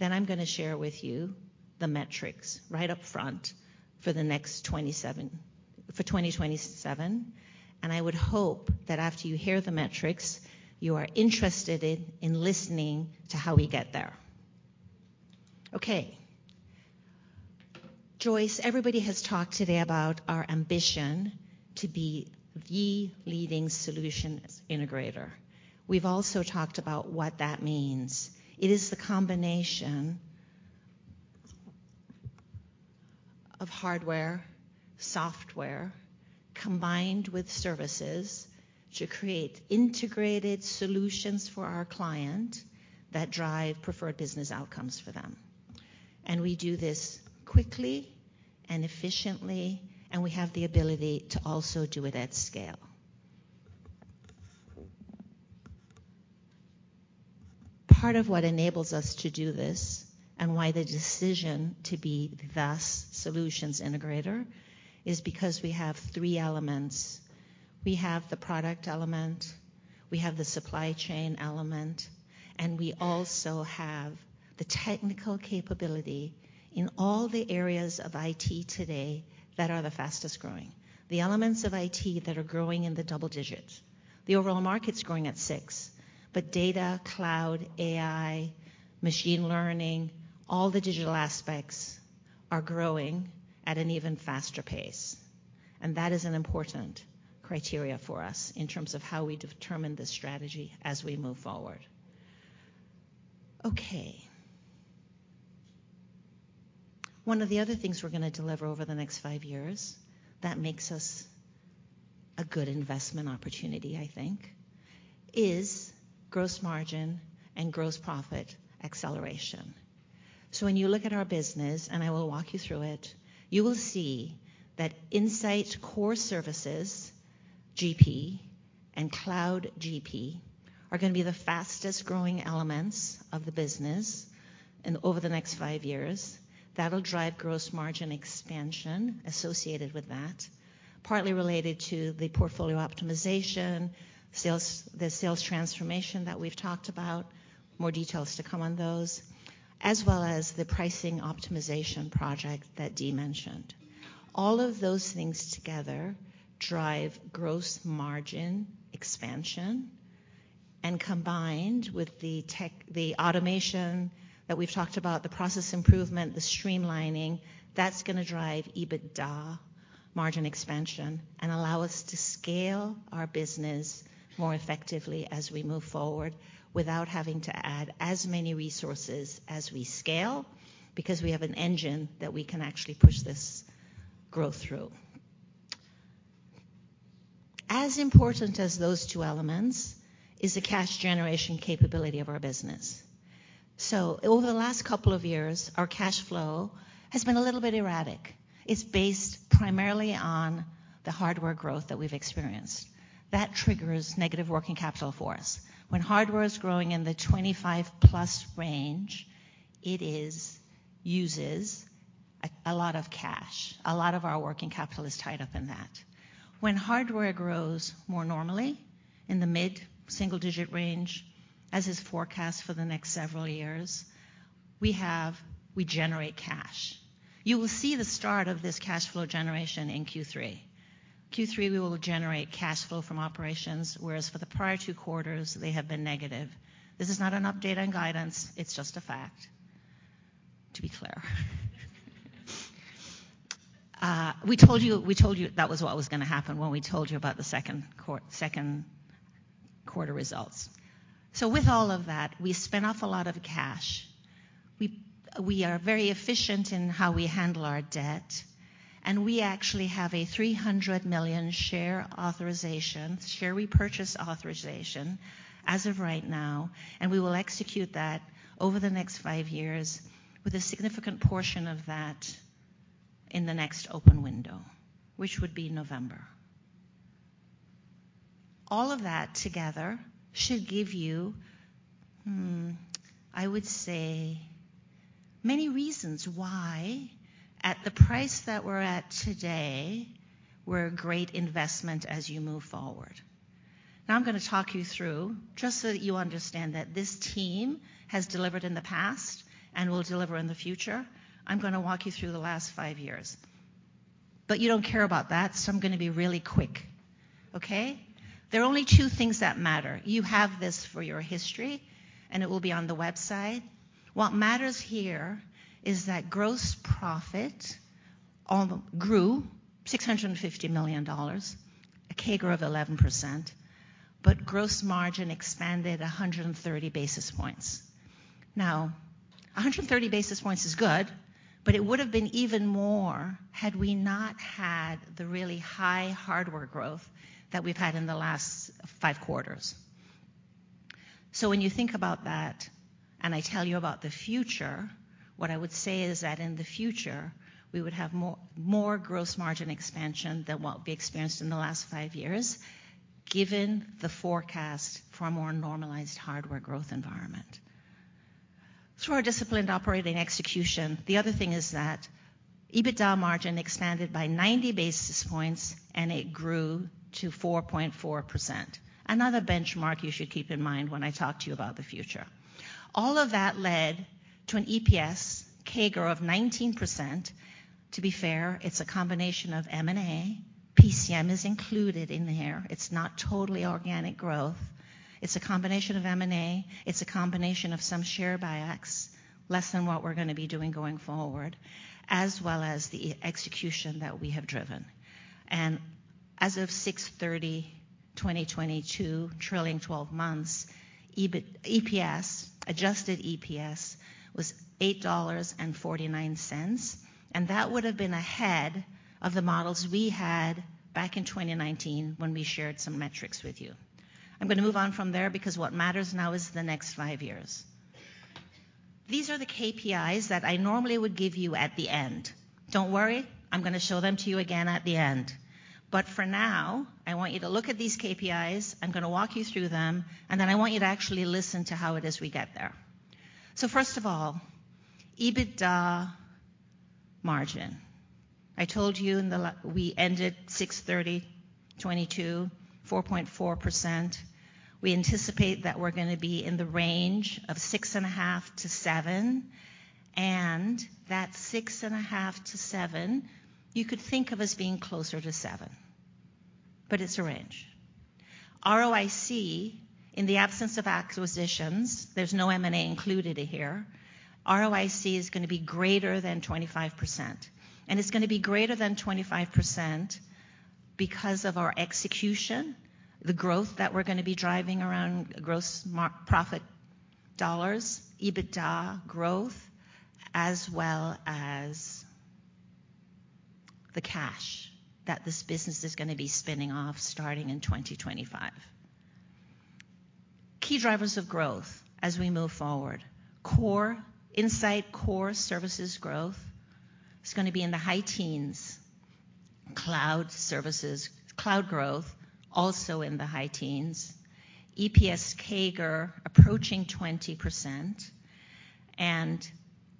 I'm gonna share with you the metrics right up front for 2027, and I would hope that after you hear the metrics, you are interested in listening to how we get there. Okay. Joyce, everybody has talked today about our ambition to be the leading solutions integrator. We've also talked about what that means. It is the combination of hardware, software, combined with services to create integrated solutions for our client that drive preferred business outcomes for them. We do this quickly and efficiently, and we have the ability to also do it at scale. Part of what enables us to do this and why the decision to be the solutions integrator is because we have three elements. We have the product element, we have the supply chain element, and we also have the technical capability in all the areas of IT today that are the fastest-growing, the elements of IT that are growing in the double digits. The overall market's growing at 6%, but data, Cloud, AI, machine learning, all the digital aspects are growing at an even faster pace. That is an important criteria for us in terms of how we determine the strategy as we move forward. Okay. One of the other things we're gonna deliver over the next five years that makes us a good investment opportunity, I think, is gross margin and gross profit acceleration. When you look at our business, and I will walk you through it, you will see that Insight Core Services GP and Cloud GP are gonna be the fastest-growing elements of the business. Over the next five years, that'll drive gross margin expansion associated with that, partly related to the portfolio optimization, sales, the sales transformation that we've talked about, more details to come on those, as well as the pricing optimization project that Dee mentioned. All of those things together drive gross margin expansion. Combined with the tech. The automation that we've talked about, the process improvement, the streamlining, that's gonna drive EBITDA margin expansion and allow us to scale our business more effectively as we move forward without having to add as many resources as we scale because we have an engine that we can actually push this growth through. As important as those two elements is the cash generation capability of our business. Over the last couple of years, our cash flow has been a little bit erratic. It's based primarily on the hardware growth that we've experienced. That triggers negative working capital for us. When hardware is growing in the 25+ range, it uses a lot of cash. A lot of our working capital is tied up in that. When hardware grows more normally in the mid-single digit range, as is forecast for the next several years, we generate cash. You will see the start of this cash flow generation in Q3. Q3, we will generate cash flow from operations, whereas for the prior two quarters, they have been negative. This is not an update on guidance, it's just a fact, to be clear. We told you that was what was gonna happen when we told you about the second quarter results. With all of that, we spin off a lot of cash. We are very efficient in how we handle our debt, and we actually have a 300 million share authorization, share repurchase authorization as of right now, and we will execute that over the next five years with a significant portion of that in the next open window, which would be November. All of that together should give you, I would say many reasons why, at the price that we're at today, we're a great investment as you move forward. Now, I'm gonna talk you through, just so that you understand that this team has delivered in the past and will deliver in the future. I'm gonna walk you through the last five years. You don't care about that, so I'm gonna be really quick, okay? There are only two things that matter. You have this for your history, and it will be on the website. What matters here is that gross profit grew $650 million, a CAGR of 11%, but gross margin expanded 130 basis points. Now, 130 basis points is good, but it would have been even more had we not had the really high hardware growth that we've had in the last five quarters. When you think about that, and I tell you about the future, what I would say is that in the future, we would have more gross margin expansion than what we experienced in the last five years, given the forecast for a more normalized hardware growth environment. Through our disciplined operating execution, the other thing is that EBITDA margin expanded by 90 basis points, and it grew to 4.4%. Another benchmark you should keep in mind when I talk to you about the future. All of that led to an EPS CAGR of 19%. To be fair, it's a combination of M&A. PCM is included in here. It's not totally organic growth. It's a combination of M&A. It's a combination of some share buybacks, less than what we're gonna be doing going forward, as well as the execution that we have driven. As of 6/30/2022, trailing twelve months, EPS, adjusted EPS was $8.49, and that would have been ahead of the models we had back in 2019 when we shared some metrics with you. I'm gonna move on from there because what matters now is the next five years. These are the KPIs that I normally would give you at the end. Don't worry, I'm gonna show them to you again at the end. For now, I want you to look at these KPIs. I'm gonna walk you through them, and then I want you to actually listen to how it is we get there. First of all, EBITDA margin. I told you we ended 6/30/2022, 4.4%. We anticipate that we're gonna be in the range of 6.5%-7%, and that 6.5%-7%, you could think of as being closer to 7%, but it's a range. ROIC, in the absence of acquisitions, there's no M&A included in here. ROIC is gonna be greater than 25%, and it's gonna be greater than 25% because of our execution, the growth that we're gonna be driving around gross profit dollars, EBITDA growth, as well as the cash that this business is gonna be spinning off starting in 2025. Key drivers of growth as we move forward. Core, Insight core services growth is gonna be in the high teens. Cloud services, Cloud growth, also in the high teens. EPS CAGR approaching 20%.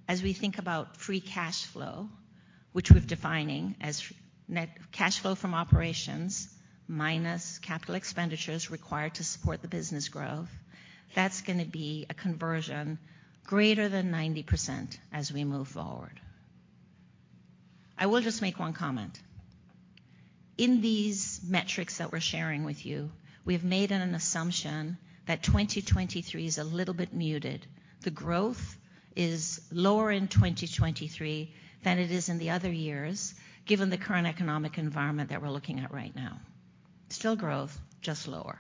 As we think about free cash flow, which we're defining as net cash flow from operations minus capital expenditures required to support the business growth, that's gonna be a conversion greater than 90% as we move forward. I will just make one comment. In these metrics that we're sharing with you, we have made an assumption that 2023 is a little bit muted. The growth is lower in 2023 than it is in the other years, given the current economic environment that we're looking at right now. Still growth, just lower.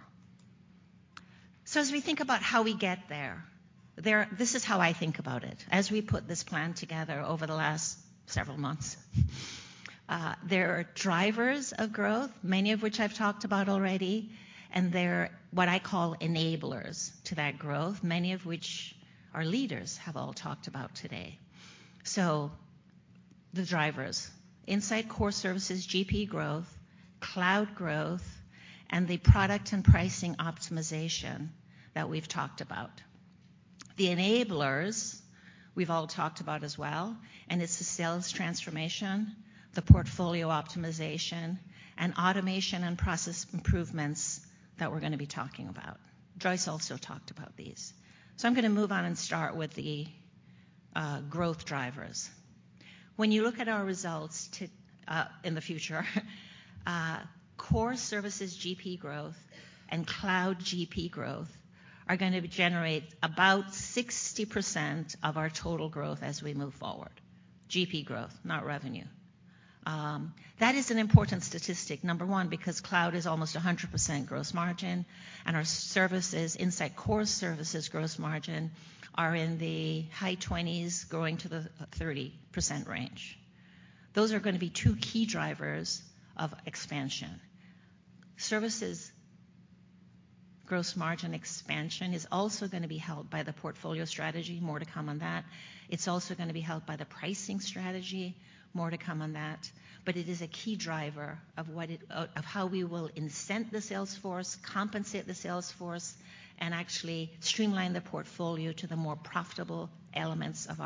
As we think about how we get there, this is how I think about it. As we put this plan together over the last several months, there are drivers of growth, many of which I've talked about already, and there are what I call enablers to that growth, many of which our leaders have all talked about today. The drivers. Insight core services GP growth, Cloud growth, and the product and pricing optimization that we've talked about. The enablers we've all talked about as well, and it's the sales transformation, the portfolio optimization, and automation and process improvements that we're gonna be talking about. Joyce also talked about these. I'm gonna move on and start with the growth drivers. When you look at our results in the future, core services GP growth and Cloud GP growth are gonna generate about 60% of our total growth as we move forward. GP growth, not revenue. That is an important statistic. Number one, because Cloud is almost 100% gross margin, and our services, Insight core services gross margin are in the high 20s, growing to the 30% range. Those are gonna be two key drivers of expansion. Services gross margin expansion is also gonna be helped by the portfolio strategy. More to come on that. It's also gonna be helped by the pricing strategy. More to come on that. It is a key driver of how we will incent the sales force, compensate the sales force, and actually streamline the portfolio to the more profitable elements of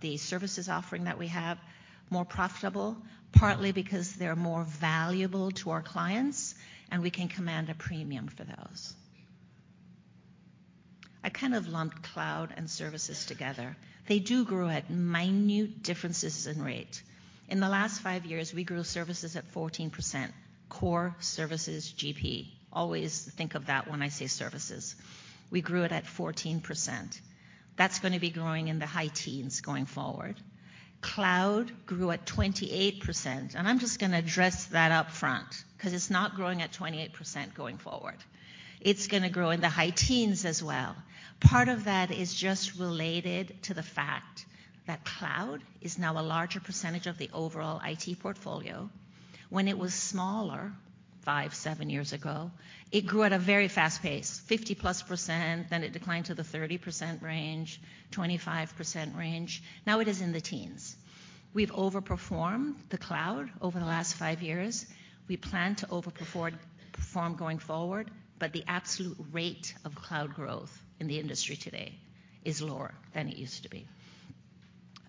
the services offering that we have. More profitable, partly because they're more valuable to our clients, and we can command a premium for those. I kind of lumped Cloud and services together. They do grow at minute differences in rate. In the last five years, we grew services at 14%, core services GP. Always think of that when I say services. We grew it at 14%. That's gonna be growing in the high teens going forward. Cloud grew at 28%, and I'm just gonna address that up front 'cause it's not growing at 28% going forward. It's gonna grow in the high teens as well. Part of that is just related to the fact that Cloud is now a larger percentage of the overall IT portfolio. When it was smaller, 5, 7 years ago, it grew at a very fast pace, 50+%, then it declined to the 30% range, 25% range. Now it is in the teens. We've overperformed the Cloud over the last five years. We plan to overperform going forward, but the absolute rate of Cloud growth in the industry today is lower than it used to be.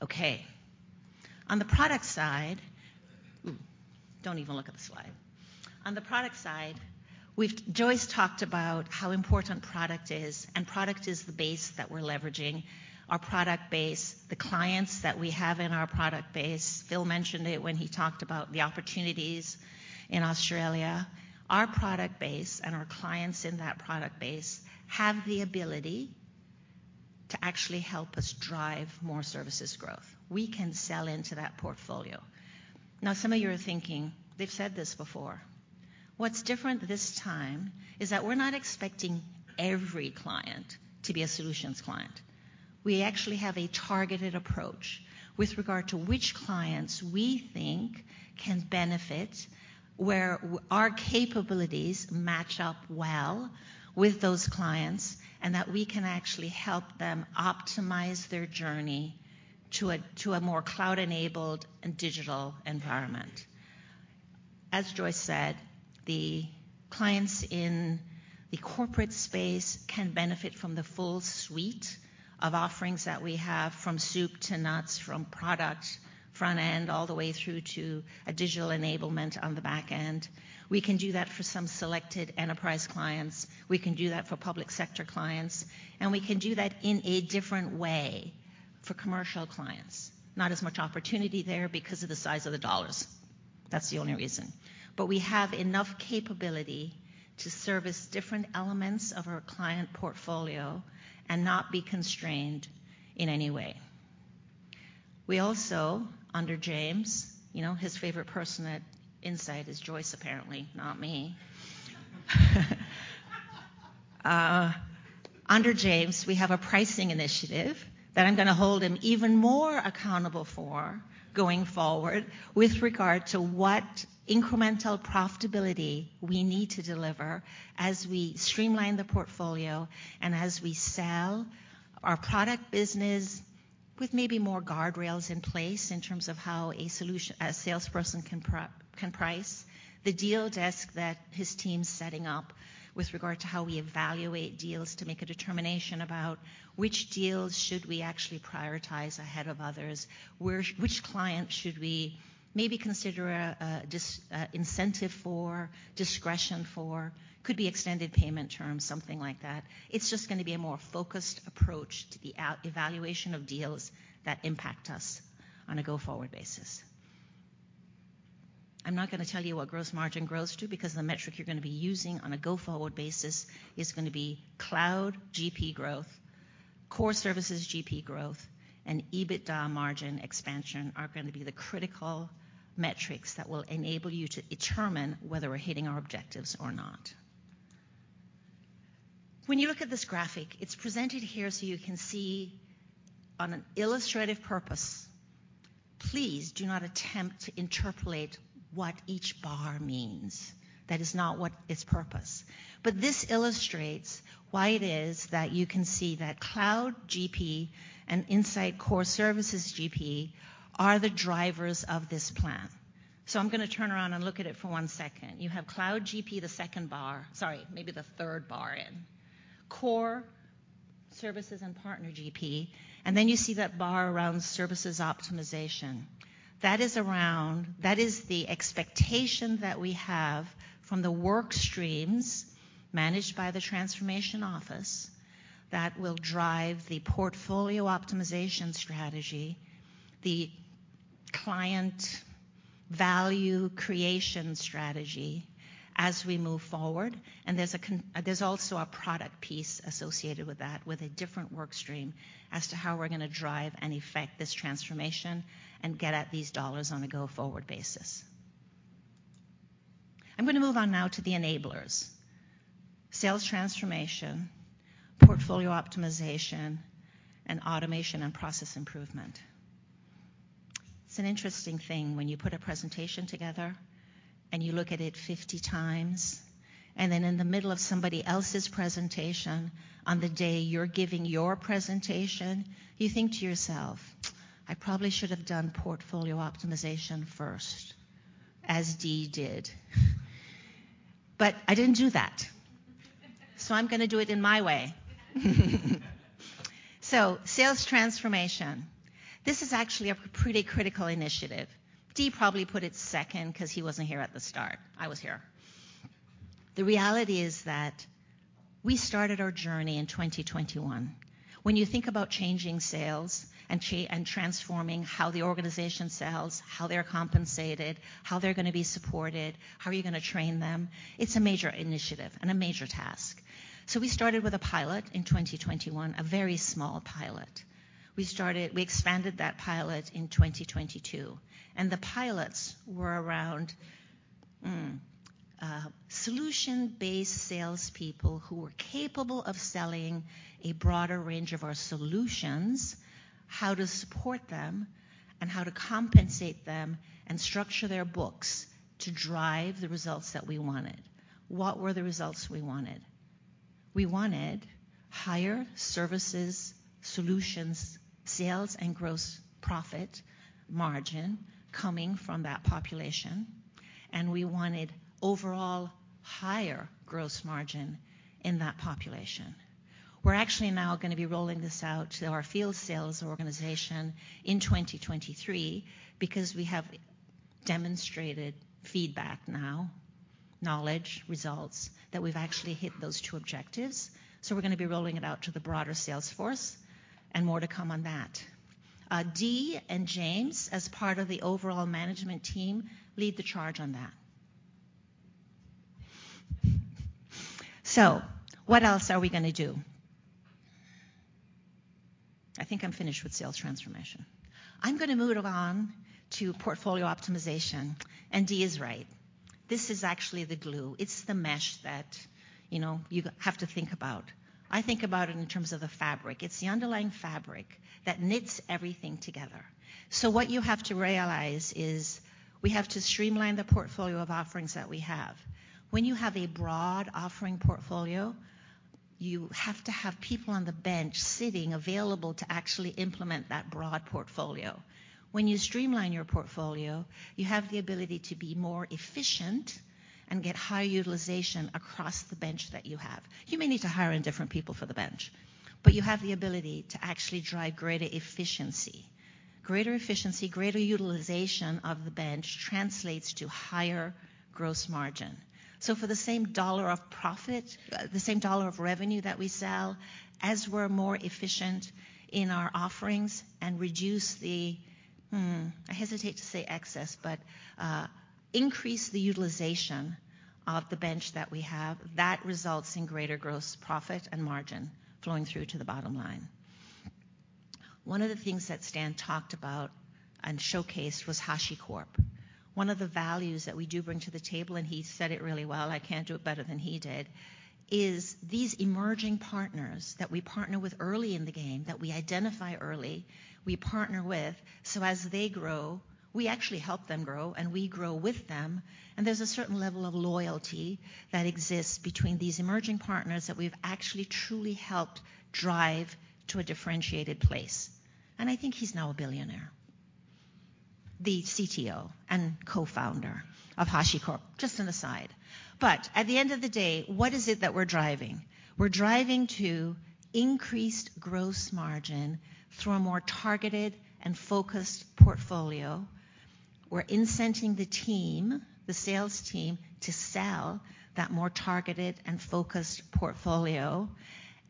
Okay. Ooh, don't even look at the slide. On the product side, Joyce talked about how important product is, and product is the base that we're leveraging. Our product base, the clients that we have in our product base, Phil mentioned it when he talked about the opportunities in Australia. Our product base and our clients in that product base have the ability to actually help us drive more services growth. We can sell into that portfolio. Now, some of you are thinking, "They've said this before." What's different this time is that we're not expecting every client to be a solutions client. We actually have a targeted approach with regard to which clients we think can benefit, where our capabilities match up well with those clients, and that we can actually help them optimize their journey to a more Cloud-enabled and digital environment. As Joyce said, the clients in the corporate space can benefit from the full suite of offerings that we have from soup to nuts, from product front-end all the way through to a digital enablement on the back end. We can do that for some selected enterprise clients, we can do that for public sector clients, and we can do that in a different way for commercial clients. Not as much opportunity there because of the size of the dollars. That's the only reason. We have enough capability to service different elements of our client portfolio and not be constrained in any way. We also, under James, you know, his favorite person at Insight is Joyce, apparently, not me. Under James, we have a pricing initiative that I'm gonna hold him even more accountable for going forward with regard to what incremental profitability we need to deliver as we streamline the portfolio and as we sell our product business with maybe more guardrails in place in terms of how a salesperson can price. The deal desk that his team's setting up with regard to how we evaluate deals to make a determination about which deals should we actually prioritize ahead of others, or which client should we maybe consider a disincentive or discretion for, could be extended payment terms, something like that. It's just gonna be a more focused approach to the evaluation of deals that impact us on a go-forward basis. I'm not gonna tell you what gross margin grows to, because the metric you're gonna be using on a go-forward basis is gonna be Cloud GP growth, core services GP growth, and EBITDA margin expansion are gonna be the critical metrics that will enable you to determine whether we're hitting our objectives or not. When you look at this graphic, it's presented here so you can see on an illustrative purpose. Please do not attempt to interpolate what each bar means. That is not what its purpose. This illustrates why it is that you can see that Cloud GP and Insight core services GP are the drivers of this plan. I'm gonna turn around and look at it for one second. You have Cloud GP, the second bar. Sorry, maybe the third bar in. Core services and Partner GP, and then you see that bar around services optimization. That is the expectation that we have from the work streams managed by the transformation office that will drive the portfolio optimization strategy, the client value creation strategy as we move forward, and there's a product piece associated with that, with a different work stream as to how we're gonna drive and effect this transformation and get at these dollars on a go-forward basis. I'm gonna move on now to the enablers. Sales transformation, portfolio optimization, and automation and process improvement. It's an interesting thing when you put a presentation together and you look at it 50 times, and then in the middle of somebody else's presentation on the day you're giving your presentation, you think to yourself, "I probably should have done portfolio optimization first, as Dee did." I didn't do that. I'm gonna do it in my way. Sales transformation. This is actually a pretty critical initiative. Dee probably put it second 'cause he wasn't here at the start. I was here. The reality is that we started our journey in 2021. When you think about changing sales and transforming how the organization sells, how they're compensated, how they're gonna be supported, how are you gonna train them, it's a major initiative and a major task. We started with a pilot in 2021, a very small pilot. We expanded that pilot in 2022, and the pilots were around solution-based salespeople who are capable of selling a broader range of our solutions, how to support them, and how to compensate them and structure their books to drive the results that we wanted. What were the results we wanted? We wanted higher services, solutions, sales, and gross profit margin coming from that population, and we wanted overall higher gross margin in that population. We're actually now gonna be rolling this out to our field sales organization in 2023 because we have demonstrated feedback now, knowledge, results, that we've actually hit those two objectives. We're gonna be rolling it out to the broader sales force and more to come on that. Dee and James, as part of the overall management team, lead the charge on that. What else are we gonna do? I think I'm finished with sales transformation. I'm gonna move it on to portfolio optimization, and Dee is right. This is actually the glue. It's the mesh that, you know, you have to think about. I think about it in terms of the fabric. It's the underlying fabric that knits everything together. What you have to realize is we have to streamline the portfolio of offerings that we have. When you have a broad offering portfolio, you have to have people on the bench sitting available to actually implement that broad portfolio. When you streamline your portfolio, you have the ability to be more efficient and get higher utilization across the bench that you have. You may need to hire in different people for the bench, but you have the ability to actually drive greater efficiency. Greater efficiency, greater utilization of the bench translates to higher gross margin. For the same dollar of profit, the same dollar of revenue that we sell, as we're more efficient in our offerings and reduce the, I hesitate to say excess, but increase the utilization of the bench that we have, that results in greater gross profit and margin flowing through to the bottom line. One of the things that Stan talked about and showcased was HashiCorp. One of the values that we do bring to the table, and he said it really well, I can't do it better than he did, is these emerging partners that we partner with early in the game, that we identify early, we partner with, so as they grow, we actually help them grow, and we grow with them, and there's a certain level of loyalty that exists between these emerging partners that we've actually truly helped drive to a differentiated place. I think he's now a billionaire, the CTO and co-founder of HashiCorp, just an aside. At the end of the day, what is it that we're driving? We're driving to increased gross margin through a more targeted and focused portfolio. We're incenting the team, the sales team, to sell that more targeted and focused portfolio.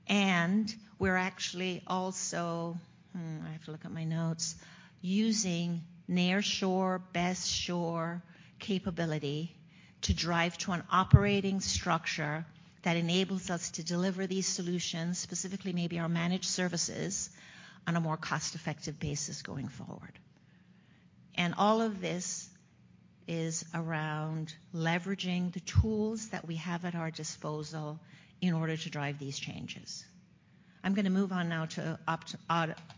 We're actually also, I have to look at my notes, using nearshore, best shore capability to drive to an operating structure that enables us to deliver these solutions, specifically maybe our managed services, on a more cost-effective basis going forward. All of this is around leveraging the tools that we have at our disposal in order to drive these changes. I'm gonna move on now to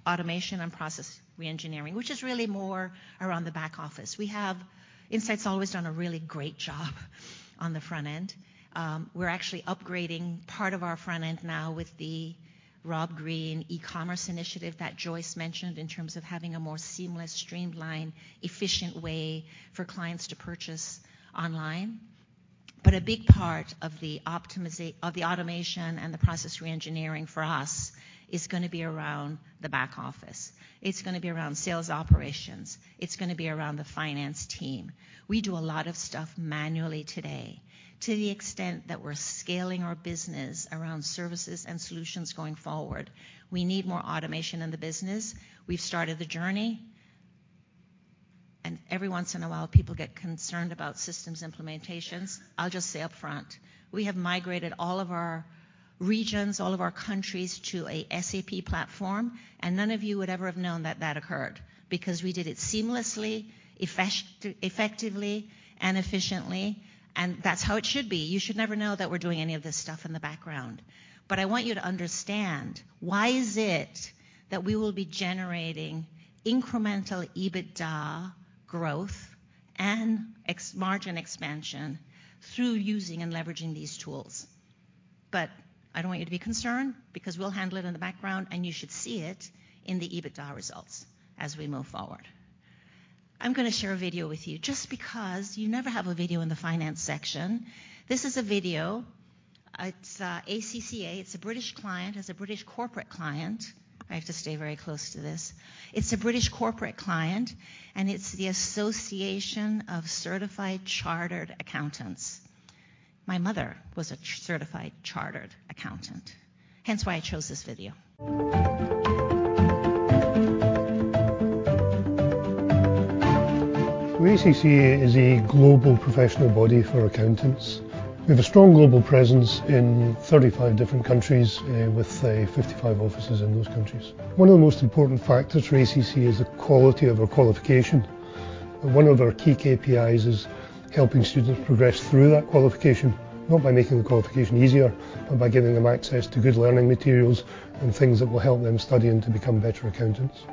automation and process reengineering, which is really more around the back office. We have-Insight's always done a really great job on the front end. We're actually upgrading part of our front end now with the Rob Green e-commerce initiative that Joyce mentioned in terms of having a more seamless, streamlined, efficient way for clients to purchase online. A big part of the automation and the process reengineering for us is gonna be around the back office. It's gonna be around sales operations. It's gonna be around the finance team. We do a lot of stuff manually today. To the extent that we're scaling our business around services and solutions going forward, we need more automation in the business. We've started the journey, and every once in a while, people get concerned about systems implementations. I'll just say up front, we have migrated all of our regions, all of our countries to a SAP platform, and none of you would ever have known that that occurred because we did it seamlessly, effectively and efficiently, and that's how it should be. You should never know that we're doing any of this stuff in the background. I want you to understand why is it that we will be generating incremental EBITDA growth and ex-margin expansion through using and leveraging these tools. I don't want you to be concerned because we'll handle it in the background, and you should see it in the EBITDA results as we move forward. I'm gonna share a video with you just because you never have a video in the finance section. This is a video. It's ACCA. It's a British client, it's a British corporate client. I have to stay very close to this. It's a British corporate client, and it's the Association of Chartered Certified Accountants. My mother was a certified chartered accountant, hence why I chose this video. ACCA is a global professional body for accountants. We have a strong global presence in 35 different countries with 55 offices in those countries. One of the most important factors for ACCA is the quality of our qualification. One of our key KPIs is helping students progress through that qualification, not by making the qualification easier, but by giving them access to good learning materials and things that will help them study and to become better accountants.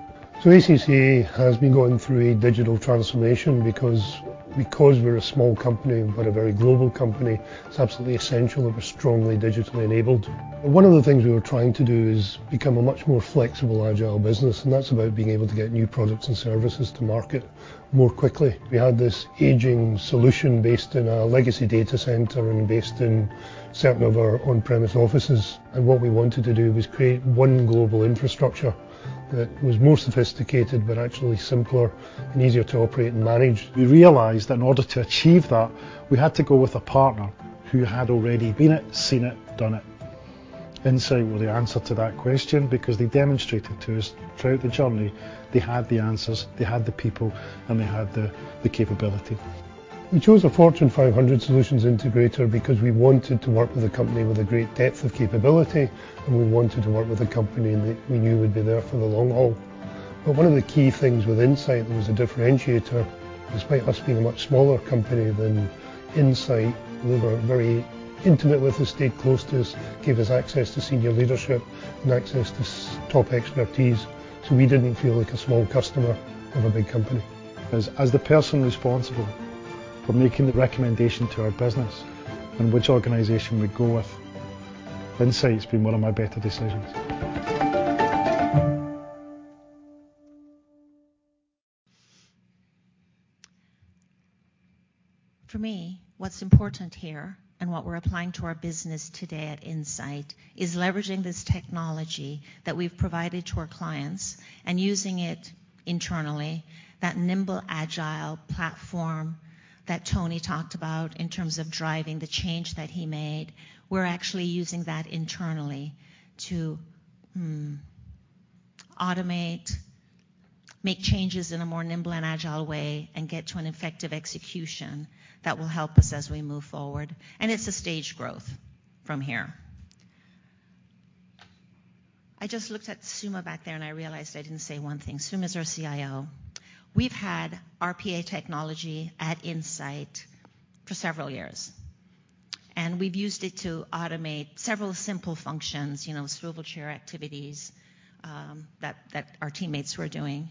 ACCA has been going through a digital transformation because we're a small company, but a very global company, it's absolutely essential that we're strongly digitally enabled. One of the things we were trying to do is become a much more flexible, agile business, and that's about being able to get new products and services to market more quickly. We had this aging solution based in a legacy data center and based in certain of our on-premise offices, and what we wanted to do was create one global infrastructure that was more sophisticated, but actually simpler and easier to operate and manage. We realized that in order to achieve that, we had to go with a partner who had already been it, seen it, done it. Insight were the answer to that question because they demonstrated to us throughout the journey they had the answers, they had the people, and they had the capability. We chose a Fortune 500 solutions integrator because we wanted to work with a company with a great depth of capability, and we wanted to work with a company that we knew would be there for the long haul. One of the key things with Insight that was a differentiator, despite us being a much smaller company than Insight, they were very intimate with us, stayed close to us, gave us access to senior leadership and access to top expertise, so we didn't feel like a small customer of a big company. As the person responsible for making the recommendation to our business on which organization we go with, Insight's been one of my better decisions. For me, what's important here and what we're applying to our business today at Insight is leveraging this technology that we've provided to our clients and using it internally. That nimble, agile platform that Tony talked about in terms of driving the change that he made, we're actually using that internally to automate, make changes in a more nimble and agile way, and get to an effective execution that will help us as we move forward, and it's a stage growth from here. I just looked at Sumana back there, and I realized I didn't say one thing. Sumana's our CIO. We've had RPA technology at Insight for several years, and we've used it to automate several simple functions, you know, swivel chair activities, that our teammates were doing.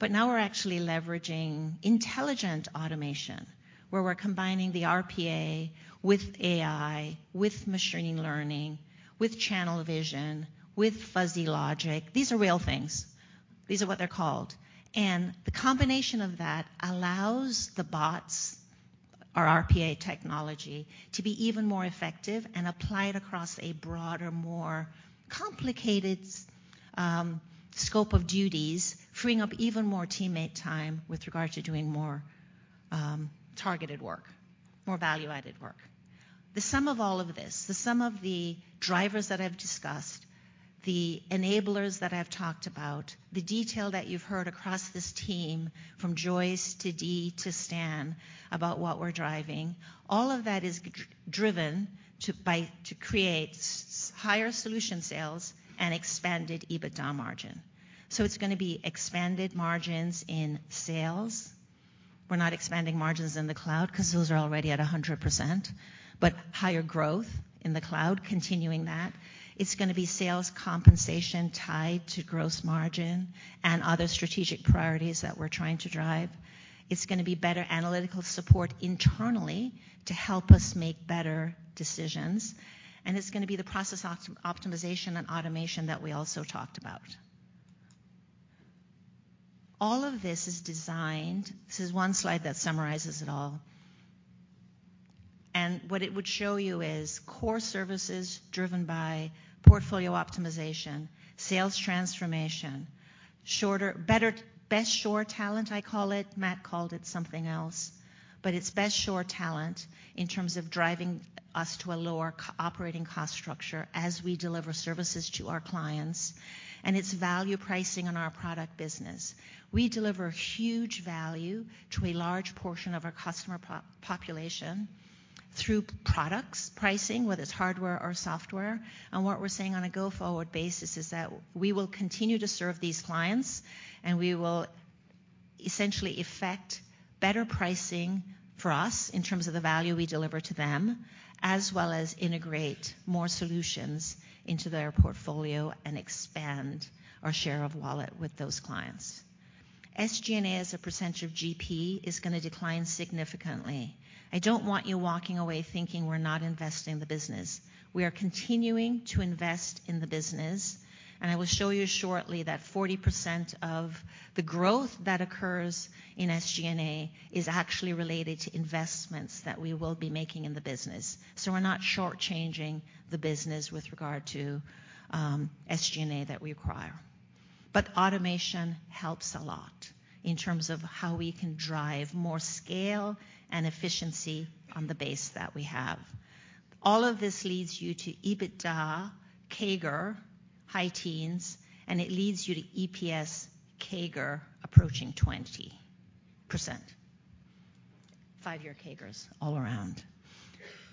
We're actually leveraging intelligent automation, where we're combining the RPA with AI, with machine learning, with channel vision, with fuzzy logic. These are real things. These are what they're called. The combination of that allows the bots or RPA technology to be even more effective and apply it across a broader, more complicated scope of duties, freeing up even more teammate time with regard to doing more targeted work, more value-added work. The sum of all of this, the sum of the drivers that I've discussed, the enablers that I've talked about, the detail that you've heard across this team from Joyce to Dee to Stan about what we're driving, all of that is driven to create higher solution sales and expanded EBITDA margin. It's gonna be expanded margins in sales. We're not expanding margins in the Cloud 'cause those are already at 100%, but higher growth in the Cloud, continuing that. It's gonna be sales compensation tied to gross margin and other strategic priorities that we're trying to drive. It's gonna be better analytical support internally to help us make better decisions, and it's gonna be the process optimization and automation that we also talked about. All of this is designed. This is one slide that summarizes it all. What it would show you is core services driven by portfolio optimization, sales transformation, shorter, better, best shore talent, I call it. Matt called it something else, but it's best shore talent in terms of driving us to a lower operating cost structure as we deliver services to our clients, and it's value pricing on our product business. We deliver huge value to a large portion of our customer population through products pricing, whether it's hardware or software. What we're saying on a go-forward basis is that we will continue to serve these clients, and we will essentially effect better pricing for us in terms of the value we deliver to them, as well as integrate more solutions into their portfolio and expand our share of wallet with those clients. SG&A as a percentage of GP is gonna decline significantly. I don't want you walking away thinking we're not investing in the business. We are continuing to invest in the business, and I will show you shortly that 40% of the growth that occurs in SG&A is actually related to investments that we will be making in the business. We're not short-changing the business with regard to SG&A that we acquire. Automation helps a lot in terms of how we can drive more scale and efficiency on the base that we have. All of this leads you to EBITDA CAGR high teens, and it leads you to EPS CAGR approaching 20%. Five-year CAGRs all around.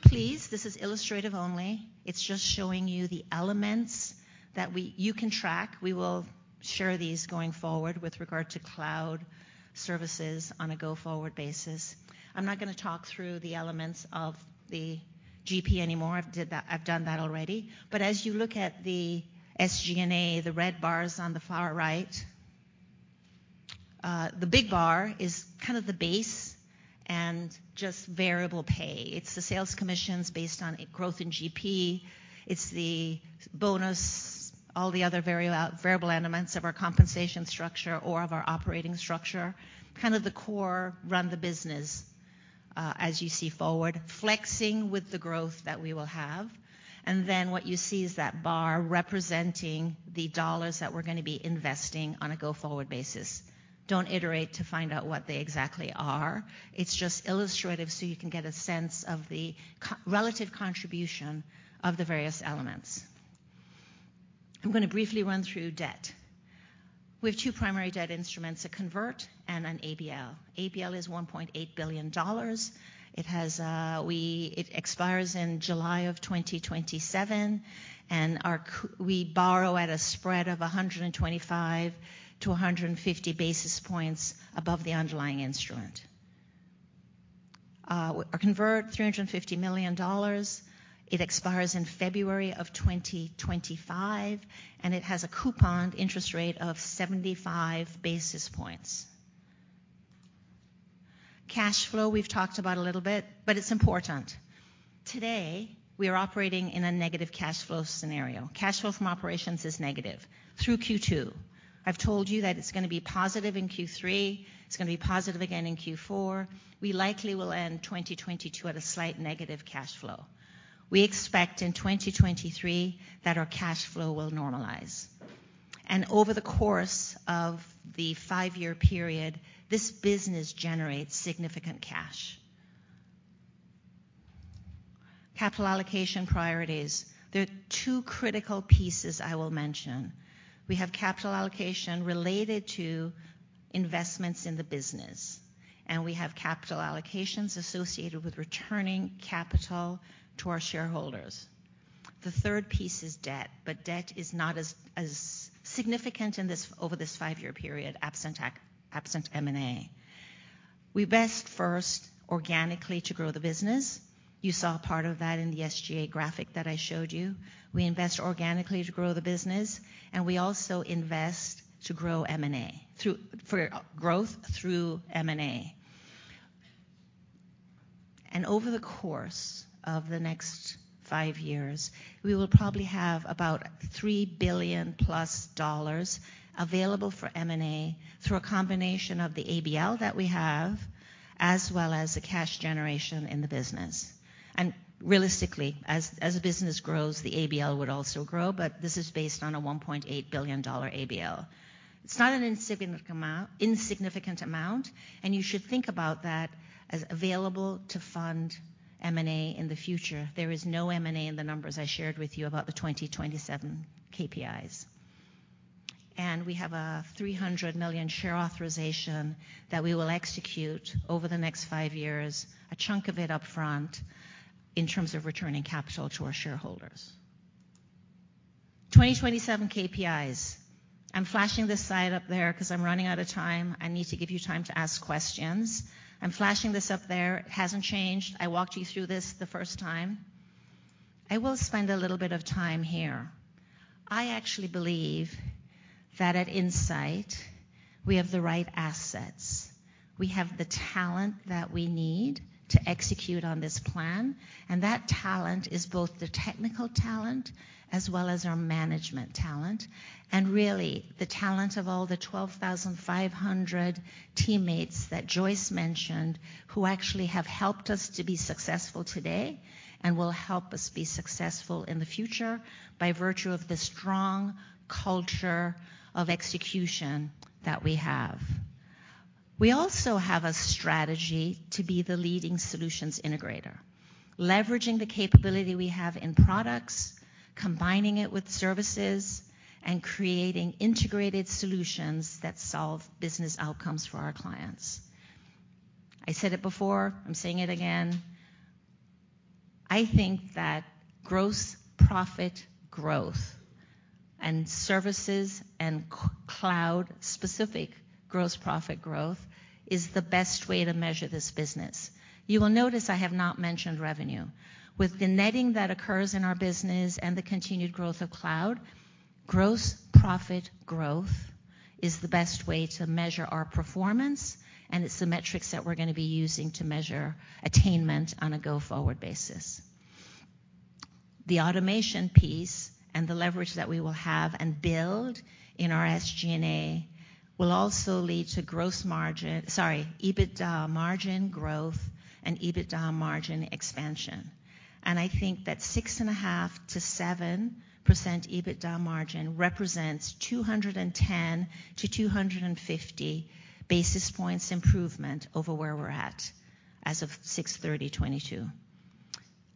Please, this is illustrative only. It's just showing you the elements that you can track. We will share these going forward with regard to Cloud services on a go-forward basis. I'm not gonna talk through the elements of the GP anymore. I've done that already. As you look at the SG&A, the red bars on the far right, the big bar is kind of the base and just variable pay. It's the sales commissions based on growth in GP. It's the bonus, all the other very variable elements of our compensation structure or of our operating structure, kind of the core run the business, as you see forward, flexing with the growth that we will have. What you see is that bar representing the dollars that we're gonna be investing on a go-forward basis. Don't iterate to find out what they exactly are. It's just illustrative, so you can get a sense of the relative contribution of the various elements. I'm gonna briefly run through debt. We have two primary debt instruments, a convert and an ABL. ABL is $1.8 billion. It expires in July of 2027, and we borrow at a spread of 125-150 basis points above the underlying instrument. Our convertible $350 million. It expires in February of 2025, and it has a coupon interest rate of 75 basis points. Cash flow, we've talked about a little bit, but it's important. Today, we are operating in a negative cash flow scenario. Cash flow from operations is negative through Q2. I've told you that it's gonna be positive in Q3. It's gonna be positive again in Q4. We likely will end 2022 at a slight negative cash flow. We expect in 2023 that our cash flow will normalize. Over the course of the five-year period, this business generates significant cash. Capital allocation priorities. There are two critical pieces I will mention. We have capital allocation related to investments in the business, and we have capital allocations associated with returning capital to our shareholders. The third piece is debt, but debt is not as significant in this five-year period, absent M&A. We invest first organically to grow the business. You saw part of that in the SG&A graphic that I showed you. We invest organically to grow the business, and we also invest for growth through M&A. Over the course of the next five years, we will probably have about $3 billion-plus available for M&A through a combination of the ABL that we have, as well as the cash generation in the business. Realistically, as the business grows, the ABL would also grow, but this is based on a $1.8 billion ABL. It's not an insignificant amount, and you should think about that as available to fund M&A in the future. There is no M&A in the numbers I shared with you about the 2027 KPIs. We have a $300 million share authorization that we will execute over the next five years, a chunk of it upfront, in terms of returning capital to our shareholders. 2027 KPIs. I'm flashing this slide up there 'cause I'm running out of time. I need to give you time to ask questions. I'm flashing this up there. It hasn't changed. I walked you through this the first time. I will spend a little bit of time here. I actually believe that at Insight, we have the right assets. We have the talent that we need to execute on this plan, and that talent is both the technical talent as well as our management talent, and really the talent of all the 12,500 teammates that Joyce mentioned who actually have helped us to be successful today and will help us be successful in the future by virtue of the strong culture of execution that we have. We also have a strategy to be the leading solutions integrator, leveraging the capability we have in products, combining it with services, and creating integrated solutions that solve business outcomes for our clients. I said it before, I'm saying it again, I think that gross profit growth and services and Cloud-specific gross profit growth is the best way to measure this business. You will notice I have not mentioned revenue. With the netting that occurs in our business and the continued growth of Cloud, gross profit growth is the best way to measure our performance, and it's the metrics that we're gonna be using to measure attainment on a go-forward basis. The automation piece and the leverage that we will have and build in our SG&A will also lead to gross margin, Sorry, EBITDA margin growth and EBITDA margin expansion. I think that 6.5%-7% EBITDA margin represents 210-250 basis points improvement over where we're at as of 6/30/2022.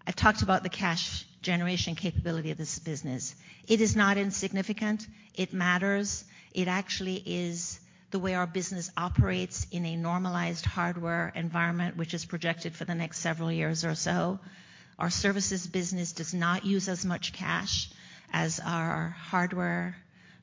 I've talked about the cash generation capability of this business. It is not insignificant. It matters. It actually is the way our business operates in a normalized hardware environment, which is projected for the next several years or so. Our services business does not use as much cash as our hardware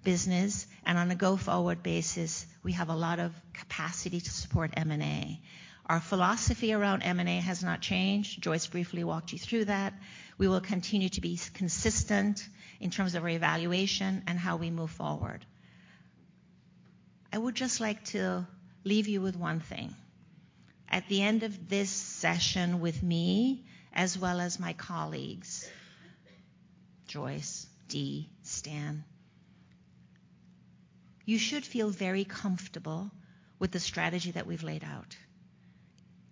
business, and on a go-forward basis, we have a lot of capacity to support M&A. Our philosophy around M&A has not changed. Joyce briefly walked you through that. We will continue to be consistent in terms of our evaluation and how we move forward. I would just like to leave you with one thing. At the end of this session with me, as well as my colleagues, Joyce, Dee, Stan, you should feel very comfortable with the strategy that we've laid out.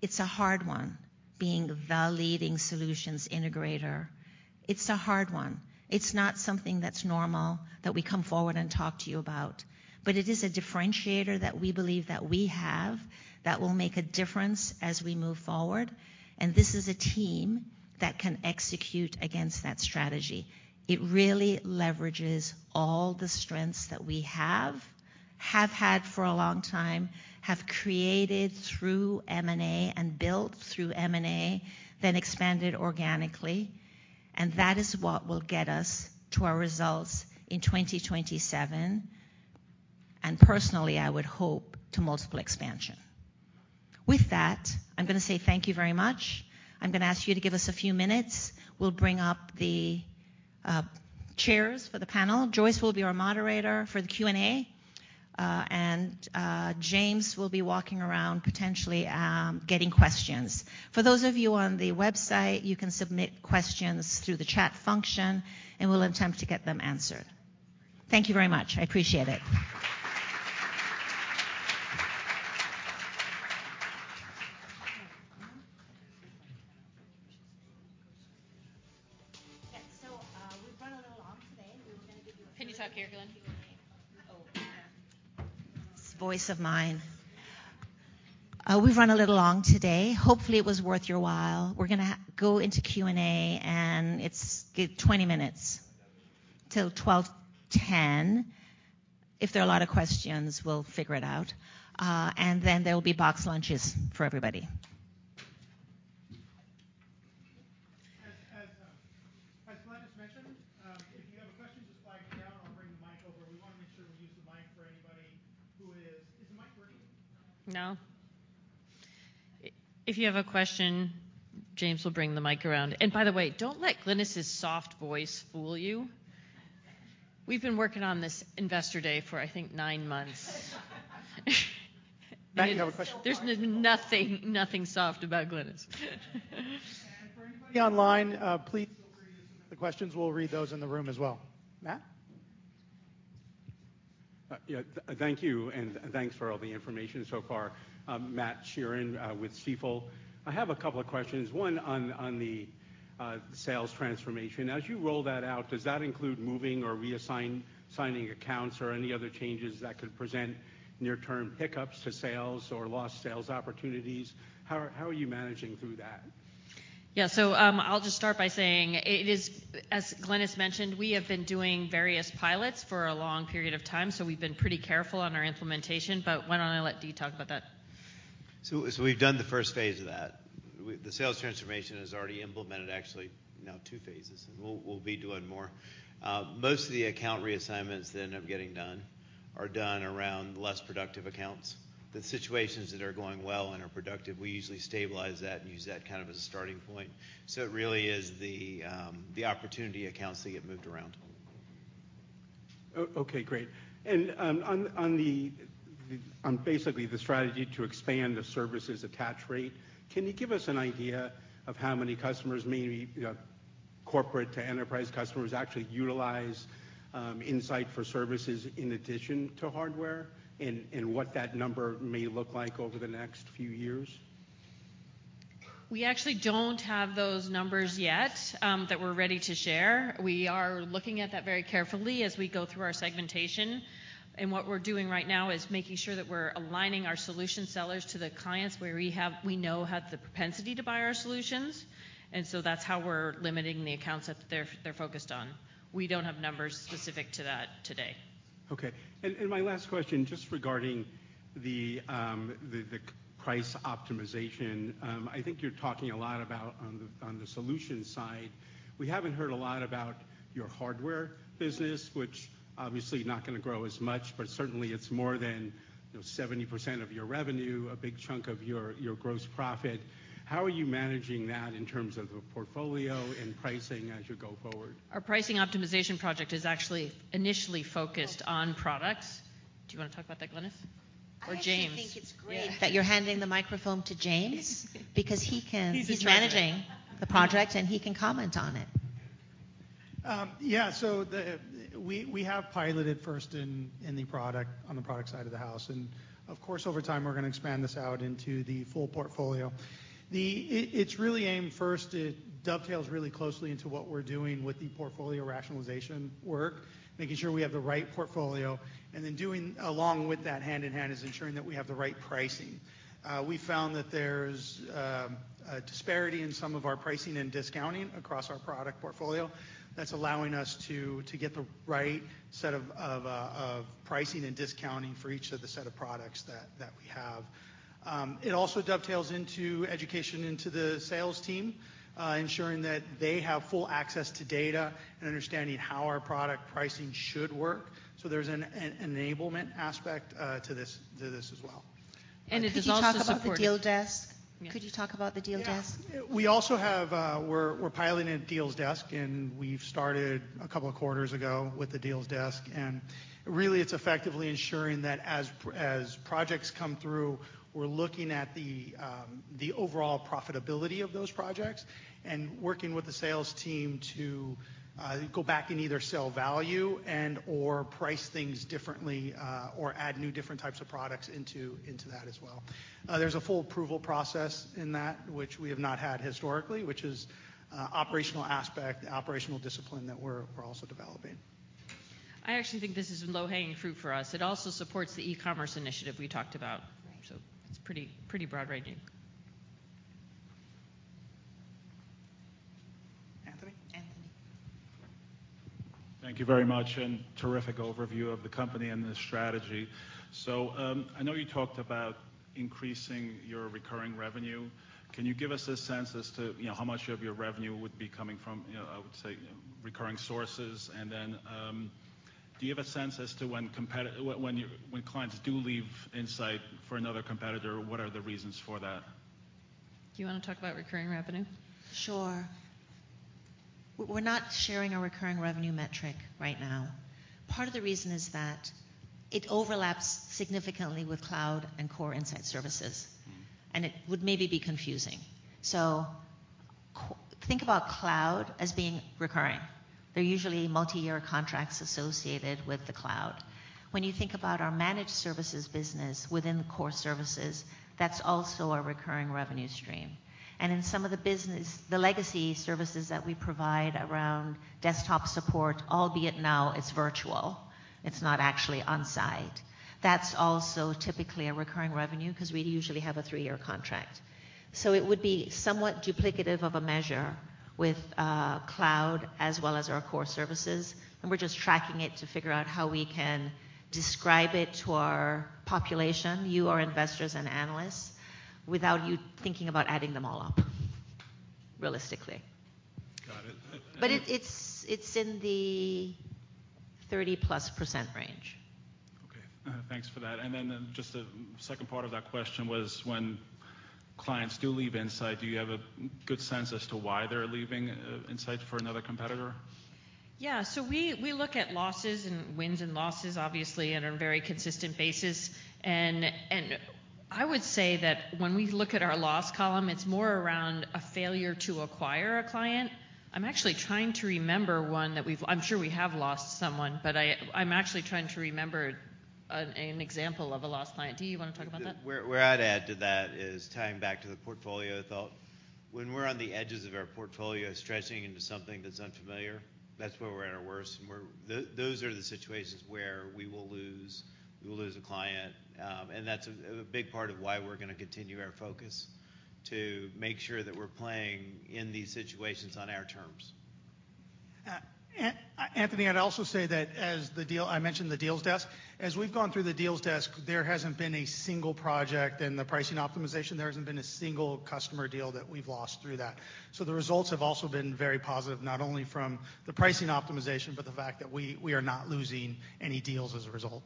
It's a hard one being the leading solutions integrator. It's a hard one. It's not something that's normal that we come forward and talk to you about. It is a differentiator that we believe that we have that will make a difference as we move forward, and this is a team that can execute against that strategy. It really leverages all the strengths that we have had for a long time, have created through M&A and built through M&A, then expanded organically, and that is what will get us to our results in 2027, and personally, I would hope to multiple expansion. With that, I'm gonna say thank you very much. I'm gonna ask you to give us a few minutes. We'll bring up the chairs for the panel. Joyce will be our moderator for the Q&A, and James will be walking around potentially getting questions. For those of you on the website, you can submit questions through the chat function, and we'll attempt to get them answered. Thank you very much. I appreciate it. Okay, so we've run a little long today. We were gonna give you-Oh. This voice of mine. Hopefully, it was worth your while. We're gonna go into Q&A, and it's 20 minutes. Till 12:10 P.M. If there are a lot of questions, we'll figure it out, and then there will be boxed lunches for everybody. As Glynis mentioned, if you have a question, just flag me down and I'll bring the mic over. We wanna make sure we use the mic for anybody. Is the mic working? No. If you have a question, James will bring the mic around. By the way, don't let Glynis' soft voice fool you. We've been working on this investor day for, I think, nine months. Matt, you have a question. There's nothing soft about Glynis. For anybody online, please feel free to submit the questions. We'll read those in the room as well. Matt? Yeah, thank you, and thanks for all the information so far. I'm Matt Sheerin with Stifel. I have a couple of questions, one on the sales transformation. As you roll that out, does that include moving or reassigning accounts or any other changes that could present near-term hiccups to sales or lost sales opportunities? How are you managing through that? I'll just start by saying, as Glynis mentioned, we have been doing various pilots for a long period of time, so we've been pretty careful on our implementation. Why don't I let Dee talk about that? We've done the first phase of that. The sales transformation is already implemented actually now two phases, and we'll be doing more. Most of the account reassignments that end up getting done are done around less productive accounts. The situations that are going well and are productive, we usually stabilize that and use that kind of as a starting point. It really is the opportunity accounts that get moved around. Okay, great. On basically the strategy to expand the services attach rate, can you give us an idea of how many customers, maybe, you know, corporate to enterprise customers actually utilize Insight for services in addition to hardware and what that number may look like over the next few years? We actually don't have those numbers yet that we're ready to share. We are looking at that very carefully as we go through our segmentation. What we're doing right now is making sure that we're aligning our solution sellers to the clients where we know we have the propensity to buy our solutions. That's how we're limiting the accounts that they're focused on. We don't have numbers specific to that today. Okay. My last question, just regarding the price optimization. I think you're talking a lot about on the solutions side. We haven't heard a lot about your hardware business, which obviously is not gonna grow as much. Certainly it's more than, you know, 70% of your revenue, a big chunk of your gross profit. How are you managing that in terms of a portfolio and pricing as you go forward? Our pricing optimization project is actually initially focused on products. Do you wanna talk about that, Glynis? Or James? I actually think it's great that you're handing the microphone to James because he's in charge of it. He's managing the project, and he can comment on it. We have piloted first in the product, on the product side of the house. Of course, over time, we're gonna expand this out into the full portfolio. It's really aimed first. It dovetails really closely into what we're doing with the portfolio rationalization work, making sure we have the right portfolio. Doing along with that hand in hand is ensuring that we have the right pricing. We found that there's a disparity in some of our pricing and discounting across our product portfolio that's allowing us to get the right set of pricing and discounting for each of the set of products that we have. It also dovetails into education into the sales team, ensuring that they have full access to data and understanding how our product pricing should work. There's an enablement aspect to this as well. *crosstalk* It is also supported. Could you talk about the Deals Desk? Yeah. Could you talk about the Deals Desk? Yeah. We also have, we're piloting a Deals Desk, and we've started a couple of quarters ago with the Deals desk. Really it's effectively ensuring that as projects come through, we're looking at the overall profitability of those projects and working with the sales team to go back and either sell value and/or price things differently, or add new different types of products into that as well. There's a full approval process in that which we have not had historically, which is operational aspect, operational discipline that we're also developing. I actually think this is low-hanging fruit for us. It also supports the e-commerce initiative we talked about. Right. It's pretty broad ranging. Anthony? Thank you very much, and terrific overview of the company and the strategy. I know you talked about increasing your recurring revenue. Can you give us a sense as to, you know, how much of your revenue would be coming from, you know, I would say, recurring sources? Do you have a sense as to when your clients do leave Insight for another competitor, what are the reasons for that? Do you wanna talk about recurring revenue? Sure. We're not sharing our recurring revenue metric right now. Part of the reason is that it overlaps significantly with Cloud and core Insight services, and it would maybe be confusing. Think about Cloud as being recurring. They're usually multi-year contracts associated with the Cloud. When you think about our managed services business within the core services, that's also a recurring revenue stream. In some of the business, the legacy services that we provide around desktop support, albeit now it's virtual, it's not actually on-site. That's also typically a recurring revenue 'cause we usually have a three-year contract. It would be somewhat duplicative of a measure with Cloud as well as our core services, and we're just tracking it to figure out how we can describe it to our population, you, our investors, and analysts, without you thinking about adding them all up, realistically. Got it. It's in the 30%+ range. Okay. Thanks for that. Then just the second part of that question was when clients do leave Insight, do you have a good sense as to why they're leaving, Insight for another competitor? Yeah. We look at losses and wins and losses obviously on a very consistent basis. I would say that when we look at our loss column, it's more around a failure to acquire a client. I'm actually trying to remember one that we've... I'm sure we have lost someone, but I'm actually trying to remember an example of a lost client. Do you wanna talk about that? Where I'd add to that is tying back to the portfolio thought. When we're on the edges of our portfolio, stretching into something that's unfamiliar, that's where we're at our worst. Those are the situations where we will lose a client. That's a big part of why we're gonna continue our focus to make sure that we're playing in these situations on our terms. Anthony, I'd also say that I mentioned the deals desk. As we've gone through the deals desk, there hasn't been a single project in the pricing optimization, there hasn't been a single customer deal that we've lost through that. The results have also been very positive, not only from the pricing optimization, but the fact that we are not losing any deals as a result.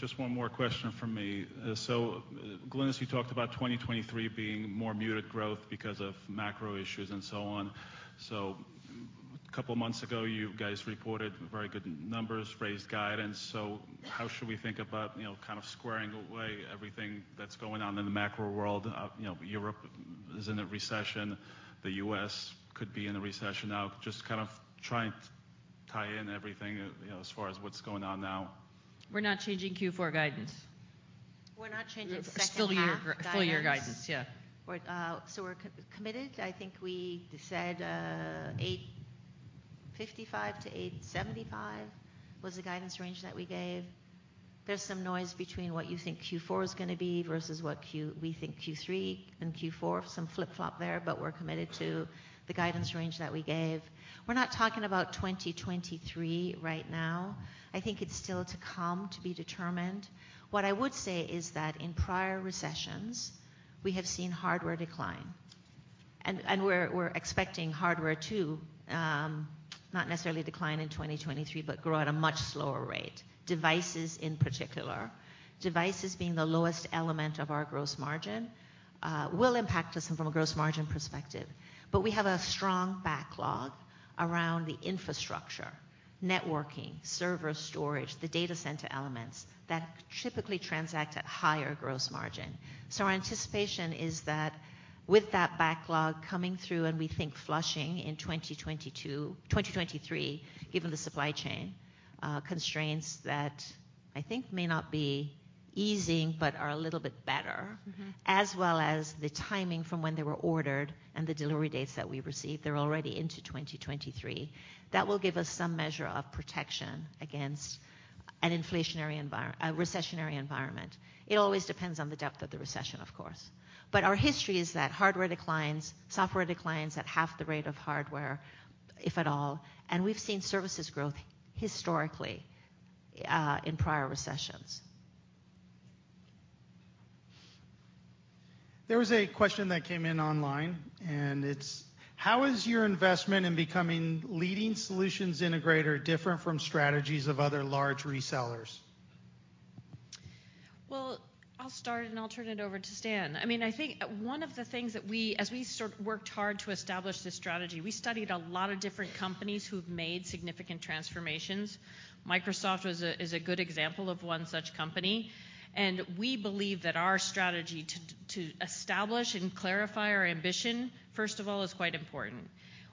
Okay. Just one more question from me. Glynis, you talked about 2023 being more muted growth because of macro issues and so on. Couple months ago, you guys reported very good numbers, raised guidance. How should we think about, you know, kind of squaring away everything that's going on in the macro world? You know, Europe is in a recession. The U.S. could be in a recession now. Just kind of trying to tie in everything, you know, as far as what's going on now. We're not changing Q4 guidance. We're not changing second half guidance. This year, full year guidance. Yeah. We're committed. I think we said $855-$875 was the guidance range that we gave. There's some noise between what you think Q4 is gonna be versus what we think Q3 and Q4. Some flip-flop there, but we're committed to the guidance range that we gave. We're not talking about 2023 right now. I think it's still to be determined. What I would say is that in prior recessions, we have seen hardware decline. We're expecting hardware to not necessarily decline in 2023, but grow at a much slower rate. Devices in particular. Devices being the lowest element of our gross margin will impact us from a gross margin perspective. But we have a strong backlog around the infrastructure, networking, server storage, the data center elements that typically transact at higher gross margin. Our anticipation is that with that backlog coming through, and we think flushing in 2022, 2023, given the supply chain constraints that I think may not be easing, but are a little bit better. Mm-hmm. As well as the timing from when they were ordered and the delivery d]ates that we received, they're already into 2023. That will give us some measure of protection against an inflationary environment, a recessionary environment. It always depends on the depth of the recession, of course. Our history is that hardware declines, software declines at half the rate of hardware. If at all, and we've seen services growth historically, in prior recessions. There was a question that came in online, and it's: How is your investment in becoming leading solutions integrator different from strategies of other large resellers? Well, I'll start, and I'll turn it over to Stan. I mean, I think one of the things that as we sort of worked hard to establish this strategy, we studied a lot of different companies who've made significant transformations. Microsoft was a, is a good example of one such company. We believe that our strategy to establish and clarify our ambition, first of all, is quite important.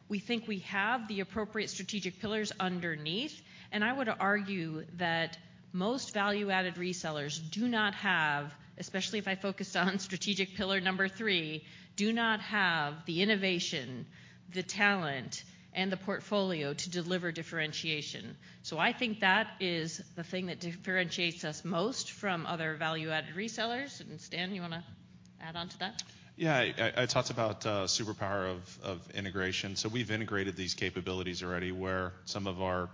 We think we have the appropriate strategic pillars underneath, and I would argue that most value-added resellers do not have, especially if I focus on strategic pillar number three, do not have the innovation, the talent, and the portfolio to deliver differentiation. So I think that is the thing that differentiates us most from other value-added resellers. Stan, you wanna add on to that? Yeah. I talked about superpower of integration. We've integrated these capabilities already where some of our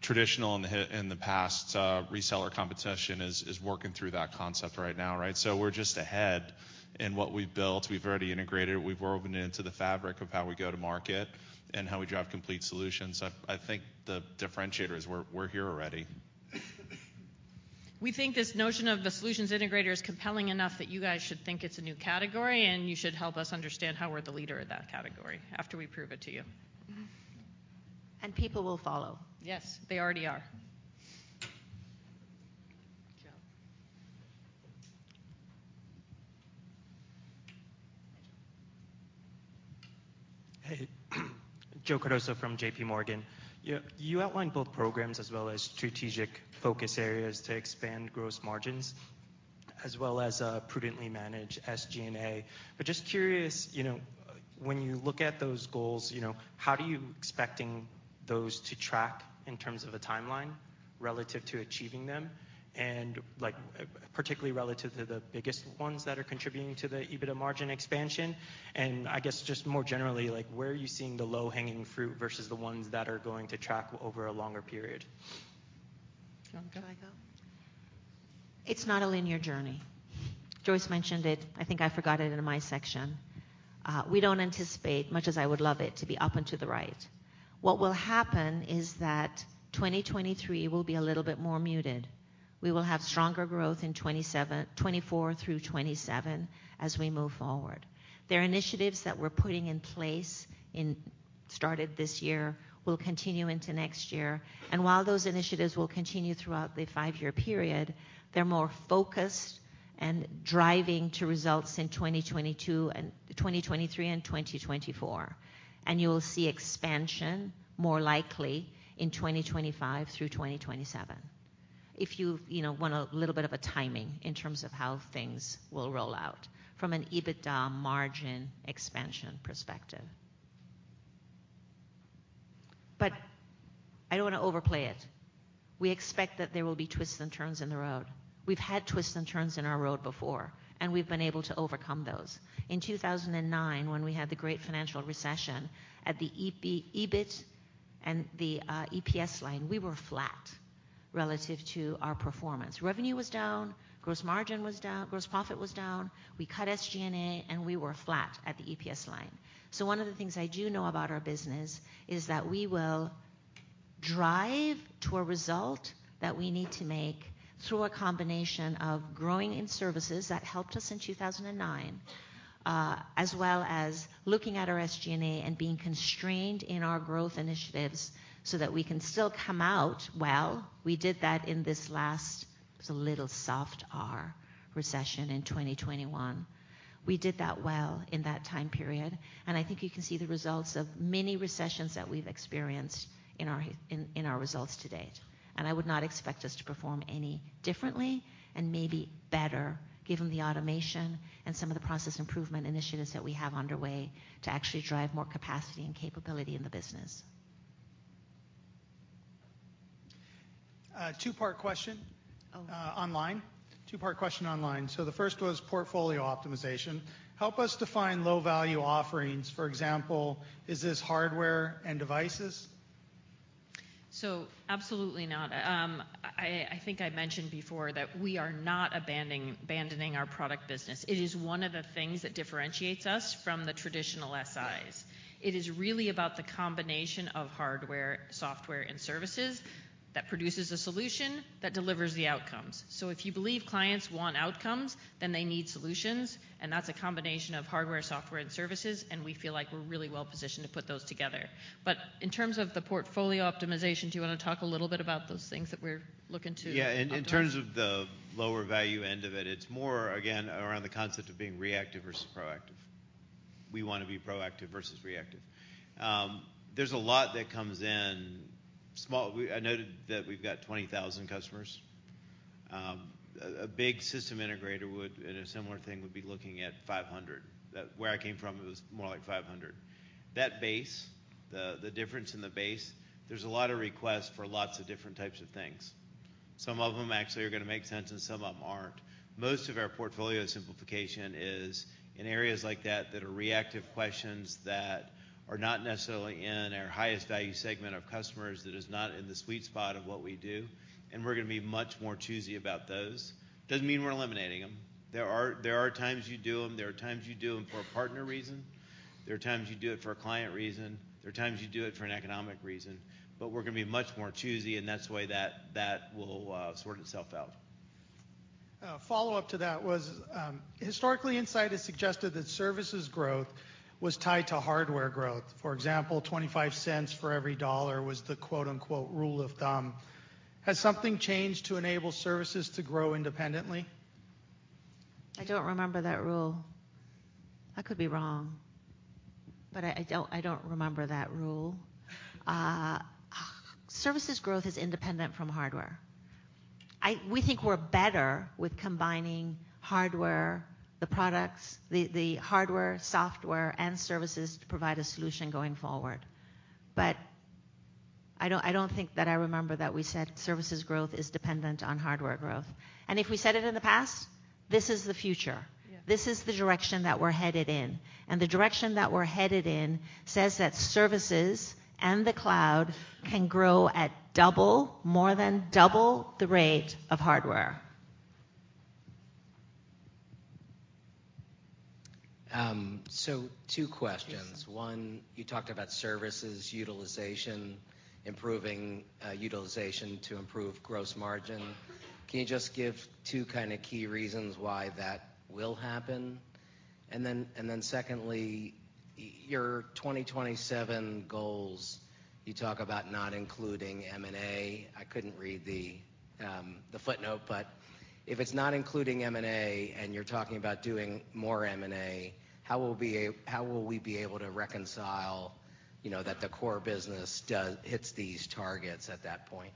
traditional in the past reseller competition is working through that concept right now, right? We're just ahead in what we've built. We've already integrated, we've woven it into the fabric of how we go to market and how we drive complete solutions. I think the differentiator is we're here already. We think this notion of the solutions integrator is compelling enough that you guys should think it's a new category, and you should help us understand how we're the leader of that category after we prove it to you. People will follow. Yes. They already are. Joe. Hey, Joseph Cardoso from JPMorgan. You outlined both programs as well as strategic focus areas to expand gross margins as well as prudently manage SG&A. Just curious, you know, when you look at those goals, you know, how do you expect those to track in terms of a timeline relative to achieving them, and like, particularly relative to the biggest ones that are contributing to the EBITDA margin expansion? I guess just more generally, like where are you seeing the low-hanging fruit versus the ones that are going to track over a longer period? Joe, can I go? It's not a linear journey. Joyce mentioned it. I think I forgot it in my section. We don't anticipate, much as I would love it, to be up and to the right. What will happen is that 2023 will be a little bit more muted. We will have stronger growth in 2024 through 2027 as we move forward. There are initiatives that we're putting in place started this year, will continue into next year. While those initiatives will continue throughout the five-year period, they're more focused and driving to results in 2022, 2023 and 2024. You'll see expansion more likely in 2025 through 2027. If you know, want a little bit of a timing in terms of how things will roll out from an EBITDA margin expansion perspective. But I don't wanna overplay it. We expect that there will be twists and turns in the road. We've had twists and turns in our road before, and we've been able to overcome those. In 2009, when we had the great financial recession at the EBIT and the EPS line, we were flat relative to our performance. Revenue was down, gross margin was down, gross profit was down. We cut SG&A, and we were flat at the EPS line. One of the things I do know about our business is that we will drive to a result that we need to make through a combination of growing in services, that helped us in 2009, as well as looking at our SG&A and being constrained in our growth initiatives so that we can still come out well. We did that in this last. It was a little soft, our recession in 2021. We did that well in that time period, and I think you can see the results of many recessions that we've experienced in our results to date. I would not expect us to perform any differently and maybe better given the automation and some of the process improvement initiatives that we have underway to actually drive more capacity and capability in the business. Two-part question online. The first was portfolio optimization. Help us define low-value offerings. For example, is this hardware and devices? Absolutely not. I think I mentioned before that we are not abandoning our product business. It is one of the things that differentiates us from the traditional SIs. It is really about the combination of hardware, software, and services that produces a solution that delivers the outcomes. If you believe clients want outcomes, then they need solutions, and that's a combination of hardware, software, and services, and we feel like we're really well positioned to put those together. In terms of the portfolio optimization, do you wanna talk a little bit about those things that we're looking to optimize? Yeah. In terms of the lower value end of it's more again, around the concept of being reactive versus proactive. We wanna be proactive versus reactive. There's a lot that comes in small. I noted that we've got 20,000 customers. A big system integrator would, in a similar thing, be looking at 500. Where I came from, it was more like 500. That base, the difference in the base, there's a lot of requests for lots of different types of things. Some of them actually are going to make sense and some of them aren't. Most of our portfolio simplification is in areas like that that are reactive questions that are not necessarily in our highest value segment of customers, that is not in the sweet spot of what we do, and we're going to be much more choosy about those. Doesn't mean we're eliminating them. There are times you do them. There are times you do them for a partner reason. There are times you do it for a client reason. There are times you do it for an economic reason. But we're going to be much more choosy, and that's the way that will sort itself out. A follow-up to that was, historically, Insight has suggested that services growth was tied to hardware growth. For example, $0.25 For every dollar was the quote-unquote, "rule of thumb." Has something changed to enable services to grow independently? I don't remember that rule. I could be wrong, but I don't remember that rule. Services growth is independent from hardware. We think we're better with combining hardware, the products, the hardware, software, and services to provide a solution going forward. But I don't think that I remember that we said services growth is dependent on hardware growth. If we said it in the past, this is the future. Yeah. This is the direction that we're headed in. The direction that we're headed in says that services and the Cloud can grow at double, more than double the rate of hardware. Two questions. One, you talked about services utilization, improving utilization to improve gross margin. Can you just give two kind of key reasons why that will happen? Secondly, your 2027 goals, you talk about not including M&A. I couldn't read the footnote, but if it's not including M&A and you're talking about doing more M&A, how will we be able to reconcile, you know, that the core business hits these targets at that point?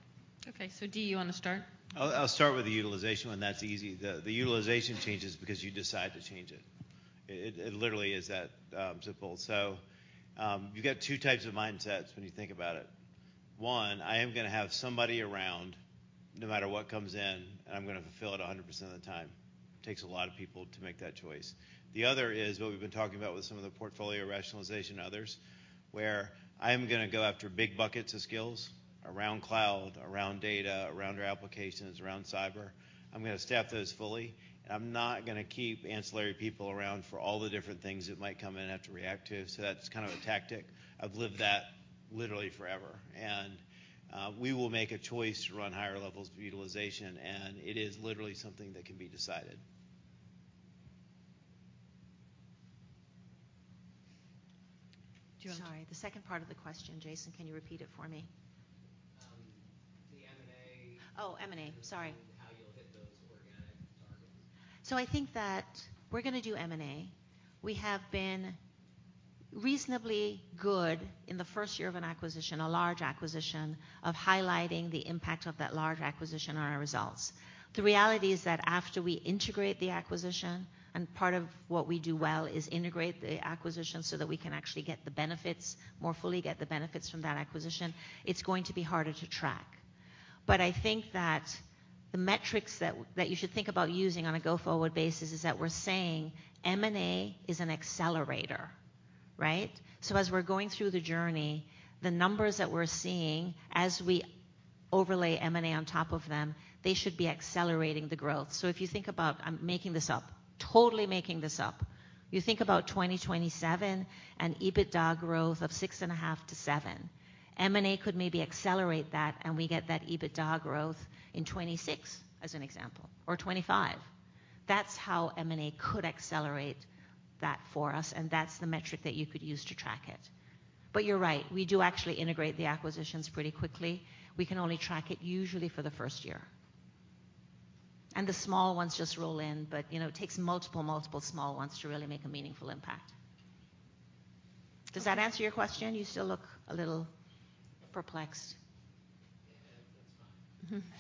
Okay. Dee, you wanna start? I'll start with the utilization one. That's easy. The utilization changes because you decide to change it. It literally is that simple. You got two types of mindsets when you think about it. One, I am gonna have somebody around no matter what comes in, and I'm gonna fulfill it 100% of the time. Takes a lot of people to make that choice. The other is what we've been talking about with some of the portfolio rationalization others, where I am gonna go after big buckets of skills around Cloud, around data, around our applications, around cyber. I'm gonna staff those fully, and I'm not gonna keep ancillary people around for all the different things that might come in and have to react to. That's kind of a tactic. I've lived that literally forever. We will make a choice to run higher levels of utilization, and it is literally something that can be decided. The second part of the question, Jason, can you repeat it for me? The M&A. Oh, M&A. Sorry. How you'll hit those organic targets. I think that we're gonna do M&A. We have been reasonably good in the first year of an acquisition, a large acquisition, of highlighting the impact of that large acquisition on our results. The reality is that after we integrate the acquisition, and part of what we do well is integrate the acquisition so that we can actually get the benefits, more fully get the benefits from that acquisition, it's going to be harder to track. But I think that the metrics that you should think about using on a go-forward basis is that we're saying M&A is an accelerator, right? As we're going through the journey, the numbers that we're seeing as we overlay M&A on top of them, they should be accelerating the growth. If you think about, I'm making this up, totally making this up. You think about 2027 and EBITDA growth of 6.5%-7%. M&A could maybe accelerate that, and we get that EBITDA growth in 2026, as an example, or 2025. That's how M&A could accelerate that for us, and that's the metric that you could use to track it. But you're right, we do actually integrate the acquisitions pretty quickly. We can only track it usually for the first year. The small ones just roll in, but, you know, it takes multiple small ones to really make a meaningful impact. Does that answer your question? You still look a little perplexed. Yeah. That's fine. Mm-hmm.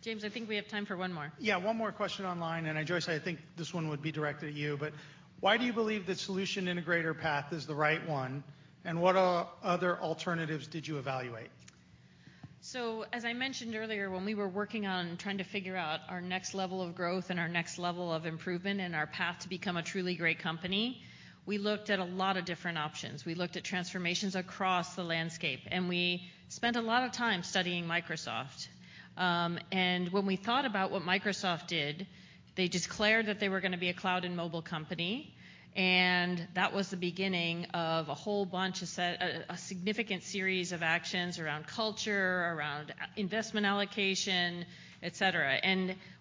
James, I think we have time for one more. Yeah, one more question online. Joyce, I think this one would be directed at you, but why do you believe the solution integrator path is the right one, and what other alternatives did you evaluate? As I mentioned earlier, when we were working on trying to figure out our next level of growth and our next level of improvement and our path to become a truly great company, we looked at a lot of different options. We looked at transformations across the landscape, and we spent a lot of time studying Microsoft. When we thought about what Microsoft did, they declared that they were gonna be a Cloud and mobile company, and that was the beginning of a whole bunch of a significant series of actions around culture, around investment allocation, et cetera.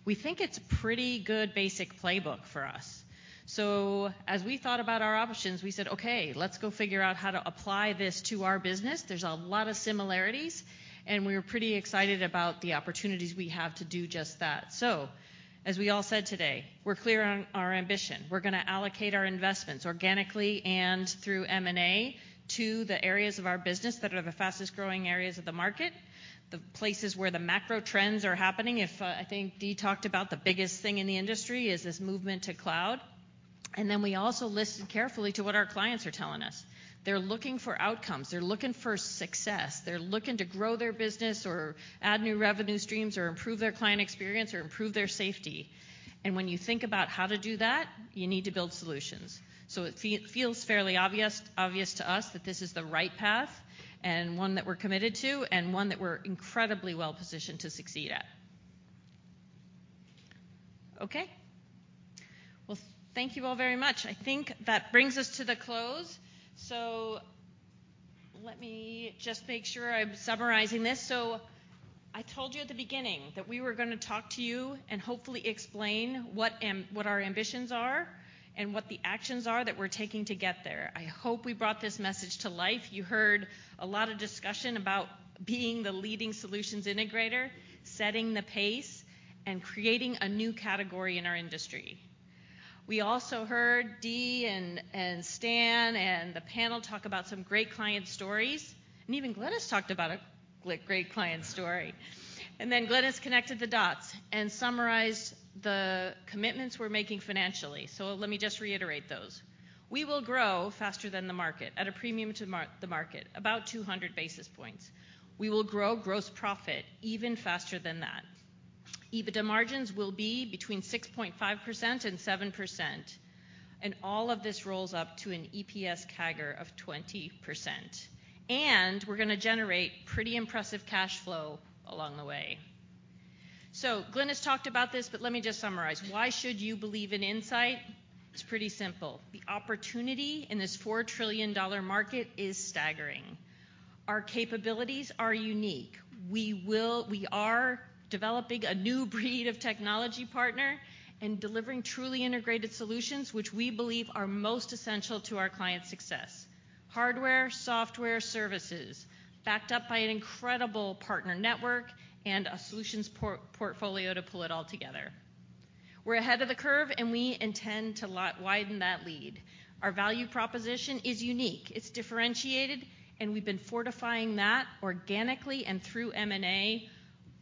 We think it's pretty good basic playbook for us. As we thought about our options, we said, "Okay, let's go figure out how to apply this to our business." There's a lot of similarities, and we're pretty excited about the opportunities we have to do just that. As we all said today, we're clear on our ambition. We're gonna allocate our investments organically and through M&A to the areas of our business that are the fastest-growing areas of the market, the places where the macro trends are happening. If, I think Dee talked about the biggest thing in the industry is this movement to Cloud. Then we also listen carefully to what our clients are telling us. They're looking for outcomes. They're looking for success. They're looking to grow their business or add new revenue streams or improve their client experience or improve their safety. When you think about how to do that, you need to build solutions. It feels fairly obvious to us that this is the right path and one that we're committed to and one that we're incredibly well-positioned to succeed at. Okay. Well, thank you all very much. I think that brings us to the close. Let me just make sure I'm summarizing this. I told you at the beginning that we were gonna talk to you and hopefully explain what our ambitions are and what the actions are that we're taking to get there. I hope we brought this message to life. You heard a lot of discussion about being the leading solutions integrator, setting the pace, and creating a new category in our industry. We also heard Dee and Stan and the panel talk about some great client stories, and even Glynis talked about a great client story. Glynis connected the dots and summarized the commitments we're making financially. Let me just reiterate those. We will grow faster than the market at a premium to the market, about 200 basis points. We will grow gross profit even faster than that. EBITDA margins will be between 6.5%-7%, and all of this rolls up to an EPS CAGR of 20%. We're gonna generate pretty impressive cash flow along the way. Glynis talked about this, but let me just summarize. Why should you believe in Insight? It's pretty simple. The opportunity in this $4 trillion market is staggering. Our capabilities are unique. We are developing a new breed of technology partner and delivering truly integrated solutions which we believe are most essential to our clients' success. Hardware, software, services backed up by an incredible partner network and a solutions portfolio to pull it all together. We're ahead of the curve, and we intend to widen that lead. Our value proposition is unique. It's differentiated, and we've been fortifying that organically and through M&A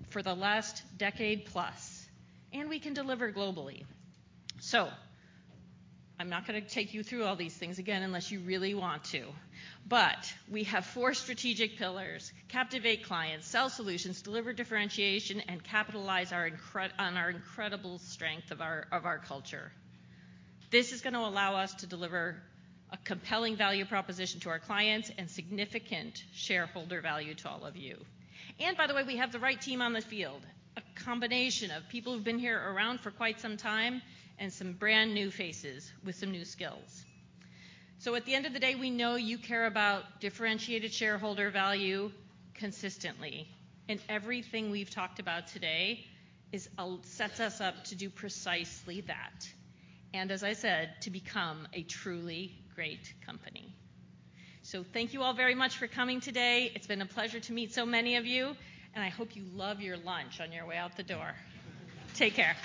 for the last decade plus, and we can deliver globally. I'm not gonna take you through all these things again unless you really want to, but we have four strategic pillars, captivate clients, sell solutions, deliver differentiation, and capitalize on our incredible strength of our culture. This is gonna allow us to deliver a compelling value proposition to our clients and significant shareholder value to all of you. By the way, we have the right team on the field, a combination of people who've been around here for quite some time and some brand-new faces with some new skills. At the end of the day, we know you care about differentiated shareholder value consistently, and everything we've talked about today sets us up to do precisely that and, as I said, to become a truly great company. Thank you all very much for coming today. It's been a pleasure to meet so many of you, and I hope you love your lunch on your way out the door. Take care.